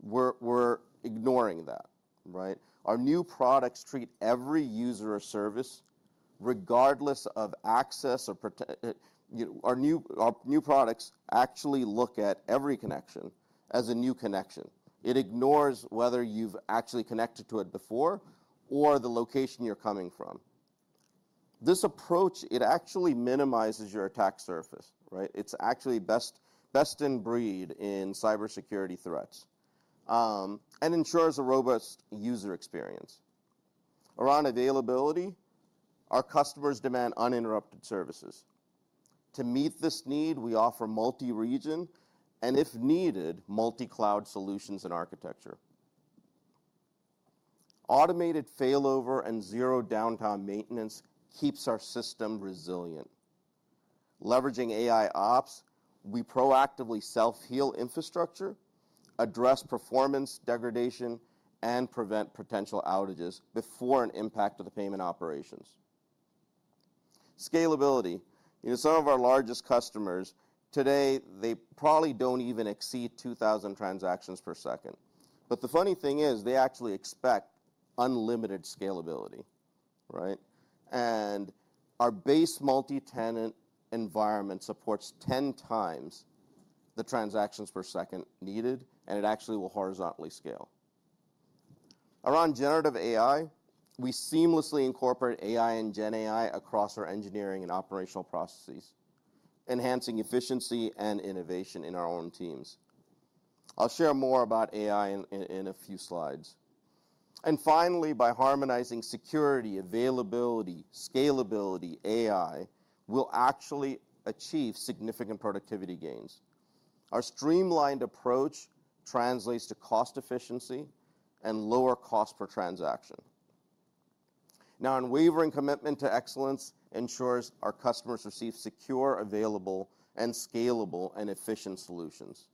We're ignoring that, right? Our new products treat every user or service regardless of access or protection. You know, our new products actually look at every connection as a new connection. It ignores whether you've actually connected to it before or the location you're coming from. This approach, it actually minimizes your attack surface, right? It's actually best in breed in cybersecurity threats, and ensures a robust user experience. Around availability, our customers demand uninterrupted services. To meet this need, we offer multi-region and, if needed, multi-cloud solutions and architecture. Automated failover and zero downtime maintenance keeps our system resilient. Leveraging AI Ops, we proactively self-heal infrastructure, address performance degradation, and prevent potential outages before an impact to the payment operations. Scalability. You know, some of our largest customers today, they probably don't even exceed 2,000 transactions per second. But the funny thing is, they actually expect unlimited scalability, right? Our base multi-tenant environment supports 10 times the transactions per second needed, and it actually will horizontally scale. Around Generative AI, we seamlessly incorporate AI and GenAI across our engineering and operational processes, enhancing efficiency and innovation in our own teams. I'll share more about AI in a few slides. Finally, by harmonizing security, availability, scalability, AI, we'll actually achieve significant productivity gains. Our streamlined approach translates to cost efficiency and lower cost per transaction. Now, unwavering commitment to excellence ensures our customers receive secure, available, and scalable and efficient solutions.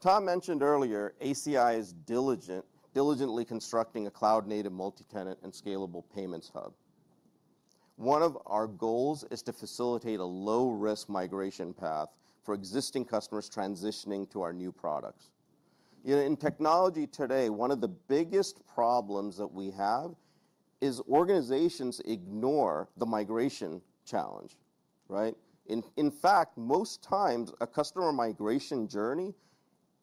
Tom mentioned earlier ACI is diligently constructing a cloud-native multi-tenant and scalable payments hub. One of our goals is to facilitate a low-risk migration path for existing customers transitioning to our new products. You know, in technology today, one of the biggest problems that we have is organizations ignore the migration challenge, right? In fact, most times, a customer migration journey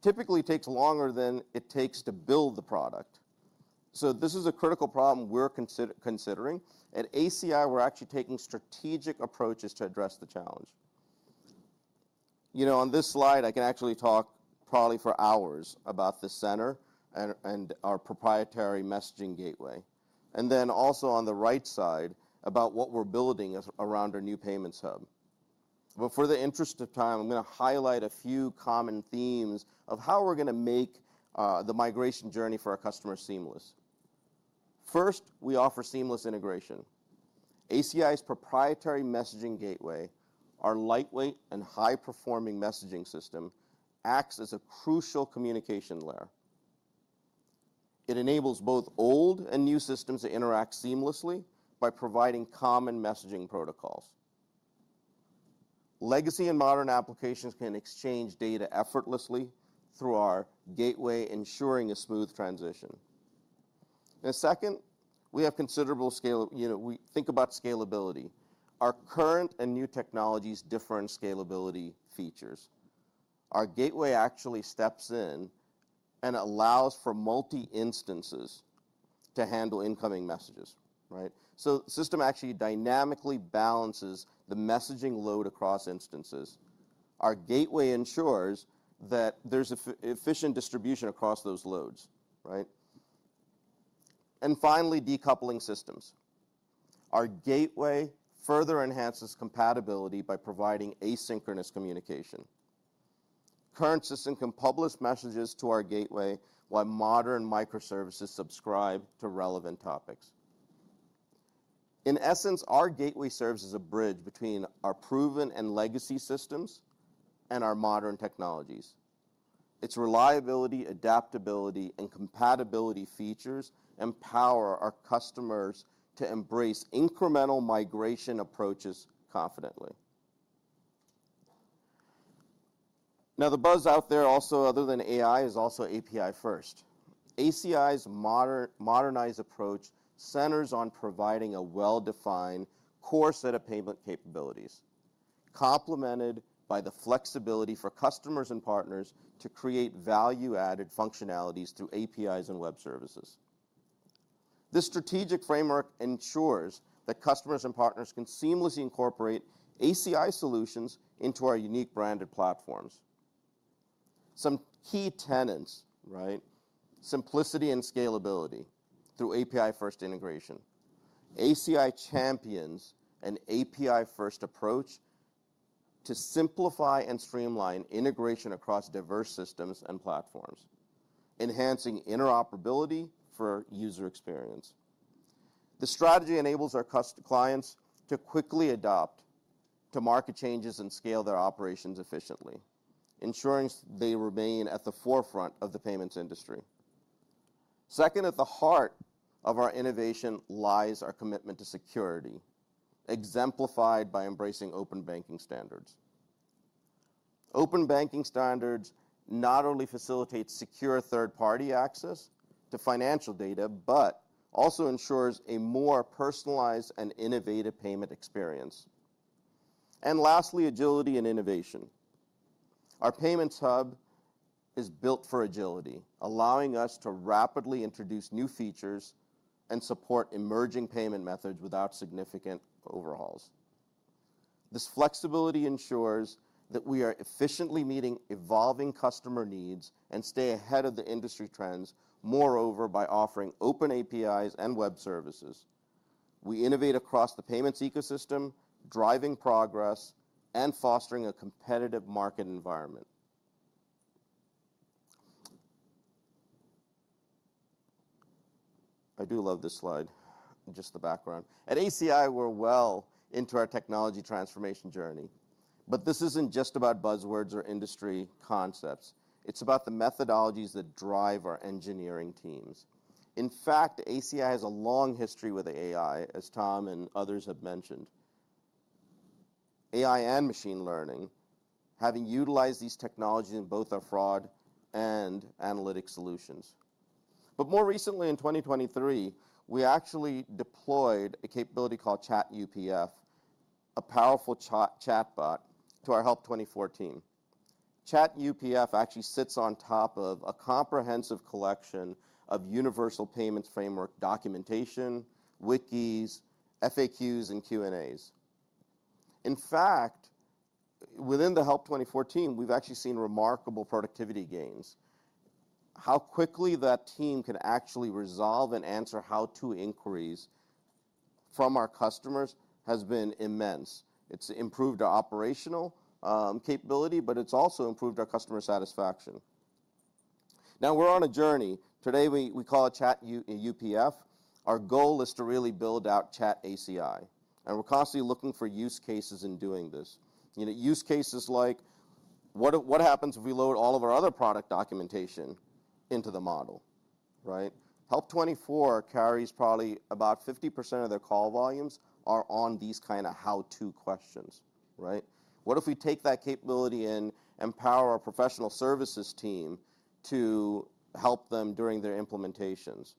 typically takes longer than it takes to build the product. So this is a critical problem we're considering. At ACI, we're actually taking strategic approaches to address the challenge. You know, on this slide, I can actually talk probably for hours about this center and our proprietary messaging gateway. And then also on the right side about what we're building around our new payments hub. But for the interest of time, I'm gonna highlight a few common themes of how we're gonna make the migration journey for our customers seamless. First, we offer seamless integration. ACI's proprietary messaging gateway, our lightweight and high-performing messaging system, acts as a crucial communication layer. It enables both old and new systems to interact seamlessly by providing common messaging protocols. Legacy and modern applications can exchange data effortlessly through our gateway, ensuring a smooth transition. Second, we have considerable scalability, you know, when we think about scalability. Our current and new technologies differ in scalability features. Our gateway actually steps in and allows for multiple instances to handle incoming messages, right? So the system actually dynamically balances the messaging load across instances. Our gateway ensures that there's an efficient distribution across those loads, right? And finally, decoupling systems. Our gateway further enhances compatibility by providing asynchronous communication. Current system can publish messages to our gateway while modern microservices subscribe to relevant topics. In essence, our gateway serves as a bridge between our proven and legacy systems and our modern technologies. Its reliability, adaptability, and compatibility features empower our customers to embrace incremental migration approaches confidently. Now, the buzz out there also, other than AI, is also API-first. ACI's modernized approach centers on providing a well-defined core set of payment capabilities, complemented by the flexibility for customers and partners to create value-added functionalities through APIs and web services. This strategic framework ensures that customers and partners can seamlessly incorporate ACI solutions into our unique branded platforms. Some key tenets, right? Simplicity and scalability through API-first integration. ACI champions an API-first approach to simplify and streamline integration across diverse systems and platforms, enhancing interoperability for user experience. The strategy enables our clients to quickly adapt to market changes and scale their operations efficiently, ensuring they remain at the forefront of the payments industry. Second, at the heart of our innovation lies our commitment to security, exemplified by embracing open banking standards. Open banking standards not only facilitate secure third-party access to financial data but also ensure a more personalized and innovative payment experience. And lastly, agility and innovation. Our payments hub is built for agility, allowing us to rapidly introduce new features and support emerging payment methods without significant overhauls. This flexibility ensures that we are efficiently meeting evolving customer needs and stay ahead of the industry trends. Moreover, by offering open APIs and web services, we innovate across the payments ecosystem, driving progress, and fostering a competitive market environment. I do love this slide, just the background. At ACI, we're well into our technology transformation journey. But this isn't just about buzzwords or industry concepts. It's about the methodologies that drive our engineering teams. In fact, ACI has a long history with AI, as Tom and others have mentioned. AI and machine learning have utilized these technologies in both our fraud and analytics solutions. But more recently, in 2023, we actually deployed a capability called ChatUPF, a powerful chatbot, to our Help24 team. ChatUPF actually sits on top of a comprehensive collection of Universal Payments Framework documentation, wikis, FAQs, and Q&As. In fact, within the Help24 team, we've actually seen remarkable productivity gains. How quickly that team can actually resolve and answer how-to inquiries from our customers has been immense. It's improved our operational capability, but it's also improved our customer satisfaction. Now, we're on a journey. Today, we call it ChatUPF. Our goal is to really build out ChatACI. And we're constantly looking for use cases in doing this. You know, use cases like, "What happens if we load all of our other product documentation into the model?" Right? Help24 carries probably about 50% of their call volumes are on these kinda how-to questions, right? What if we take that capability and empower our professional services team to help them during their implementations?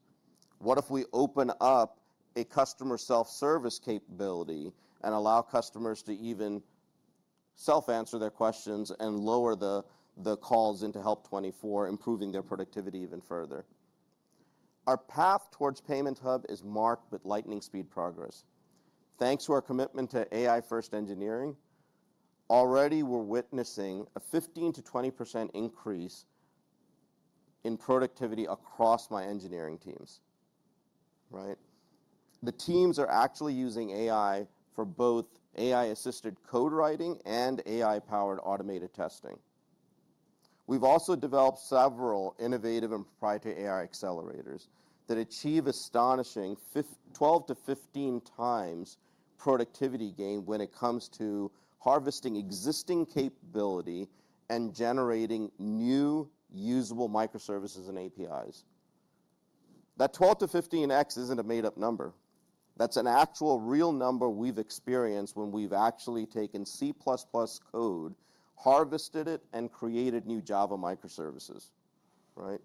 What if we open up a customer self-service capability and allow customers to even self-answer their questions and lower the calls into Help24, improving their productivity even further?" Our path towards payments hub is marked with lightning-speed progress. Thanks to our commitment to AI-first engineering, already, we're witnessing a 15%-20% increase in productivity across my engineering teams, right? The teams are actually using AI for both AI-assisted code writing and AI-powered automated testing. We've also developed several innovative and proprietary AI accelerators that achieve astonishing 12-15 times productivity gain when it comes to harvesting existing capability and generating new usable microservices and APIs. That 12-15x isn't a made-up number. That's an actual, real number we've experienced when we've actually taken C++ code, harvested it, and created new Java microservices, right?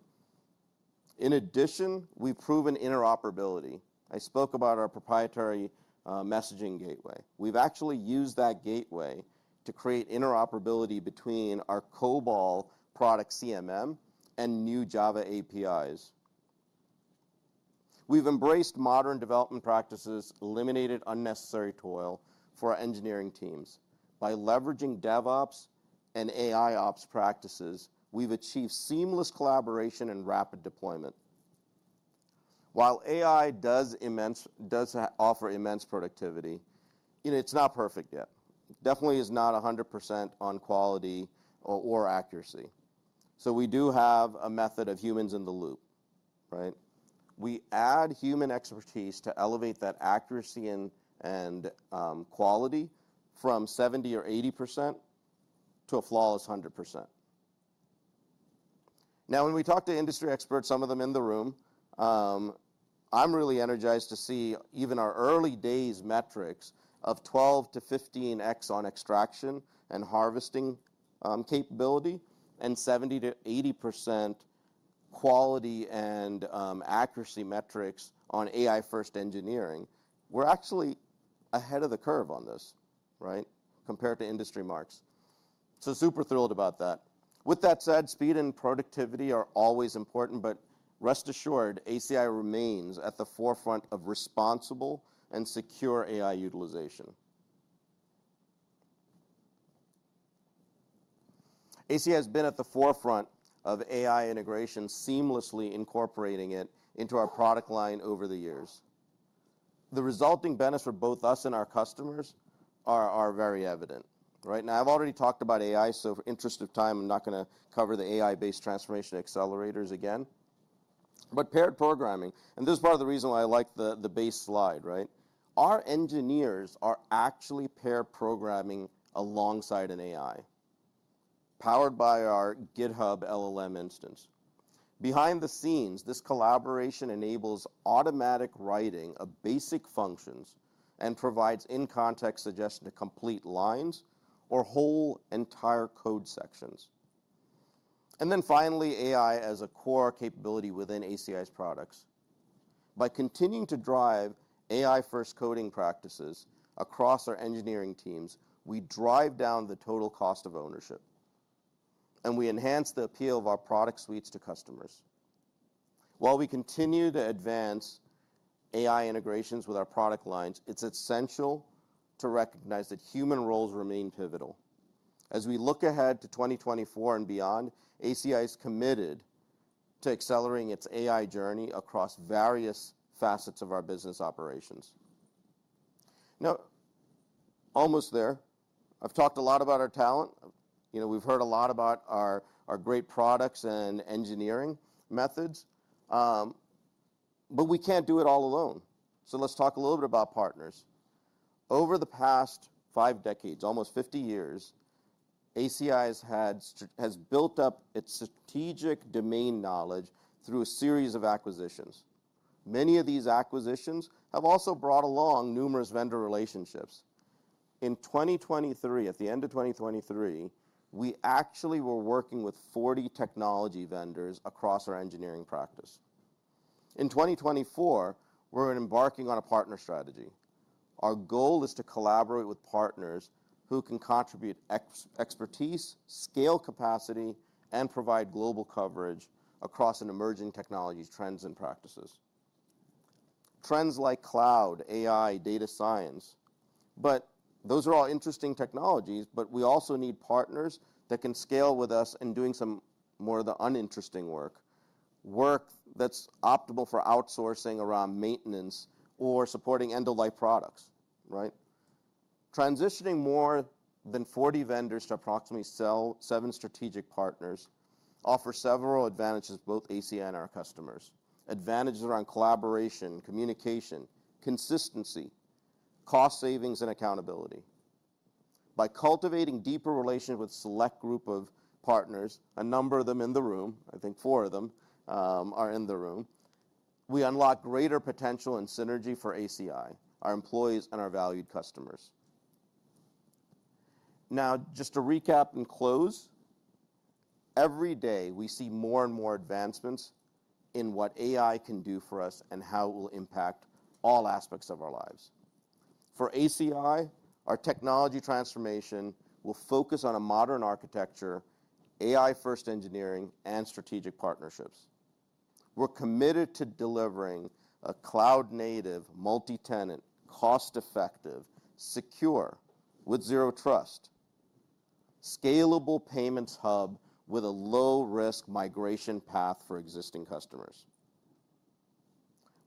In addition, we've proven interoperability. I spoke about our proprietary messaging gateway. We've actually used that gateway to create interoperability between our COBOL product CMS and new Java APIs. We've embraced modern development practices, eliminated unnecessary toil for our engineering teams. By leveraging DevOps and AI Ops practices, we've achieved seamless collaboration and rapid deployment. While AI does offer immense productivity, you know, it's not perfect yet. It definitely is not 100% on quality or accuracy. So we do have a method of humans in the loop, right? We add human expertise to elevate that accuracy and quality from 70% or 80% to a flawless 100%. Now, when we talk to industry experts, some of them in the room, I'm really energized to see even our early days' metrics of 12-15x on extraction and harvesting capability and 70%-80% quality and accuracy metrics on AI-first engineering. We're actually ahead of the curve on this, right, compared to industry marks. So super thrilled about that. With that said, speed and productivity are always important, but rest assured, ACI remains at the forefront of responsible and secure AI utilization. ACI has been at the forefront of AI integration, seamlessly incorporating it into our product line over the years. The resulting benefits for both us and our customers are very evident, right? Now, I've already talked about AI, so in the interest of time, I'm not gonna cover the AI-based transformation accelerators again. Pair programming and this is part of the reason why I like the base slide, right? Our engineers are actually pair programming alongside an AI powered by our GitHub LLM instance. Behind the scenes, this collaboration enables automatic writing of basic functions and provides in-context suggestions to complete lines or whole entire code sections. And then finally, AI as a core capability within ACI's products. By continuing to drive AI-first coding practices across our engineering teams, we drive down the total cost of ownership, and we enhance the appeal of our product suites to customers. While we continue to advance AI integrations with our product lines, it's essential to recognize that human roles remain pivotal. As we look ahead to 2024 and beyond, ACI is committed to accelerating its AI journey across various facets of our business operations. Now, almost there. I've talked a lot about our talent. You know, we've heard a lot about our, our great products and engineering methods. But we can't do it all alone. So let's talk a little bit about partners. Over the past five decades, almost 50 years, ACI has had has built up its strategic domain knowledge through a series of acquisitions. Many of these acquisitions have also brought along numerous vendor relationships. In 2023, at the end of 2023, we actually were working with 40 technology vendors across our engineering practice. In 2024, we're embarking on a partner strategy. Our goal is to collaborate with partners who can contribute expertise, scale capacity, and provide global coverage across emerging technology trends and practices. Trends like cloud, AI, data science. But those are all interesting technologies, but we also need partners that can scale with us in doing some more of the uninteresting work, work that's optimal for outsourcing around maintenance or supporting end-of-life products, right? Transitioning more than 40 vendors to approximately 7 strategic partners offers several advantages to both ACI and our customers: advantages around collaboration, communication, consistency, cost savings, and accountability. By cultivating deeper relations with a select group of partners, a number of them in the room, I think four of them, are in the room, we unlock greater potential and synergy for ACI, our employees, and our valued customers. Now, just to recap and close, every day, we see more and more advancements in what AI can do for us and how it will impact all aspects of our lives. For ACI, our technology transformation will focus on a modern architecture, AI-first engineering, and strategic partnerships. We're committed to delivering a cloud-native, multi-tenant, cost-effective, secure with zero trust, scalable payments hub with a low-risk migration path for existing customers.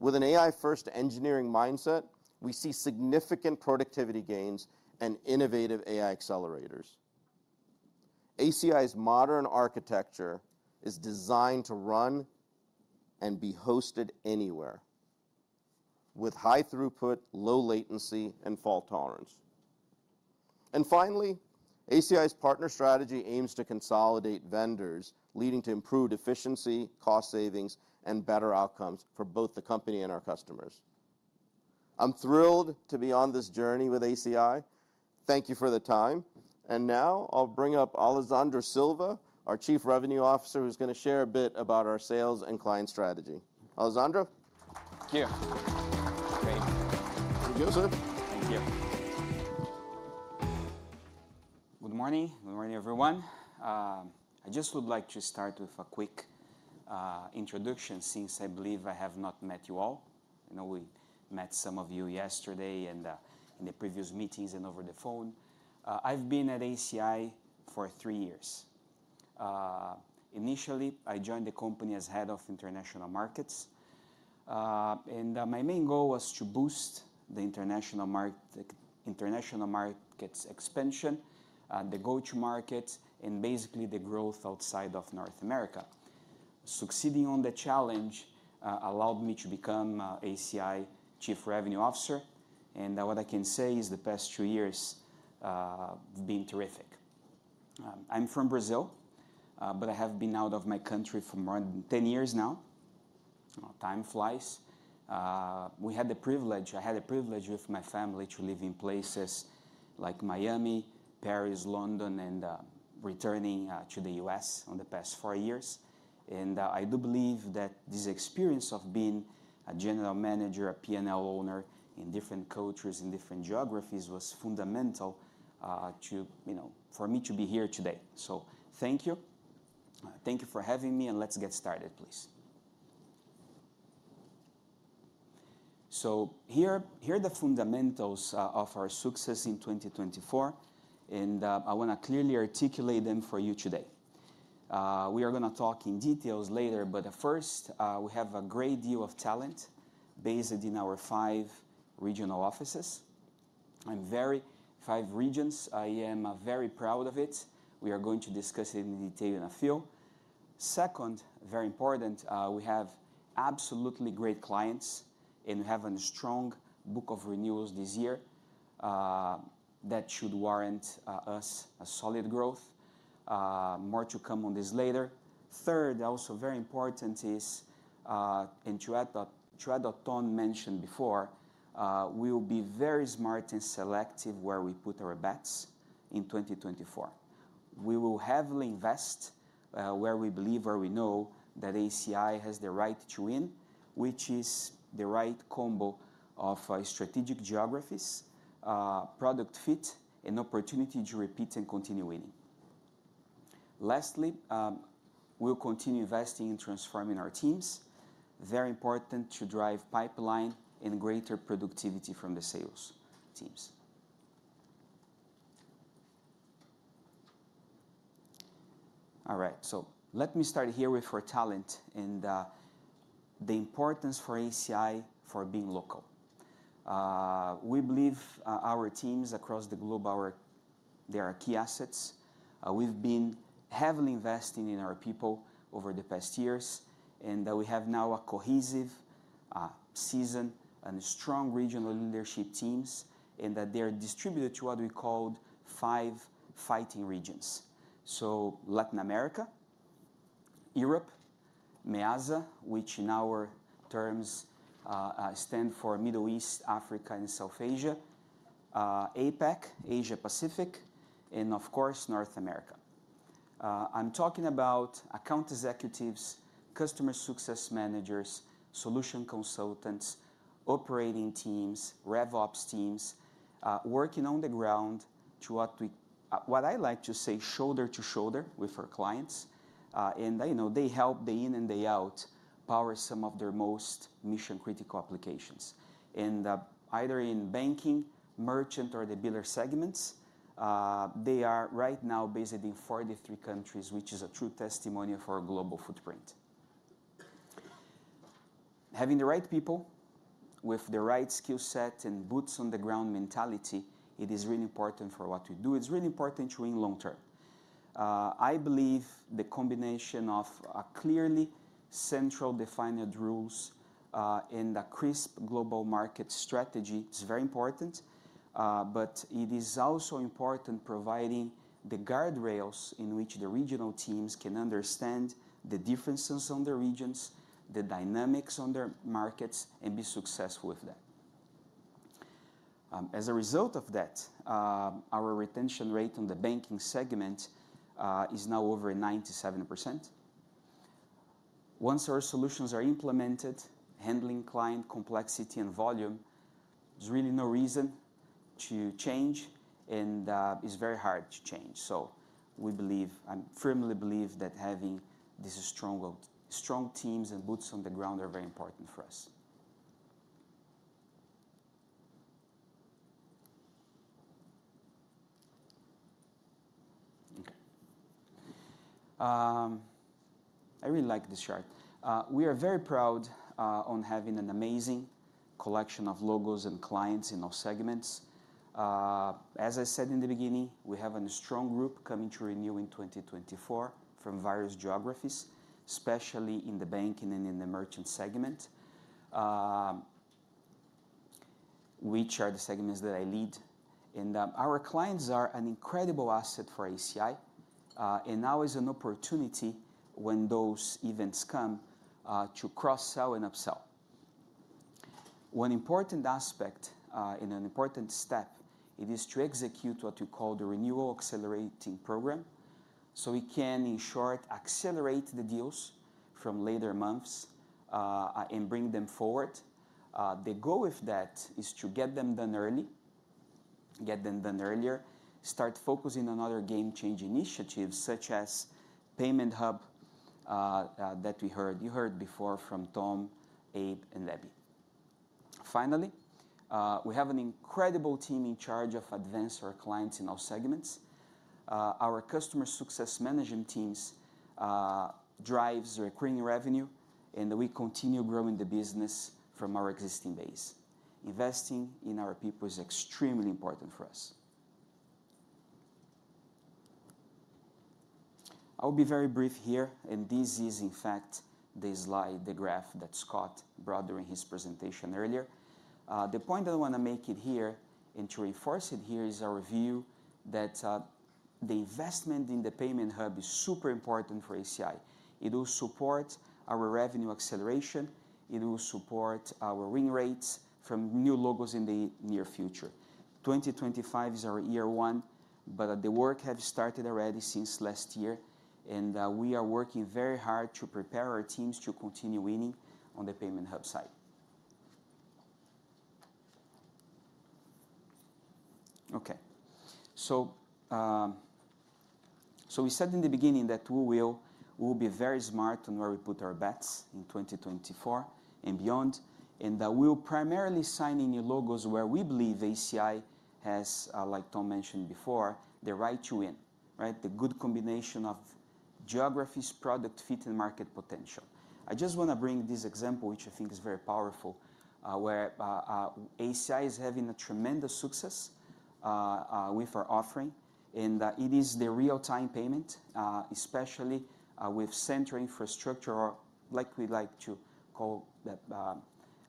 With an AI-first engineering mindset, we see significant productivity gains and innovative AI accelerators. ACI's modern architecture is designed to run and be hosted anywhere, with high throughput, low latency, and fault tolerance. And finally, ACI's partner strategy aims to consolidate vendors, leading to improved efficiency, cost savings, and better outcomes for both the company and our customers. I'm thrilled to be on this journey with ACI. Thank you for the time. Now, I'll bring up Alessandro Silva, our Chief Revenue Officer, who's gonna share a bit about our sales and client strategy. Alessandro?
Thank you. Great.
Here you go, sir.
Thank you. Good morning. Good morning, everyone. I just would like to start with a quick introduction since I believe I have not met you all. I know we met some of you yesterday and in the previous meetings and over the phone. I've been at ACI for three years. Initially, I joined the company as head of international markets. And my main goal was to boost the international market international markets' expansion, the go-to markets, and basically the growth outside of North America. Succeeding on the challenge allowed me to become ACI's Chief Revenue Officer. What I can say is the past two years have been terrific. I'm from Brazil, but I have been out of my country for more than 10 years now. Time flies. We had the privilege. I had the privilege with my family to live in places like Miami, Paris, London, and returning to the U.S. in the past 4 years. I do believe that this experience of being a general manager, a P&L owner in different countries, in different geographies was fundamental to, you know, for me to be here today. So thank you. Thank you for having me, and let's get started, please. So here, here are the fundamentals of our success in 2024. I wanna clearly articulate them for you today. We are gonna talk in detail later, but first, we have a great deal of talent based in our 5 regional offices. I'm very 5 regions. I am very proud of it. We are going to discuss it in detail in a few. Second, very important, we have absolutely great clients, and we have a strong book of renewals this year, that should warrant us a solid growth. More to come on this later. Third, also very important is, and Ron mentioned before, we will be very smart and selective where we put our bets in 2024. We will heavily invest, where we believe, where we know that ACI has the right to win, which is the right combo of strategic geographies, product fit, and opportunity to repeat and continue winning. Lastly, we'll continue investing in transforming our teams. Very important to drive pipeline and greater productivity from the sales teams. All right. So let me start here with our talent and the importance for ACI for being local. We believe our teams across the globe, they are key assets. We've been heavily investing in our people over the past years, and that we have now a cohesive, seasoned, and strong regional leadership teams, and that they are distributed to what we call five fighting regions. So Latin America, Europe, MEASA, which in our terms, stands for Middle East, Africa, and South Asia, APAC, Asia-Pacific, and, of course, North America. I'm talking about account executives, customer success managers, solution consultants, operating teams, RevOps teams, working on the ground to what I like to say shoulder to shoulder with our clients. And, you know, they help day in and day out power some of their most mission-critical applications. And, either in banking, merchant, or the biller segments, they are right now based in 43 countries, which is a true testimony of our global footprint. Having the right people with the right skill set and boots-on-the-ground mentality, it is really important for what we do. It's really important to win long term. I believe the combination of clearly central, defined rules, and a crisp global market strategy is very important. But it is also important providing the guardrails in which the regional teams can understand the differences in the regions, the dynamics in their markets, and be successful with that. As a result of that, our retention rate in the banking segment is now over 97%. Once our solutions are implemented, handling client complexity and volume, there's really no reason to change, and it's very hard to change. So we believe I firmly believe that having these strong teams and boots-on-the-ground are very important for us. Okay. I really like this chart. We are very proud of having an amazing collection of logos and clients in all segments. As I said in the beginning, we have a strong group coming to renew in 2024 from various geographies, especially in the banking and in the merchant segment, which are the segments that I lead. Our clients are an incredible asset for ACI, and now is an opportunity when those events come, to cross-sell and upsell. One important aspect, and an important step, it is to execute what we call the renewal accelerating program so we can, in short, accelerate the deals from later months, and bring them forward. The goal with that is to get them done early, get them done earlier, start focusing on other game-changing initiatives such as Payment Hub, that we heard you heard before from Tom, Abe, and Debbie. Finally, we have an incredible team in charge of advancing our clients in all segments. Our customer success management teams drive recurring revenue, and we continue growing the business from our existing base. Investing in our people is extremely important for us. I'll be very brief here, and this is, in fact, the slide, the graph that Scott brought during his presentation earlier. The point that I wanna make here and to reinforce it here is our view that the investment in the Payments Hub is super important for ACI. It will support our revenue acceleration. It will support our win rates from new logos in the near future. 2025 is our year one, but the work has started already since last year, and we are working very hard to prepare our teams to continue winning on the Payments Hub side. Okay. So, we said in the beginning that we will be very smart on where we put our bets in 2024 and beyond, and that we'll primarily sign in new logos where we believe ACI has, like Tom mentioned before, the right to win, right? The good combination of geographies, product fit, and market potential. I just wanna bring this example, which I think is very powerful, where ACI is having a tremendous success with our offering, and it is the real-time payment, especially with central infrastructure or like we like to call that,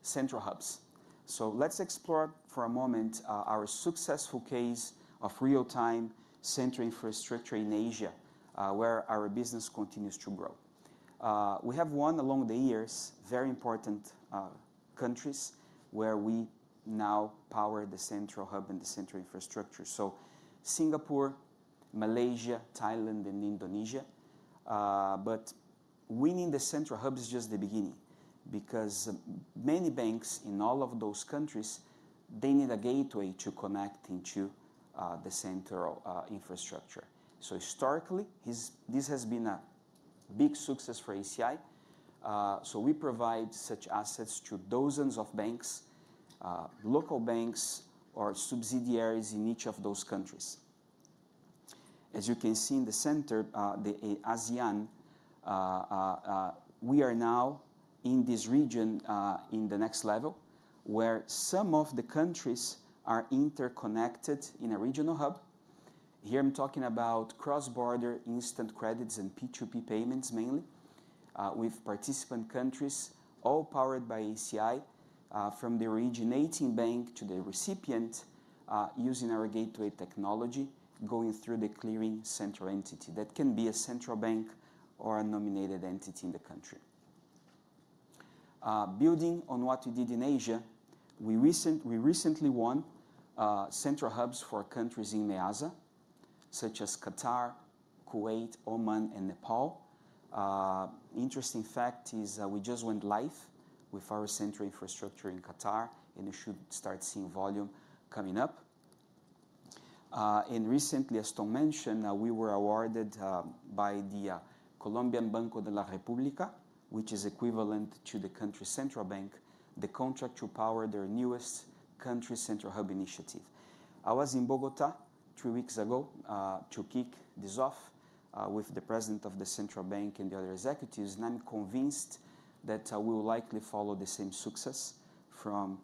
central hubs. So let's explore for a moment our successful case of real-time central infrastructure in Asia, where our business continues to grow. We have won along the years very important countries where we now power the central hub and the central infrastructure. So Singapore, Malaysia, Thailand, and Indonesia. But winning the central hub is just the beginning because many banks in all of those countries they need a gateway to connect into the central infrastructure. So historically, this has been a big success for ACI. So we provide such assets to dozens of banks, local banks, or subsidiaries in each of those countries. As you can see in the center, the ASEAN, we are now in this region in the next level where some of the places are interconnected in a regional hub. Here, I'm talking about cross-border instant credits and P2P payments mainly, with participant countries all powered by ACI, from the originating bank to the recipient, using our gateway technology, going through the clearing central entity. That can be a central bank or a nominated entity in the country. Building on what we did in Asia, we recently won central hubs for countries in MEASA such as Qatar, Kuwait, Oman, and Nepal. Interesting fact is, we just went live with our central infrastructure in Qatar, and you should start seeing volume coming up. And recently, as Tom mentioned, we were awarded by the Colombian Banco de la República, which is equivalent to the country's central bank, the contract to power their newest country central hub initiative. I was in Bogotá three weeks ago to kick this off with the president of the central bank and the other executives, and I'm convinced that we will likely follow the same success from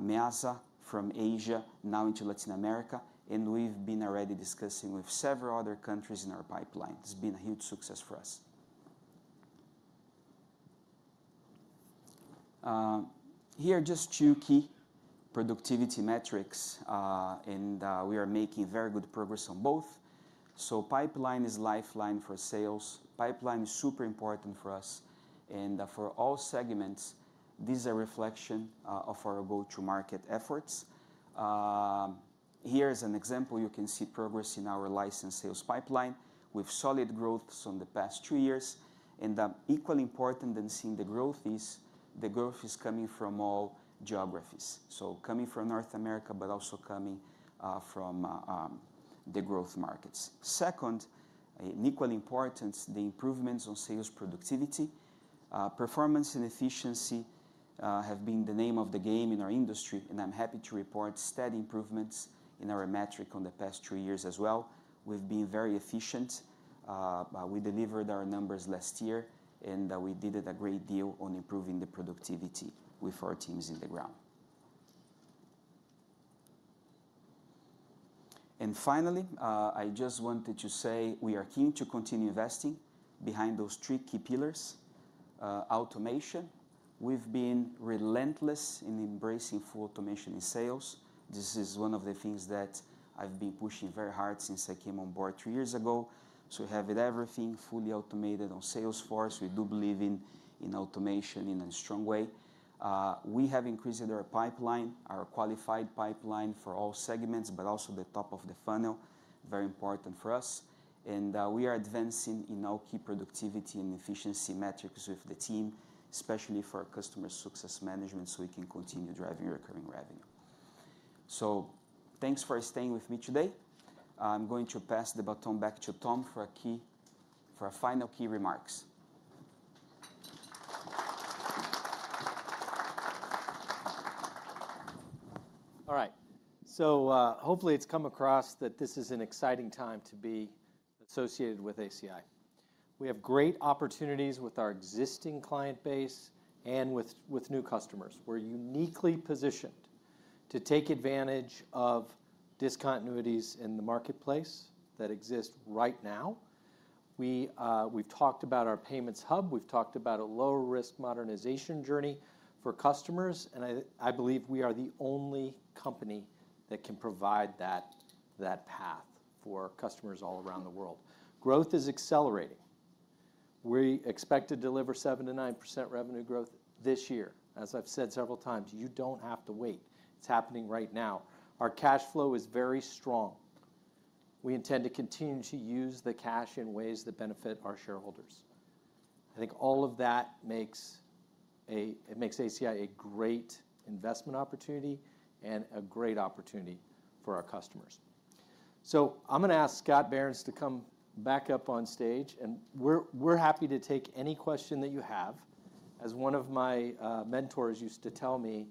MEASA, from Asia now into Latin America, and we've been already discussing with several other countries in our pipeline. It's been a huge success for us. Here are just two key productivity metrics, and we are making very good progress on both. So pipeline is lifeline for sales. Pipeline is super important for us, and for all segments, these are reflections of our go-to-market efforts. Here is an example. You can see progress in our license sales pipeline with solid growths in the past two years. And equally important than seeing the growth is the growth is coming from all geographies. So coming from North America, but also coming from the growth markets. Second, in equal importance, the improvements on sales productivity, performance and efficiency, have been the name of the game in our industry, and I'm happy to report steady improvements in our metric on the past two years as well. We've been very efficient. We delivered our numbers last year, and we did a great deal on improving the productivity with our teams in the ground. Finally, I just wanted to say we are keen to continue investing behind those three key pillars, automation. We've been relentless in embracing full automation in sales. This is one of the things that I've been pushing very hard since I came on board three years ago. So we have everything fully automated on Salesforce. We do believe in, in automation in a strong way. We have increased our pipeline, our qualified pipeline for all segments, but also the top of the funnel, very important for us. We are advancing in all key productivity and efficiency metrics with the team, especially for our customer success management so we can continue driving recurring revenue. So thanks for staying with me today. I'm going to pass the baton back to Tom for a final key remarks.
All right. So, hopefully, it's come across that this is an exciting time to be associated with ACI. We have great opportunities with our existing client base and with, with new customers. We're uniquely positioned to take advantage of discontinuities in the marketplace that exist right now. We, we've talked about our Payments Hub. We've talked about a low-risk modernization journey for customers, and I, I believe we are the only company that can provide that, that path for customers all around the world. Growth is accelerating. We expect to deliver 7%-9% revenue growth this year. As I've said several times, you don't have to wait. It's happening right now. Our cash flow is very strong. We intend to continue to use the cash in ways that benefit our shareholders. I think all of that makes it makes ACI a great investment opportunity and a great opportunity for our customers. So I'm gonna ask Scott Behrens to come back up on stage, and we're happy to take any question that you have. As one of my mentors used to tell me,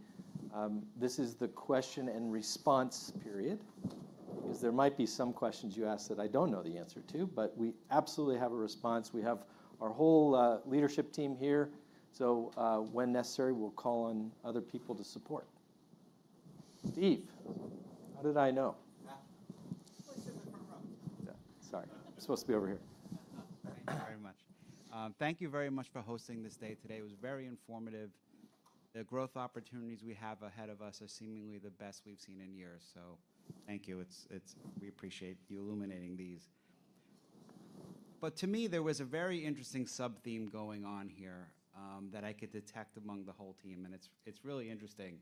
this is the question and response period because there might be some questions you ask that I don't know the answer to, but we absolutely have a response. We have our whole leadership team here. So, when necessary, we'll call on other people to support. Debbie, how did I know?
Yeah.
Please sit in the front row.
Yeah. Sorry. It's supposed to be over here. Thank you very much. Thank you very much for hosting this day today. It was very informative. The growth opportunities we have ahead of us are seemingly the best we've seen in years. So thank you. It's, it's we appreciate you illuminating these. But to me, there was a very interesting subtheme going on here, that I could detect among the whole team, and it's, it's really interesting.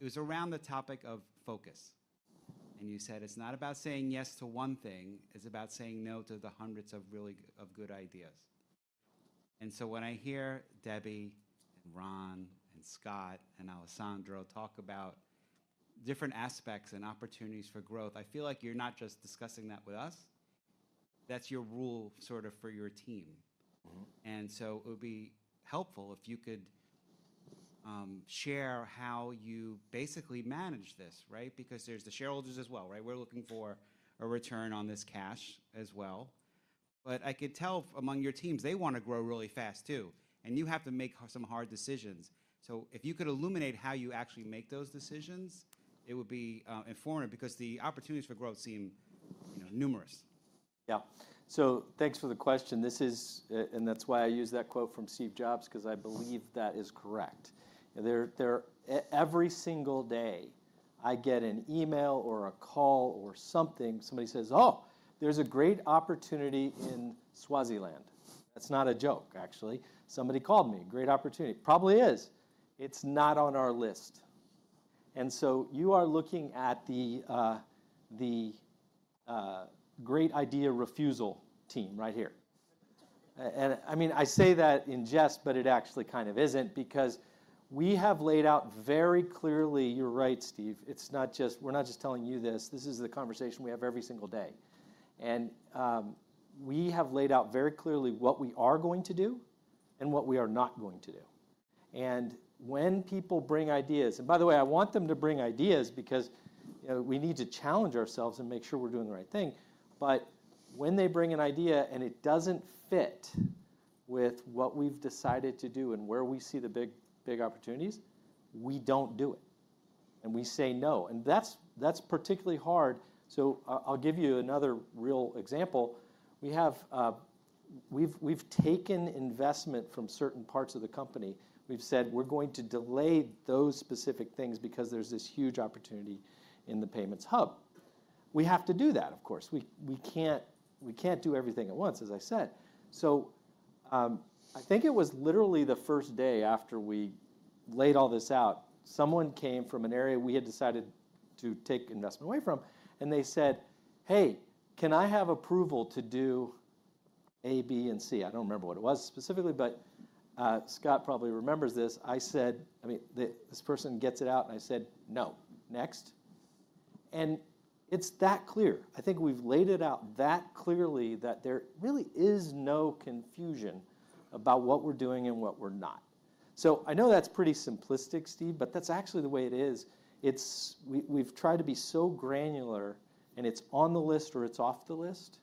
It was around the topic of focus. And you said it's not about saying yes to one thing. It's about saying no to the hundreds of really good of good ideas. And so when I hear Debbie and Ron and Scott and Alessandro talk about different aspects and opportunities for growth, I feel like you're not just discussing that with us. That's your rule sort of for your team. So it would be helpful if you could share how you basically manage this, right? Because there's the shareholders as well, right? We're looking for a return on this cash as well. But I could tell among your teams, they wanna grow really fast too, and you have to make some hard decisions. So if you could illuminate how you actually make those decisions, it would be informative because the opportunities for growth seem, you know, numerous.
Yeah. So thanks for the question. This is, and that's why I use that quote from Steve Jobs 'cause I believe that is correct. You know, there every single day, I get an email or a call or something. Somebody says, "Oh, there's a great opportunity in Swaziland." That's not a joke, actually. Somebody called me. Great opportunity. Probably is. It's not on our list. And so you are looking at the great idea refusal team right here. And I mean, I say that in jest, but it actually kind of isn't because we have laid out very clearly you're right, Steve. It's not just we're not just telling you this. This is the conversation we have every single day. And we have laid out very clearly what we are going to do and what we are not going to do. When people bring ideas and by the way, I want them to bring ideas because, you know, we need to challenge ourselves and make sure we're doing the right thing. But when they bring an idea and it doesn't fit with what we've decided to do and where we see the big, big opportunities, we don't do it, and we say no. And that's particularly hard. So I'll give you another real example. We've taken investment from certain parts of the company. We've said, "We're going to delay those specific things because there's this huge opportunity in the Payments Hub." We have to do that, of course. We can't do everything at once, as I said. So, I think it was literally the first day after we laid all this out, someone came from an area we had decided to take investment away from, and they said "Hey, can I have approval to do A, B, and C?" I don't remember what it was specifically, but Scott probably remembers this. I said I mean, this person gets it out, and I said, "No. Next." And it's that clear. I think we've laid it out that clearly that there really is no confusion about what we're doing and what we're not. So I know that's pretty simplistic, Steve, but that's actually the way it is. It's we've tried to be so granular, and it's on the list or it's off the list,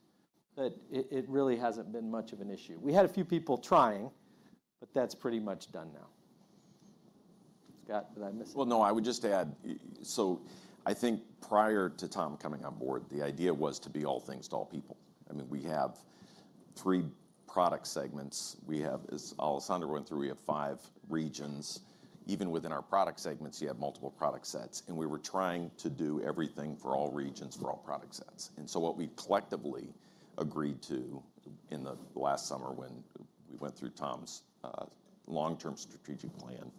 but it really hasn't been much of an issue. We had a few people trying, but that's pretty much done now. Scott, did I miss it?
Well, no. I would just add so I think prior to Tom coming on board, the idea was to be all things to all people. I mean, we have three product segments. We have, as Alessandro went through, we have five regions. Even within our product segments, you have multiple product sets. And we were trying to do everything for all regions, for all product sets. And so what we collectively agreed to in the last summer when we went through Tom's long-term strategic plan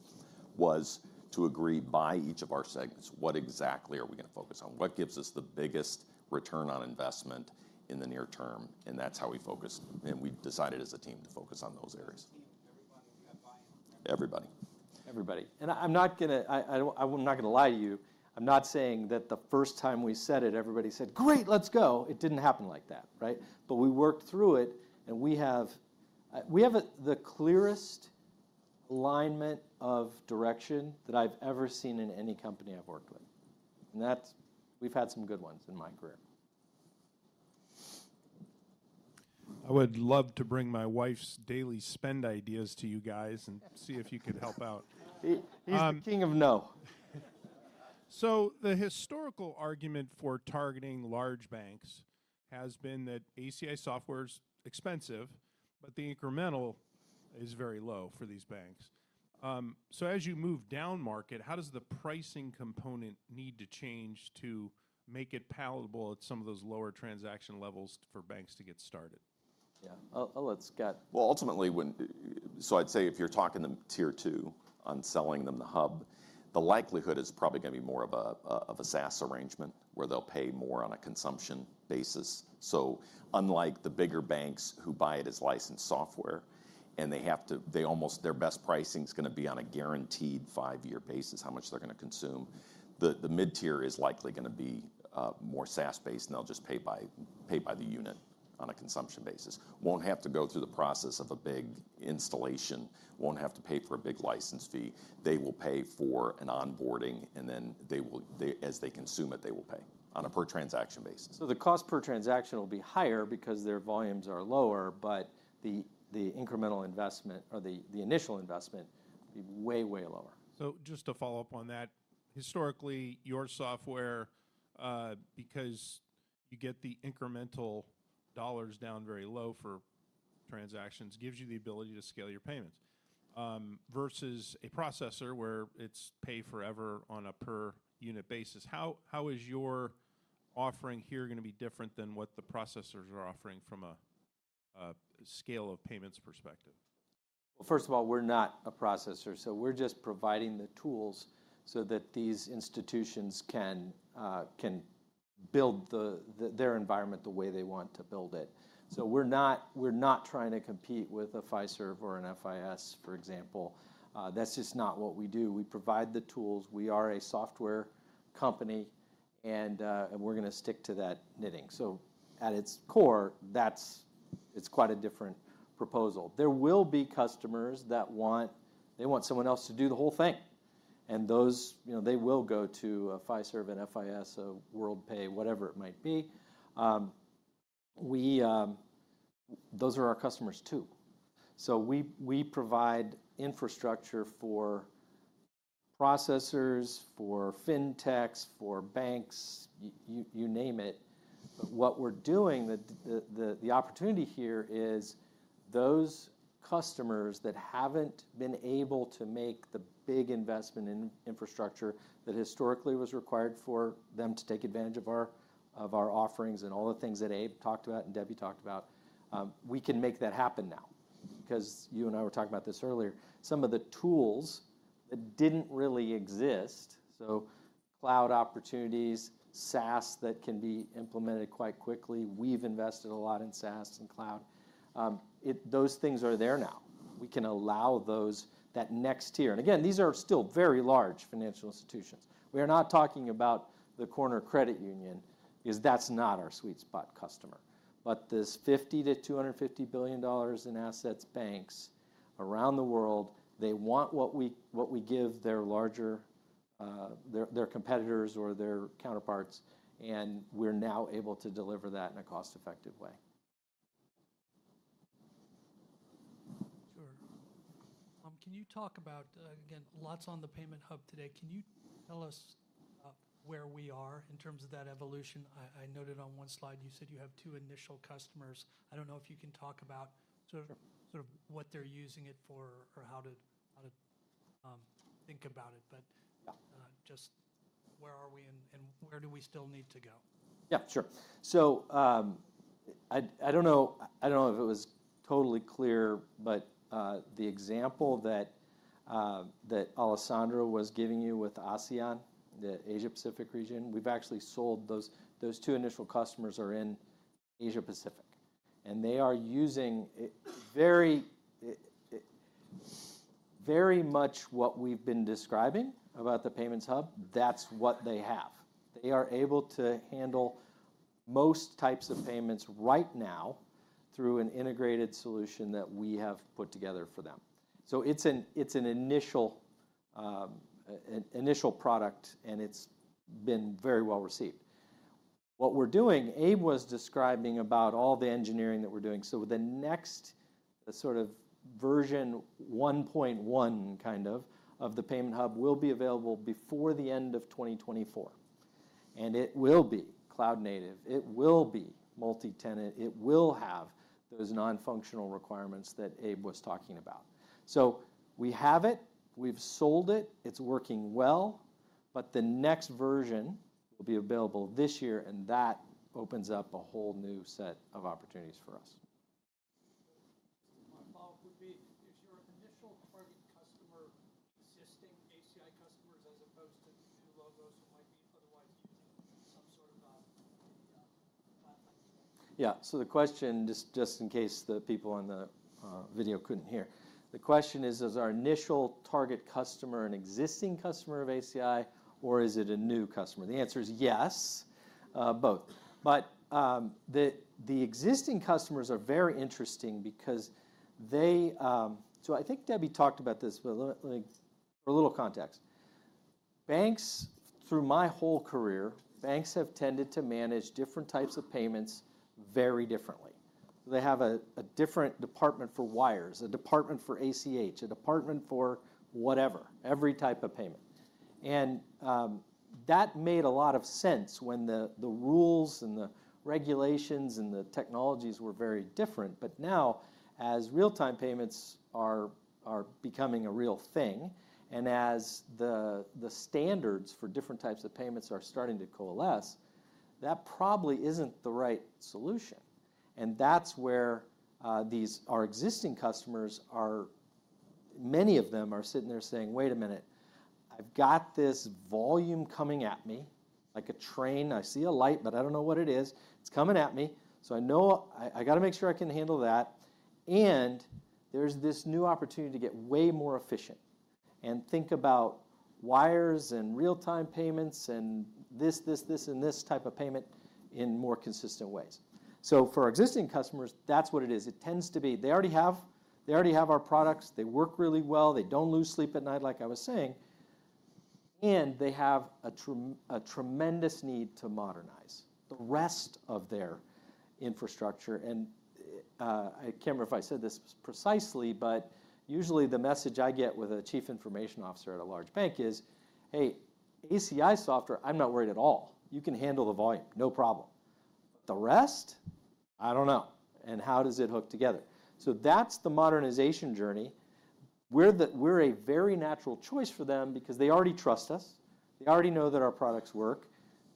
was to agree by each of our segments what exactly are we gonna focus on, what gives us the biggest return on investment in the near term. And that's how we focused. And we decided as a team to focus on those areas. Everybody. We have buy-in. Everybody.
Everybody. And I'm not gonna lie to you. I'm not saying that the first time we said it, everybody said, "Great. Let's go." It didn't happen like that, right? But we worked through it, and we have the clearest alignment of direction that I've ever seen in any company I've worked with. And that's. We've had some good ones in my career.
I would love to bring my wife's daily spend ideas to you guys and see if you could help out. So the historical argument for targeting large banks has been that ACI software's expensive, but the incremental is very low for these banks. So as you move down market, how does the pricing component need to change to make it palatable at some of those lower transaction levels for banks to get started?
Yeah. I'll let Scott.
Well, ultimately, I'd say if you're talking the tier two on selling them the hub, the likelihood is probably gonna be more of a SaaS arrangement where they'll pay more on a consumption basis. So unlike the bigger banks who buy it as licensed software, and they have to almost their best pricing's gonna be on a guaranteed five-year basis how much they're gonna consume, the mid-tier is likely gonna be more SaaS-based, and they'll just pay by the unit on a consumption basis. Won't have to go through the process of a big installation. Won't have to pay for a big license fee. They will pay for an onboarding, and then they as they consume it, they will pay on a per-transaction basis.
So the cost per transaction will be higher because their volumes are lower, but the incremental investment or the initial investment will be way, way lower.
So just to follow up on that, historically, your software, because you get the incremental dollars down very low for transactions, gives you the ability to scale your payments, versus a processor where it's pay forever on a per-unit basis. How, how is your offering here gonna be different than what the processors are offering from a, a scale of payments perspective?
Well, first of all, we're not a processor. So we're just providing the tools so that these institutions can build their environment the way they want to build it. So we're not trying to compete with a Fiserv or an FIS, for example. That's just not what we do. We provide the tools. We are a software company, and we're gonna stick to that knitting. So at its core, that's quite a different proposal. There will be customers that want someone else to do the whole thing. And those, you know, they will go to a Fiserv, an FIS, a Worldpay, whatever it might be. We, those are our customers too. So we provide infrastructure for processors, for fintechs, for banks. You name it. But what we're doing, the opportunity here is those customers that haven't been able to make the big investment in infrastructure that historically was required for them to take advantage of our offerings and all the things that Abe talked about and Debbie talked about, we can make that happen now because you and I were talking about this earlier. Some of the tools that didn't really exist, so cloud opportunities, SaaS that can be implemented quite quickly. We've invested a lot in SaaS and cloud. Those things are there now. We can allow those next tier. And again, these are still very large financial institutions. We are not talking about the corner credit union because that's not our sweet spot customer. But this $50 to $250 billion in assets, banks around the world, they want what we give their larger, their competitors or their counterparts, and we're now able to deliver that in a cost-effective way.
Sure. Can you talk about, again, lots on the Payments Hub today? Can you tell us where we are in terms of that evolution? I, I noted on one slide, you said you have two initial customers. I don't know if you can talk about sort of.
Sure.
Sort of what they're using it for or how to think about it. But.
Yeah.
Just where are we, and, and where do we still need to go?
Yeah. Sure. So, I don't know if it was totally clear, but the example that Alessandro was giving you with ASEAN, the Asia-Pacific region, we've actually sold those two initial customers are in Asia-Pacific. And they are using it very much what we've been describing about the Payments Hub. That's what they have. They are able to handle most types of payments right now through an integrated solution that we have put together for them. So it's an initial product, and it's been very well received. What we're doing Abe was describing about all the engineering that we're doing. So the next sort of version 1.1 kind of the Payments Hub will be available before the end of 2024. And it will be cloud-native. It will be multi-tenant. It will have those nonfunctional requirements that Abe was talking about. So we have it. We've sold it. It's working well. But the next version will be available this year, and that opens up a whole new set of opportunities for us.
My follow-up would be if your initial target customer existing ACI customers as opposed to the new logo so might be otherwise using some sort of cloud-type feature.
Yeah. So the question just, just in case the people on the video couldn't hear. The question is, is our initial target customer an existing customer of ACI, or is it a new customer? The answer is yes, both. But the existing customers are very interesting because they, so I think Debbie talked about this, but let me, let me for a little context. Banks through my whole career, banks have tended to manage different types of payments very differently. They have a different department for wires, a department for ACH, a department for whatever, every type of payment. And that made a lot of sense when the rules and the regulations and the technologies were very different. But now, as real-time payments are becoming a real thing, and as the standards for different types of payments are starting to coalesce, that probably isn't the right solution. And that's where our existing customers are, many of them are sitting there saying, "Wait a minute. I've got this volume coming at me like a train. I see a light, but I don't know what it is. It's coming at me. So I know I gotta make sure I can handle that." And there's this new opportunity to get way more efficient and think about wires and real-time payments and this type of payment in more consistent ways. So for existing customers, that's what it is. It tends to be they already have our products. They work really well. They don't lose sleep at night, like I was saying. They have a tremendous need to modernize the rest of their infrastructure. I can't remember if I said this precisely, but usually, the message I get with a chief information officer at a large bank is, "Hey, ACI software, I'm not worried at all. You can handle the volume. No problem. But the rest, I don't know. And how does it hook together?" So that's the modernization journey. We're a very natural choice for them because they already trust us. They already know that our products work.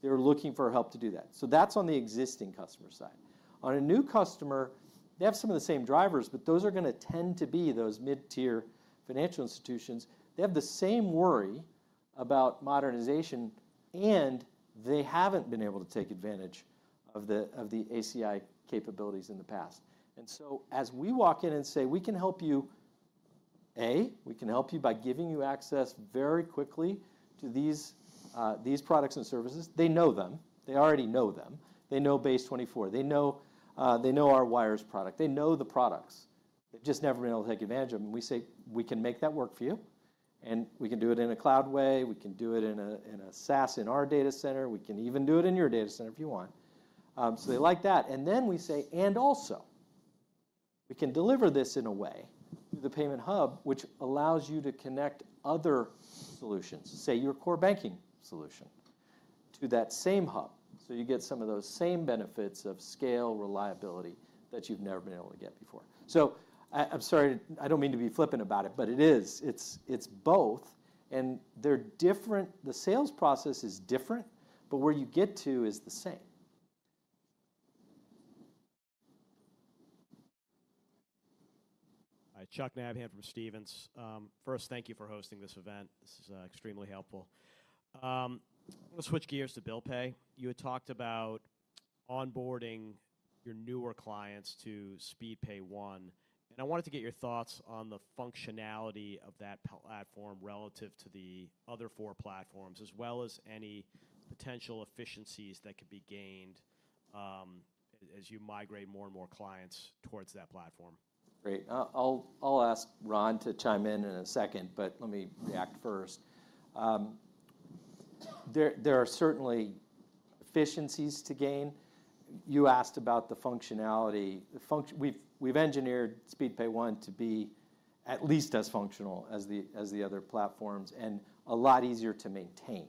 They're looking for help to do that. So that's on the existing customer side. On a new customer, they have some of the same drivers, but those are gonna tend to be those mid-tier financial institutions. They have the same worry about modernization, and they haven't been able to take advantage of the ACI capabilities in the past. And so as we walk in and say, "We can help you, we can help you by giving you access very quickly to these products and services," they know them. They already know them. They know BASE24. They know our wires product. They know the products. They've just never been able to take advantage of them. And we say, "We can make that work for you. And we can do it in a cloud way. We can do it in a SaaS in our data center. We can even do it in your data center if you want." So they like that. And then we say, "And also, we can deliver this in a way through the Payments Hub, which allows you to connect other solutions, say, your core banking solution, to that same hub." So you get some of those same benefits of scale, reliability that you've never been able to get before. So I'm sorry. I don't mean to be flippant about it, but it is. It's, it's both. And they're different the sales process is different, but where you get to is the same.
Hi. Chuck Nabhan from Stephens. First, thank you for hosting this event. This is extremely helpful. I'm gonna switch gears to Bill Pay. You had talked about onboarding your newer clients Speedpay One. i wanted to get your thoughts on the functionality of that platform relative to the other four platforms as well as any potential efficiencies that could be gained, as you migrate more and more clients towards that platform.
Great. I'll ask Ron to chime in in a second, but let me react first. There are certainly efficiencies to gain. You asked about the functionality. The function we've Speedpay One to be at least as functional as the other platforms and a lot easier to maintain.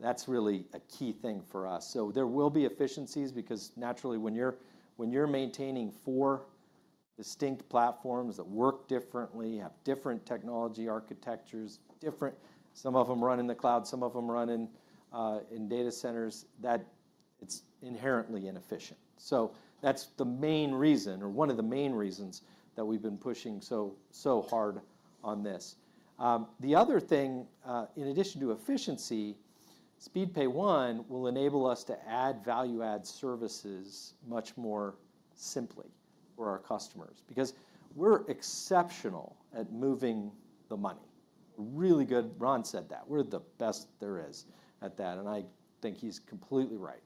That's really a key thing for us. So there will be efficiencies because naturally, when you're maintaining four distinct platforms that work differently, have different technology architectures, different some of them run in the cloud. Some of them run in data centers. That's inherently inefficient. So that's the main reason or one of the main reasons that we've been pushing so hard on this. The other thing, in addition to Speedpay One will enable us to add value-add services much more simply for our customers because we're exceptional at moving the money. Really good. Ron said that. We're the best there is at that. And I think he's completely right.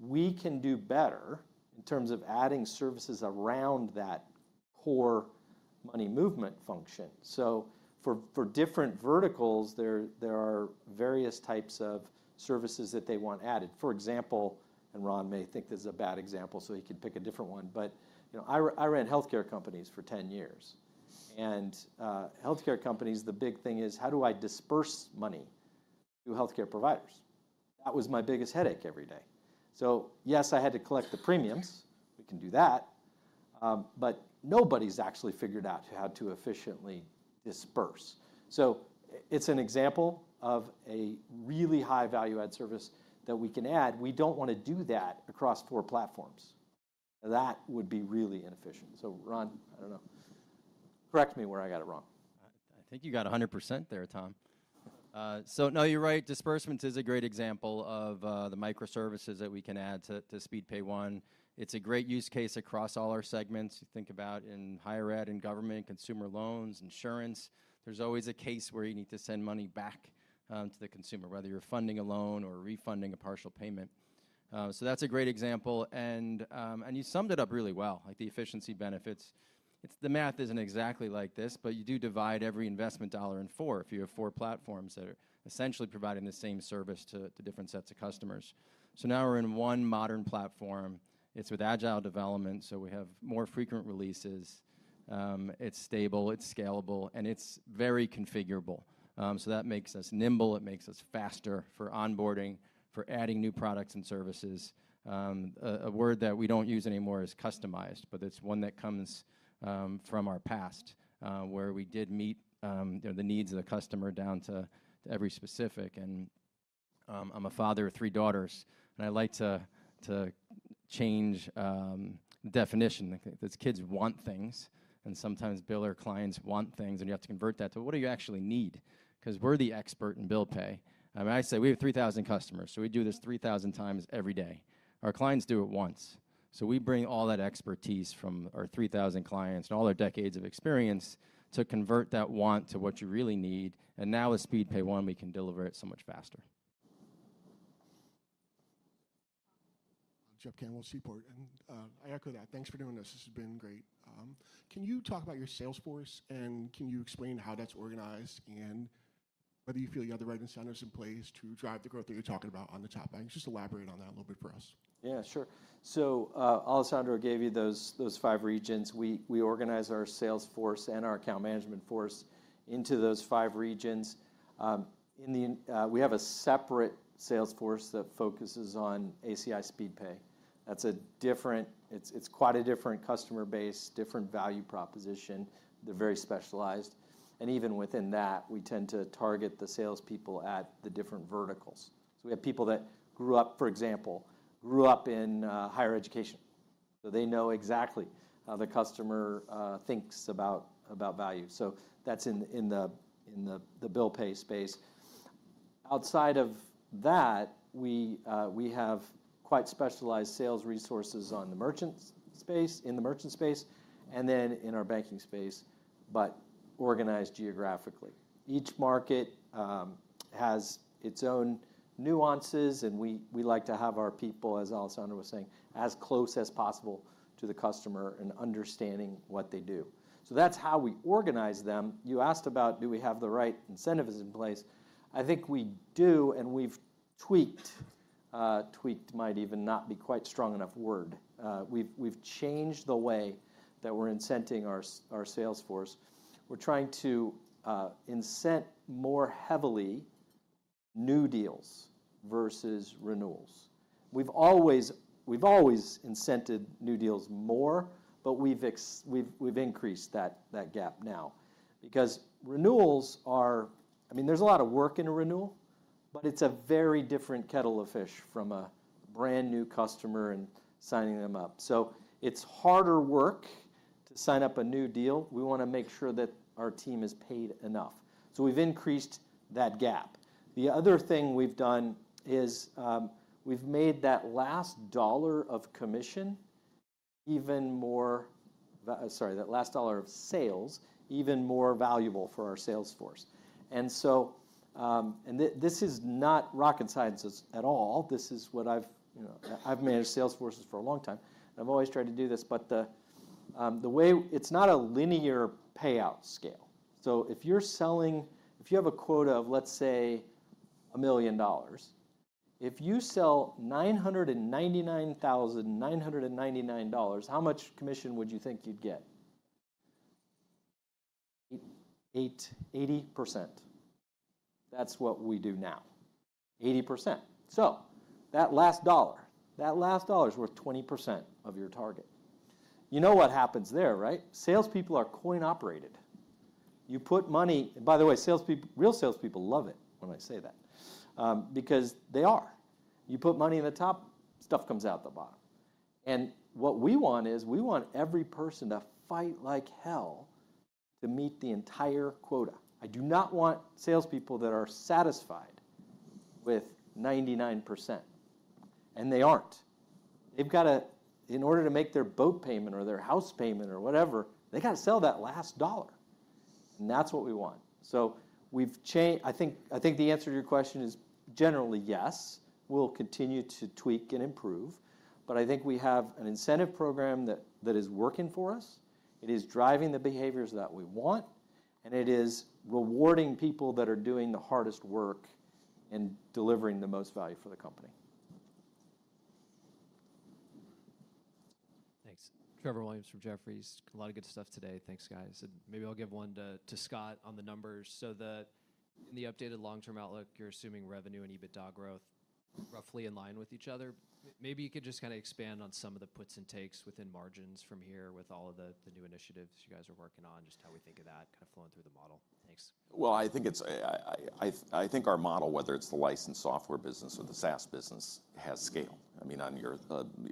We can do better in terms of adding services around that core money movement function. So for different verticals, there are various types of services that they want added. For example, and Ron may think this is a bad example, so he can pick a different one. But, you know, I ran healthcare companies for 10 years. And, healthcare companies, the big thing is, how do I disperse money to healthcare providers? That was my biggest headache every day. So yes, I had to collect the premiums. We can do that. But nobody's actually figured out how to efficiently disperse. So it's an example of a really high value-add service that we can add. We don't wanna do that across four platforms. That would be really inefficient. So Ron, I don't know. Correct me where I got it wrong.
I think you got 100% there, Tom. So no, you're right. Disbursement is a great example of the microservices that we can add Speedpay One. it's a great use case across all our segments. You think about in higher ed, in government, consumer loans, insurance. There's always a case where you need to send money back to the consumer, whether you're funding a loan or refunding a partial payment. So that's a great example. And you summed it up really well, like the efficiency benefits. It's the math isn't exactly like this, but you do divide every investment dollar in four if you have four platforms that are essentially providing the same service to different sets of customers. So now we're in one modern platform. It's with agile development, so we have more frequent releases. It's stable. It's scalable. And it's very configurable. So that makes us nimble. It makes us faster for onboarding, for adding new products and services. A word that we don't use anymore is customized, but it's one that comes from our past, where we did meet, you know, the needs of the customer down to every specific. And I'm a father of three daughters, and I like to change the definition. I think that kids want things. And sometimes, billers or clients want things, and you have to convert that to, "What do you actually need?" 'Cause we're the expert in bill pay. I mean, I say, "We have 3,000 customers, so we do this 3,000 times every day." Our clients do it once. So we bring all that expertise from our 3,000 clients and all our decades of experience to convert that want to what you really need. Now Speedpay One, we can deliver it so much faster.
I'm Jeff Campbell, Seaport. I echo that. Thanks for doing this. This has been great. Can you talk about your sales force, and can you explain how that's organized and whether you feel you have the right incentives in place to drive the growth that you're talking about on the top end? Just elaborate on that a little bit for us.
Yeah. Sure. So, Alessandro gave you those five regions. We organize our sales force and our account management force into those five regions. In that, we have a separate sales force that focuses ACI Speedpay. that's different. It's quite a different customer base, different value proposition. They're very specialized. And even within that, we tend to target the salespeople at the different verticals. So we have people that, for example, grew up in higher education. So they know exactly the customer thinks about value. So that's in the Bill Pay space. Outside of that, we have quite specialized sales resources on the merchant space and then in our banking space but organized geographically. Each market has its own nuances. We like to have our people, as Alessandro was saying, as close as possible to the customer and understanding what they do. So that's how we organize them. You asked about do we have the right incentives in place? I think we do. We've tweaked. Tweaked might even not be quite strong enough word. We've changed the way that we're incenting our sales force. We're trying to incent more heavily new deals versus renewals. We've always incented new deals more, but we've increased that gap now because renewals are I mean, there's a lot of work in a renewal, but it's a very different kettle of fish from a brand new customer and signing them up. So it's harder work to sign up a new deal. We wanna make sure that our team is paid enough. So we've increased that gap. The other thing we've done is, we've made that last dollar of commission even more, sorry, that last dollar of sales even more valuable for our salesforce. And so, this is not rocket science at all. This is what I've, you know, I've managed salesforces for a long time. And I've always tried to do this. But the way it's not a linear payout scale. So if you have a quota of, let's say, $1 million, if you sell $999,999, how much commission would you think you'd get? 80%. That's what we do now, 80%. So that last dollar is worth 20% of your target. You know what happens there, right? Salespeople are coin-operated. You put money by the way, salespeople real salespeople love it when I say that, because they are. You put money in the top, stuff comes out the bottom. What we want is we want every person to fight like hell to meet the entire quota. I do not want salespeople that are satisfied with 99%. They aren't. They've gotta, in order to make their boat payment or their house payment or whatever, they gotta sell that last dollar. That's what we want. So we've changed. I think the answer to your question is generally yes. We'll continue to tweak and improve. But I think we have an incentive program that is working for us. It is driving the behaviors that we want. It is rewarding people that are doing the hardest work and delivering the most value for the company.
Thanks. Trevor Williams from Jefferies. A lot of good stuff today. Thanks, guys. And maybe I'll give one to Scott on the numbers so that in the updated long-term outlook, you're assuming revenue and EBITDA growth roughly in line with each other. Maybe you could just kinda expand on some of the puts and takes within margins from here with all of the new initiatives you guys are working on, just how we think of that kinda flowing through the model. Thanks.
Well, I think our model, whether it's the licensed software business or the SaaS business, has scale. I mean, on your,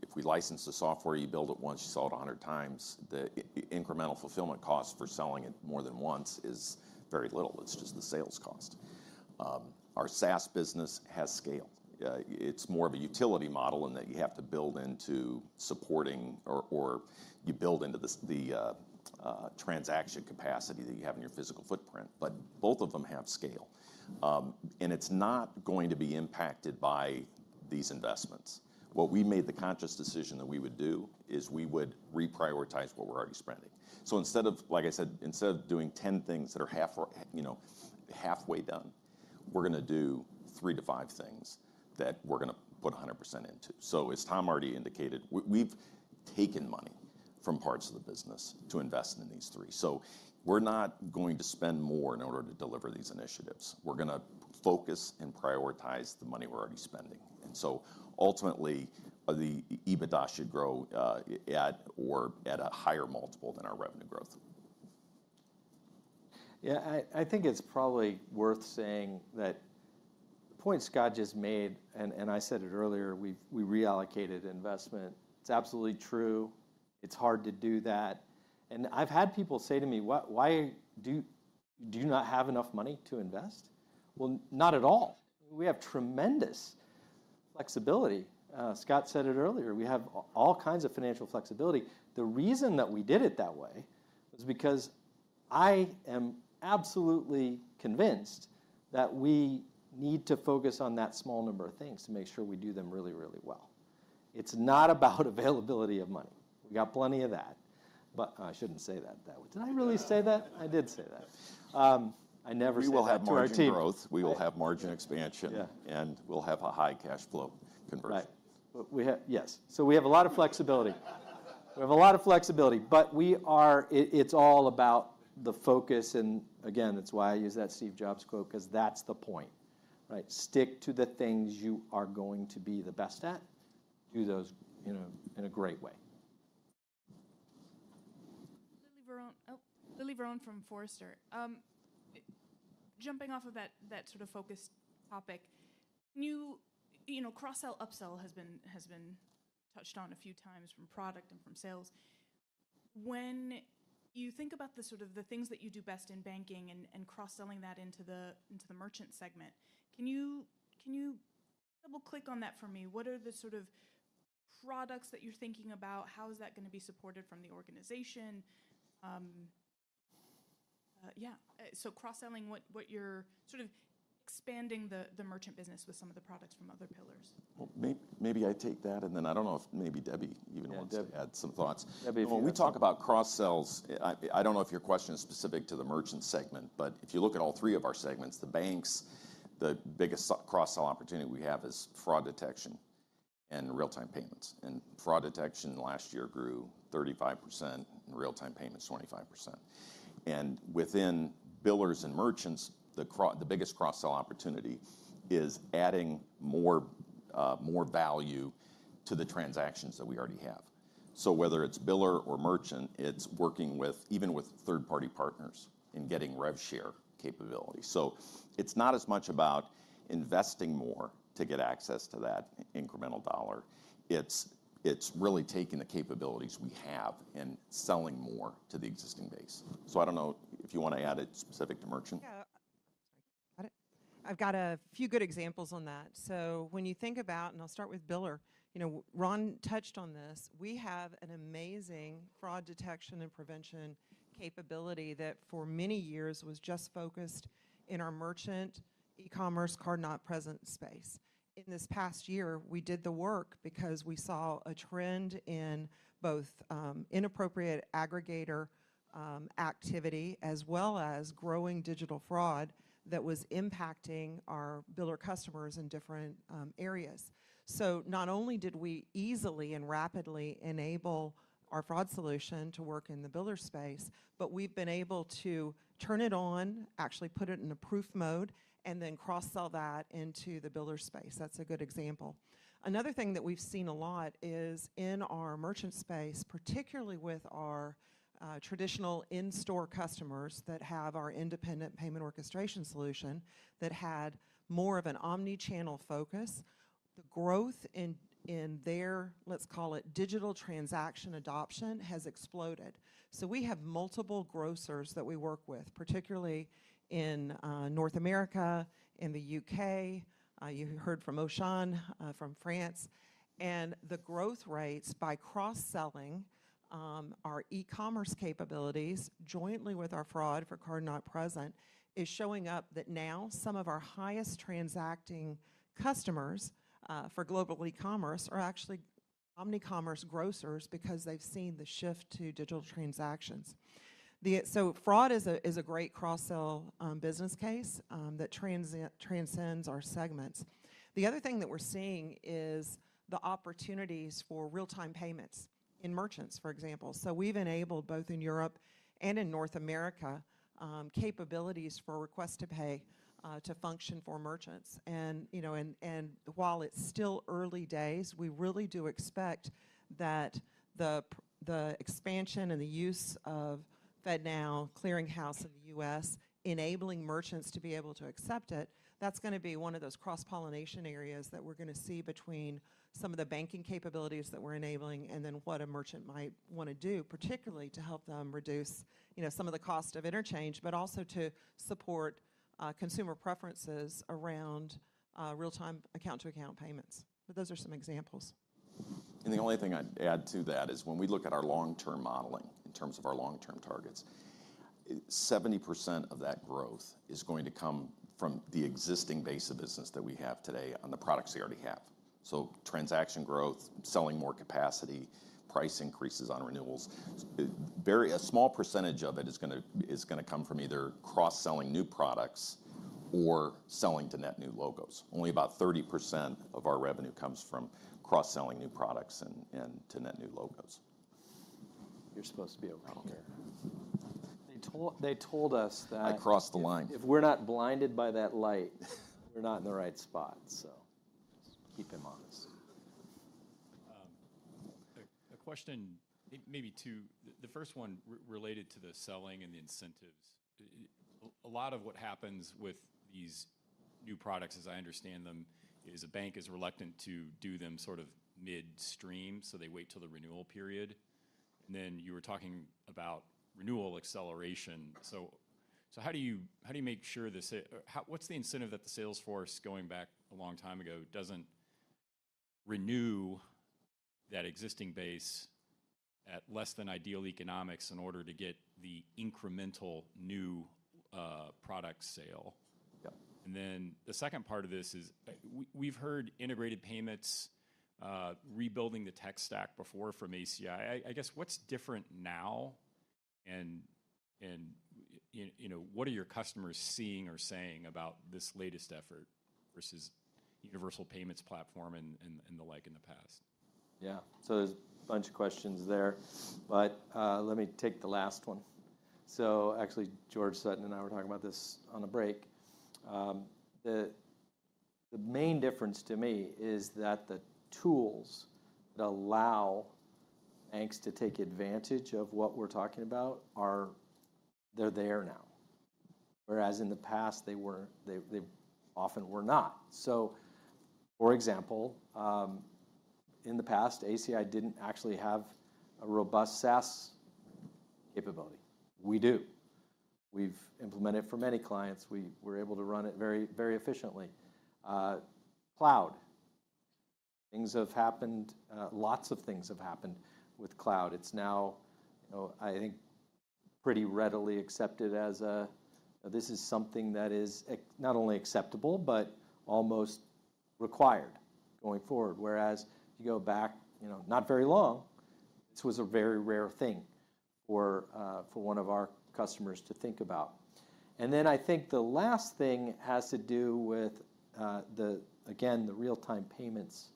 if we license the software, you build it once. You sell it 100 times. The incremental fulfillment cost for selling it more than once is very little. It's just the sales cost. Our SaaS business has scale. It's more of a utility model in that you have to build into supporting, or you build into the transaction capacity that you have in your physical footprint. But both of them have scale. And it's not going to be impacted by these investments. What we made the conscious decision that we would do is we would reprioritize what we're already spending. So instead of, like I said, instead of doing 10 things that are half or, you know, halfway done, we're gonna do 3-5 things that we're gonna put 100% into. So as Tom already indicated, we, we've taken money from parts of the business to invest in these three. So we're not going to spend more in order to deliver these initiatives. We're gonna focus and prioritize the money we're already spending. And so ultimately, the EBITDA should grow at or at a higher multiple than our revenue growth.
Yeah. I think it's probably worth saying that the point Scott just made and I said it earlier, we've reallocated investment. It's absolutely true. It's hard to do that. I've had people say to me, "What, why do you not have enough money to invest?" Well, not at all. We have tremendous flexibility. Scott said it earlier. We have all kinds of financial flexibility. The reason that we did it that way was because I am absolutely convinced that we need to focus on that small number of things to make sure we do them really, really well. It's not about availability of money. We got plenty of that. I shouldn't say that that way. Did I really say that? I did say that. I never said to our team.
We will have margin growth. We will have margin expansion.
Yeah.
We'll have a high cash flow conversion.
Right. But we have, yes. So we have a lot of flexibility. We have a lot of flexibility. But we are it, it's all about the focus. And again, it's why I use that Steve Jobs quote 'cause that's the point, right? Stick to the things you are going to be the best at. Do those, you know, in a great way.
Lily Varon, oh, Lily Varon from Forrester. Jumping off of that, that sort of focused topic, can you, you know, cross-sell, upsell has been touched on a few times from product and from sales. When you think about the sort of things that you do best in banking and cross-selling that into the merchant segment, can you double-click on that for me? What are the sort of products that you're thinking about? How is that gonna be supported from the organization? Yeah. So cross-selling what you're sort of expanding the merchant business with some of the products from other pillars.
Well, maybe, maybe I take that. And then I don't know if maybe Debbie even wants to add some thoughts.
Yeah. Debbie, if you're okay.
Well, we talk about cross-sells. I, I don't know if your question is specific to the merchant segment. But if you look at all three of our segments, the banks, the biggest cross-sell opportunity we have is fraud detection and real-time payments. And fraud detection last year grew 35% and real-time payments 25%. And within billers and merchants, the cross the biggest cross-sell opportunity is adding more, more value to the transactions that we already have. So whether it's biller or merchant, it's working with even with third-party partners in getting rev share capability. So it's not as much about investing more to get access to that incremental dollar. It's, it's really taking the capabilities we have and selling more to the existing base. So I don't know if you wanna add it specific to merchant.
Yeah. Sorry. Got it. I've got a few good examples on that. So when you think about and I'll start with biller. You know, Ron touched on this. We have an amazing fraud detection and prevention capability that for many years was just focused in our merchant e-commerce card-not-present space. In this past year, we did the work because we saw a trend in both inappropriate aggregator activity as well as growing digital fraud that was impacting our biller customers in different areas. So not only did we easily and rapidly enable our fraud solution to work in the biller space, but we've been able to turn it on, actually put it in a proof mode, and then cross-sell that into the biller space. That's a good example. Another thing that we've seen a lot is in our merchant space, particularly with our traditional in-store customers that have our independent payment orchestration solution that had more of an omnichannel focus, the growth in their let's call it digital transaction adoption has exploded. So we have multiple grocers that we work with, particularly in North America, in the UK. You heard from Auchan, from France. And the growth rates by cross-selling our e-commerce capabilities jointly with our fraud for card-not-present is showing up that now some of our highest transacting customers for global e-commerce are actually omnicommerce grocers because they've seen the shift to digital transactions. The fraud is a great cross-sell business case that transcends our segments. The other thing that we're seeing is the opportunities for real-time payments in merchants, for example. So we've enabled both in Europe and in North America, capabilities for request-to-pay, to function for merchants. And, you know, while it's still early days, we really do expect that the expansion and the use of FedNow The Clearing House in the US, enabling merchants to be able to accept it, that's gonna be one of those cross-pollination areas that we're gonna see between some of the banking capabilities that we're enabling and then what a merchant might wanna do, particularly to help them reduce, you know, some of the cost of interchange but also to support consumer preferences around real-time account-to-account payments. But those are some examples.
The only thing I'd add to that is when we look at our long-term modeling in terms of our long-term targets, 70% of that growth is going to come from the existing base of business that we have today on the products we already have. So transaction growth, selling more capacity, price increases on renewals. Very small percentage of it is gonna come from either cross-selling new products or selling to net new logos. Only about 30% of our revenue comes from cross-selling new products and to net new logos.
You're supposed to be over here. They told us that.
I crossed the line.
If we're not blinded by that light, we're not in the right spot. Just keep him honest.
A question, maybe two. The first one related to the selling and the incentives. A lot of what happens with these new products, as I understand them, is a bank is reluctant to do them sort of midstream. So they wait till the renewal period. And then you were talking about renewal acceleration. So how do you make sure the sales force? What's the incentive that the sales force, going back a long time ago, doesn't renew that existing base at less than ideal economics in order to get the incremental new product sale?
Yep.
And then the second part of this is we've heard integrated payments, rebuilding the tech stack before from ACI. I guess what's different now? And you know, what are your customers seeing or saying about this latest effort versus universal payments platform and the like in the past?
Yeah. So there's a bunch of questions there. But, let me take the last one. So actually, George Sutton and I were talking about this on a break. The main difference to me is that the tools that allow banks to take advantage of what we're talking about are there now. Whereas in the past, they often were not. So for example, in the past, ACI didn't actually have a robust SaaS capability. We do. We've implemented it for many clients. We were able to run it very, very efficiently. Cloud. Things have happened lots of things have happened with cloud. It's now, you know, I think pretty readily accepted as this is something that is not only acceptable but almost required going forward. Whereas if you go back, you know, not very long, this was a very rare thing for one of our customers to think about. And then I think the last thing has to do with, again, the real-time payments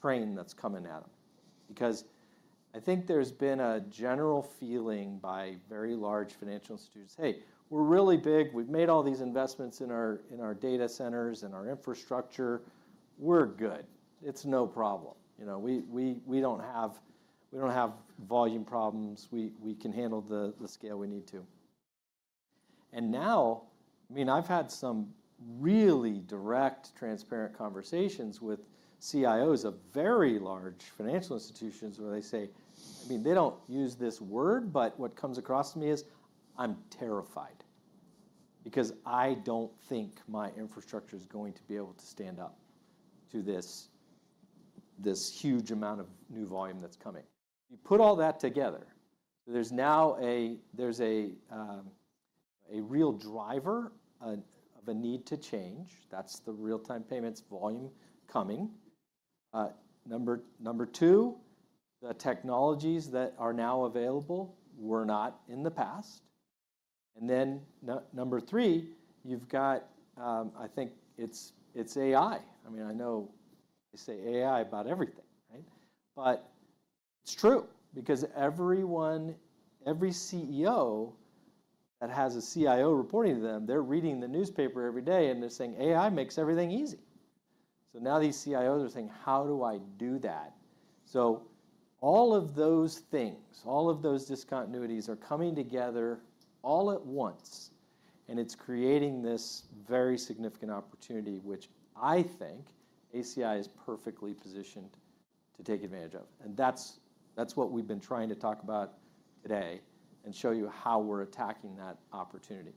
train that's coming at them. Because I think there's been a general feeling by very large financial institutions, "Hey, we're really big. We've made all these investments in our data centers and our infrastructure. We're good. It's no problem. You know, we don't have volume problems. We can handle the scale we need to." And now, I mean, I've had some really direct, transparent conversations with CIOs of very large financial institutions where they say I mean, they don't use this word, but what comes across to me is, "I'm terrified because I don't think my infrastructure is going to be able to stand up to this huge amount of new volume that's coming." You put all that together, there's now a real driver of a need to change. That's the real-time payments volume coming. Number two, the technologies that are now available were not in the past. And then number three, you've got, I think it's AI. I mean, I know they say AI about everything, right? But it's true because every CEO that has a CIO reporting to them, they're reading the newspaper every day, and they're saying, "AI makes everything easy." So now these CIOs are saying, "How do I do that?" So all of those things, all of those discontinuities are coming together all at once. And it's creating this very significant opportunity which I think ACI is perfectly positioned to take advantage of. And that's, that's what we've been trying to talk about today and show you how we're attacking that opportunity.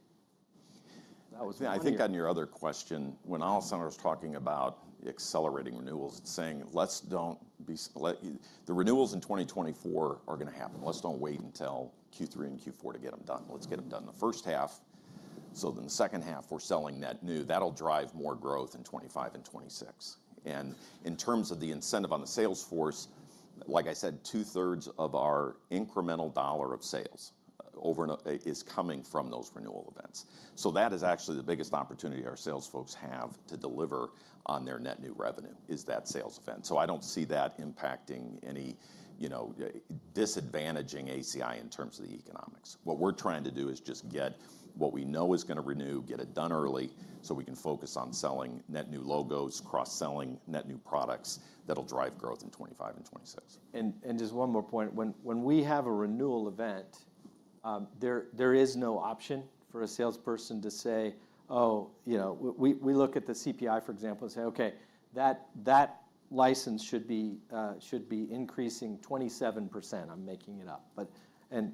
That was yeah. I think on your other question, when Alessandro was talking about accelerating renewals, it's saying, "Let's not split the renewals in 2024 that are gonna happen. Let's not wait until Q3 and Q4 to get them done. Let's get them done in the first half. So then the second half, we're selling net new. That'll drive more growth in 2025 and 2026." And in terms of the incentive on the Salesforce, like I said, two-thirds of our incremental dollar of sales over plan is coming from those renewal events. So that is actually the biggest opportunity our sales folks have to deliver on their net new revenue is that sales event. So I don't see that impacting any, you know, disadvantaging ACI in terms of the economics. What we're trying to do is just get what we know is gonna renew, get it done early so we can focus on selling net new logos, cross-selling net new products that'll drive growth in 2025 and 2026.
And just one more point. When we have a renewal event, there is no option for a salesperson to say, "Oh, you know, we look at the CPI," for example, and say, "Okay. That license should be increasing 27%." I'm making it up. But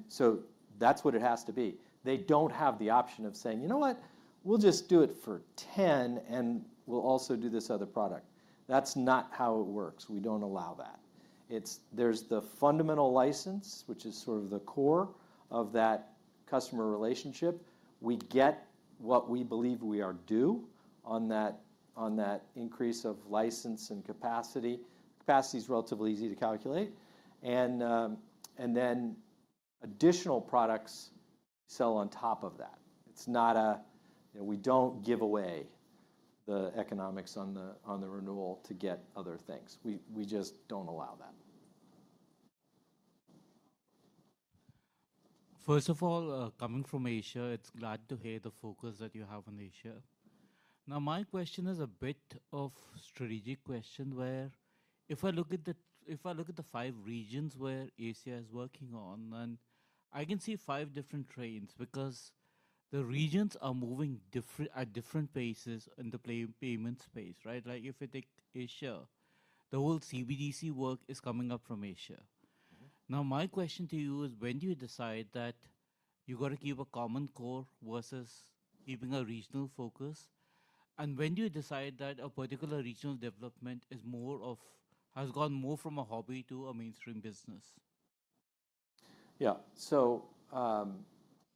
so that's what it has to be. They don't have the option of saying, "You know what? We'll just do it for 10%, and we'll also do this other product." That's not how it works. We don't allow that. There's the fundamental license, which is sort of the core of that customer relationship. We get what we believe we are due on that increase of license and capacity. Capacity's relatively easy to calculate. And then additional products sell on top of that. It's not a, you know, we don't give away the economics on the renewal to get other things. We just don't allow that.
First of all, coming from Asia, I'm glad to hear the focus that you have on Asia. Now, my question is a bit of strategic question where if I look at the five regions where ACI is working on, then I can see five different trends because the regions are moving at different paces in the payment space, right? Like if you take Asia, the whole CBDC work is coming up from Asia. Now, my question to you is, when do you decide that you gotta keep a common core versus keeping a regional focus? And when do you decide that a particular regional development has gone from a hobby to a mainstream business?
Yeah. So,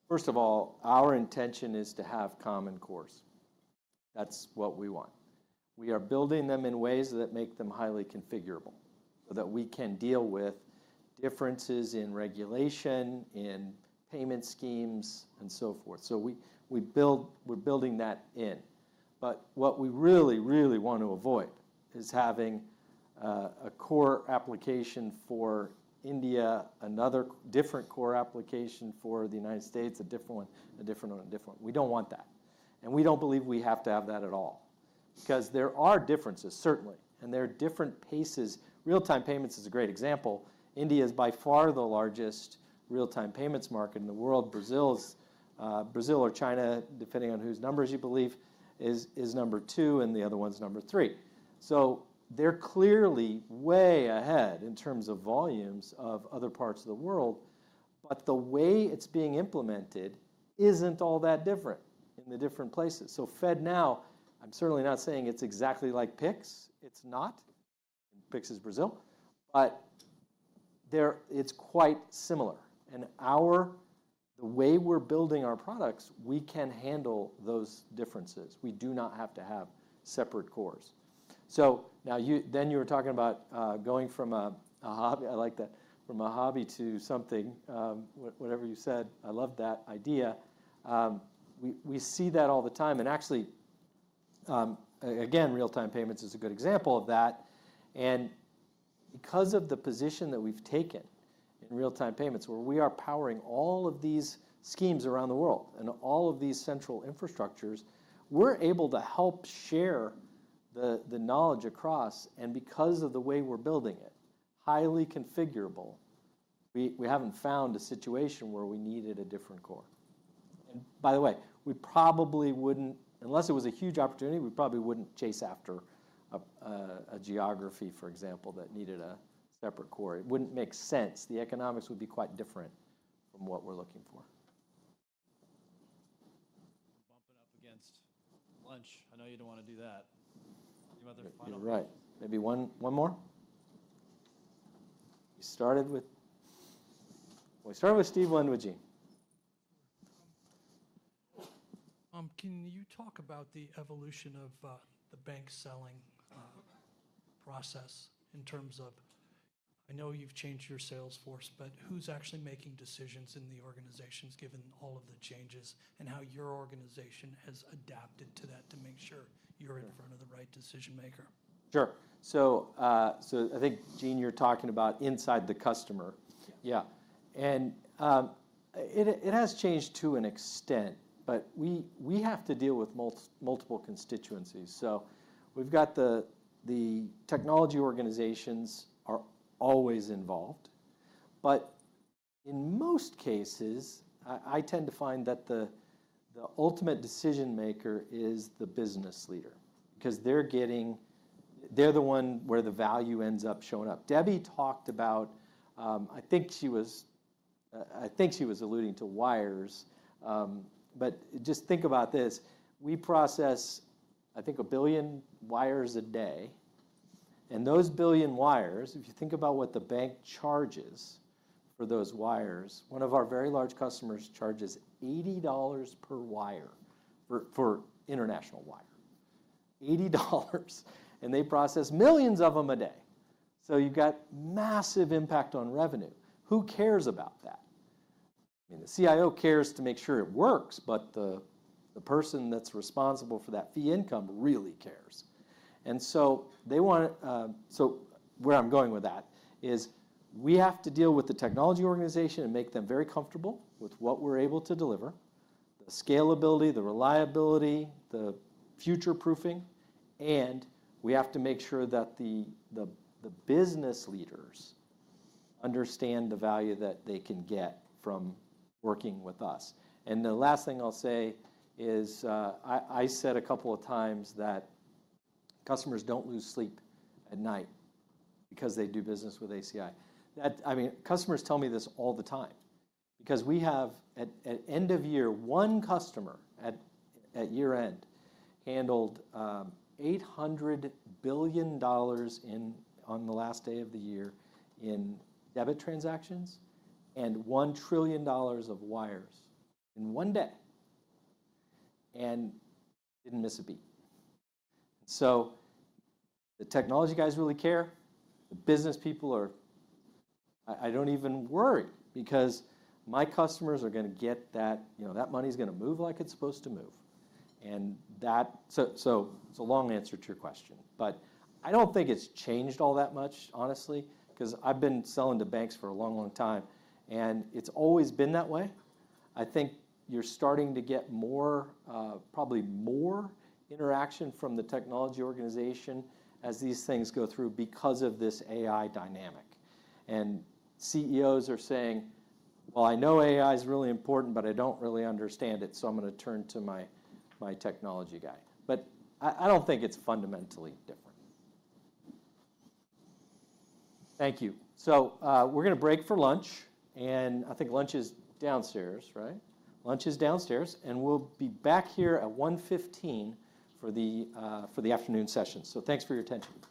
first of all, our intention is to have common core. That's what we want. We are building them in ways that make them highly configurable so that we can deal with differences in regulation, in payment schemes, and so forth. So we, we're building that in. But what we really, really wanna avoid is having a core application for India, another different core application for the United States, a different one, a different one, a different one. We don't want that. And we don't believe we have to have that at all because there are differences, certainly. And there are different paces. Real-time payments is a great example. India is by far the largest real-time payments market in the world. Brazil or China, depending on whose numbers you believe, is number two, and the other one's number three. So they're clearly way ahead in terms of volumes of other parts of the world. But the way it's being implemented isn't all that different in the different places. So FedNow, I'm certainly not saying it's exactly like Pix. It's not. Pix is Brazil. But there it's quite similar. And the way we're building our products, we can handle those differences. We do not have to have separate cores. So now, then you were talking about going from a hobby. I like that. From a hobby to something, whatever you said. I love that idea. We see that all the time. And actually, again, real-time payments is a good example of that. Because of the position that we've taken in real-time payments where we are powering all of these schemes around the world and all of these central infrastructures, we're able to help share the knowledge across. Because of the way we're building it, highly configurable, we haven't found a situation where we needed a different core. And by the way, we probably wouldn't unless it was a huge opportunity. We probably wouldn't chase after a geography, for example, that needed a separate core. It wouldn't make sense. The economics would be quite different from what we're looking for.
Bumping up against lunch. I know you don't wanna do that. Do you have other final?
You're right. Maybe one more? We started with well.
Can you talk about the evolution of the bank selling process in terms of I know you've changed your Salesforce, but who's actually making decisions in the organizations given all of the changes and how your organization has adapted to that to make sure you're in front of the right decision maker?
Sure. So, I think, Gene, you're talking about inside the customer.
Yeah.
Yeah. And it has changed to an extent. But we have to deal with multiple constituencies. So we've got the technology organizations are always involved. But in most cases, I tend to find that the ultimate decision maker is the business leader because they're the one where the value ends up showing up. Debbie talked about. I think she was alluding to wires. But just think about this. We process, I think, a billion wires a day. And those billion wires if you think about what the bank charges for those wires one of our very large customers charges $80 per wire for international wire. $80. And they process millions of them a day. So you've got massive impact on revenue. Who cares about that? I mean, the CIO cares to make sure it works. The person that's responsible for that fee income really cares. So they wanna, so where I'm going with that is we have to deal with the technology organization and make them very comfortable with what we're able to deliver, the scalability, the reliability, the future-proofing. We have to make sure that the business leaders understand the value that they can get from working with us. The last thing I'll say is I said a couple of times that customers don't lose sleep at night because they do business with ACI. I mean, customers tell me this all the time because we have, at end of year, one customer at year-end handled $800 billion in on the last day of the year in debit transactions and $1 trillion of wires in one day and didn't miss a beat. And so the technology guys really care. The business people are I, I don't even worry because my customers are gonna get that you know, that money's gonna move like it's supposed to move. And that so, so it's a long answer to your question. But I don't think it's changed all that much, honestly, because I've been selling to banks for a long, long time. And it's always been that way. I think you're starting to get more, probably more interaction from the technology organization as these things go through because of this AI dynamic. And CEOs are saying, "Well, I know AI's really important, but I don't really understand it. So I'm gonna turn to my, my technology guy." But I, I don't think it's fundamentally different. Thank you. So, we're gonna break for lunch. And I think lunch is downstairs, right? Lunch is downstairs. We'll be back here at 1:15 P.M. for the afternoon session. Thanks for your attention.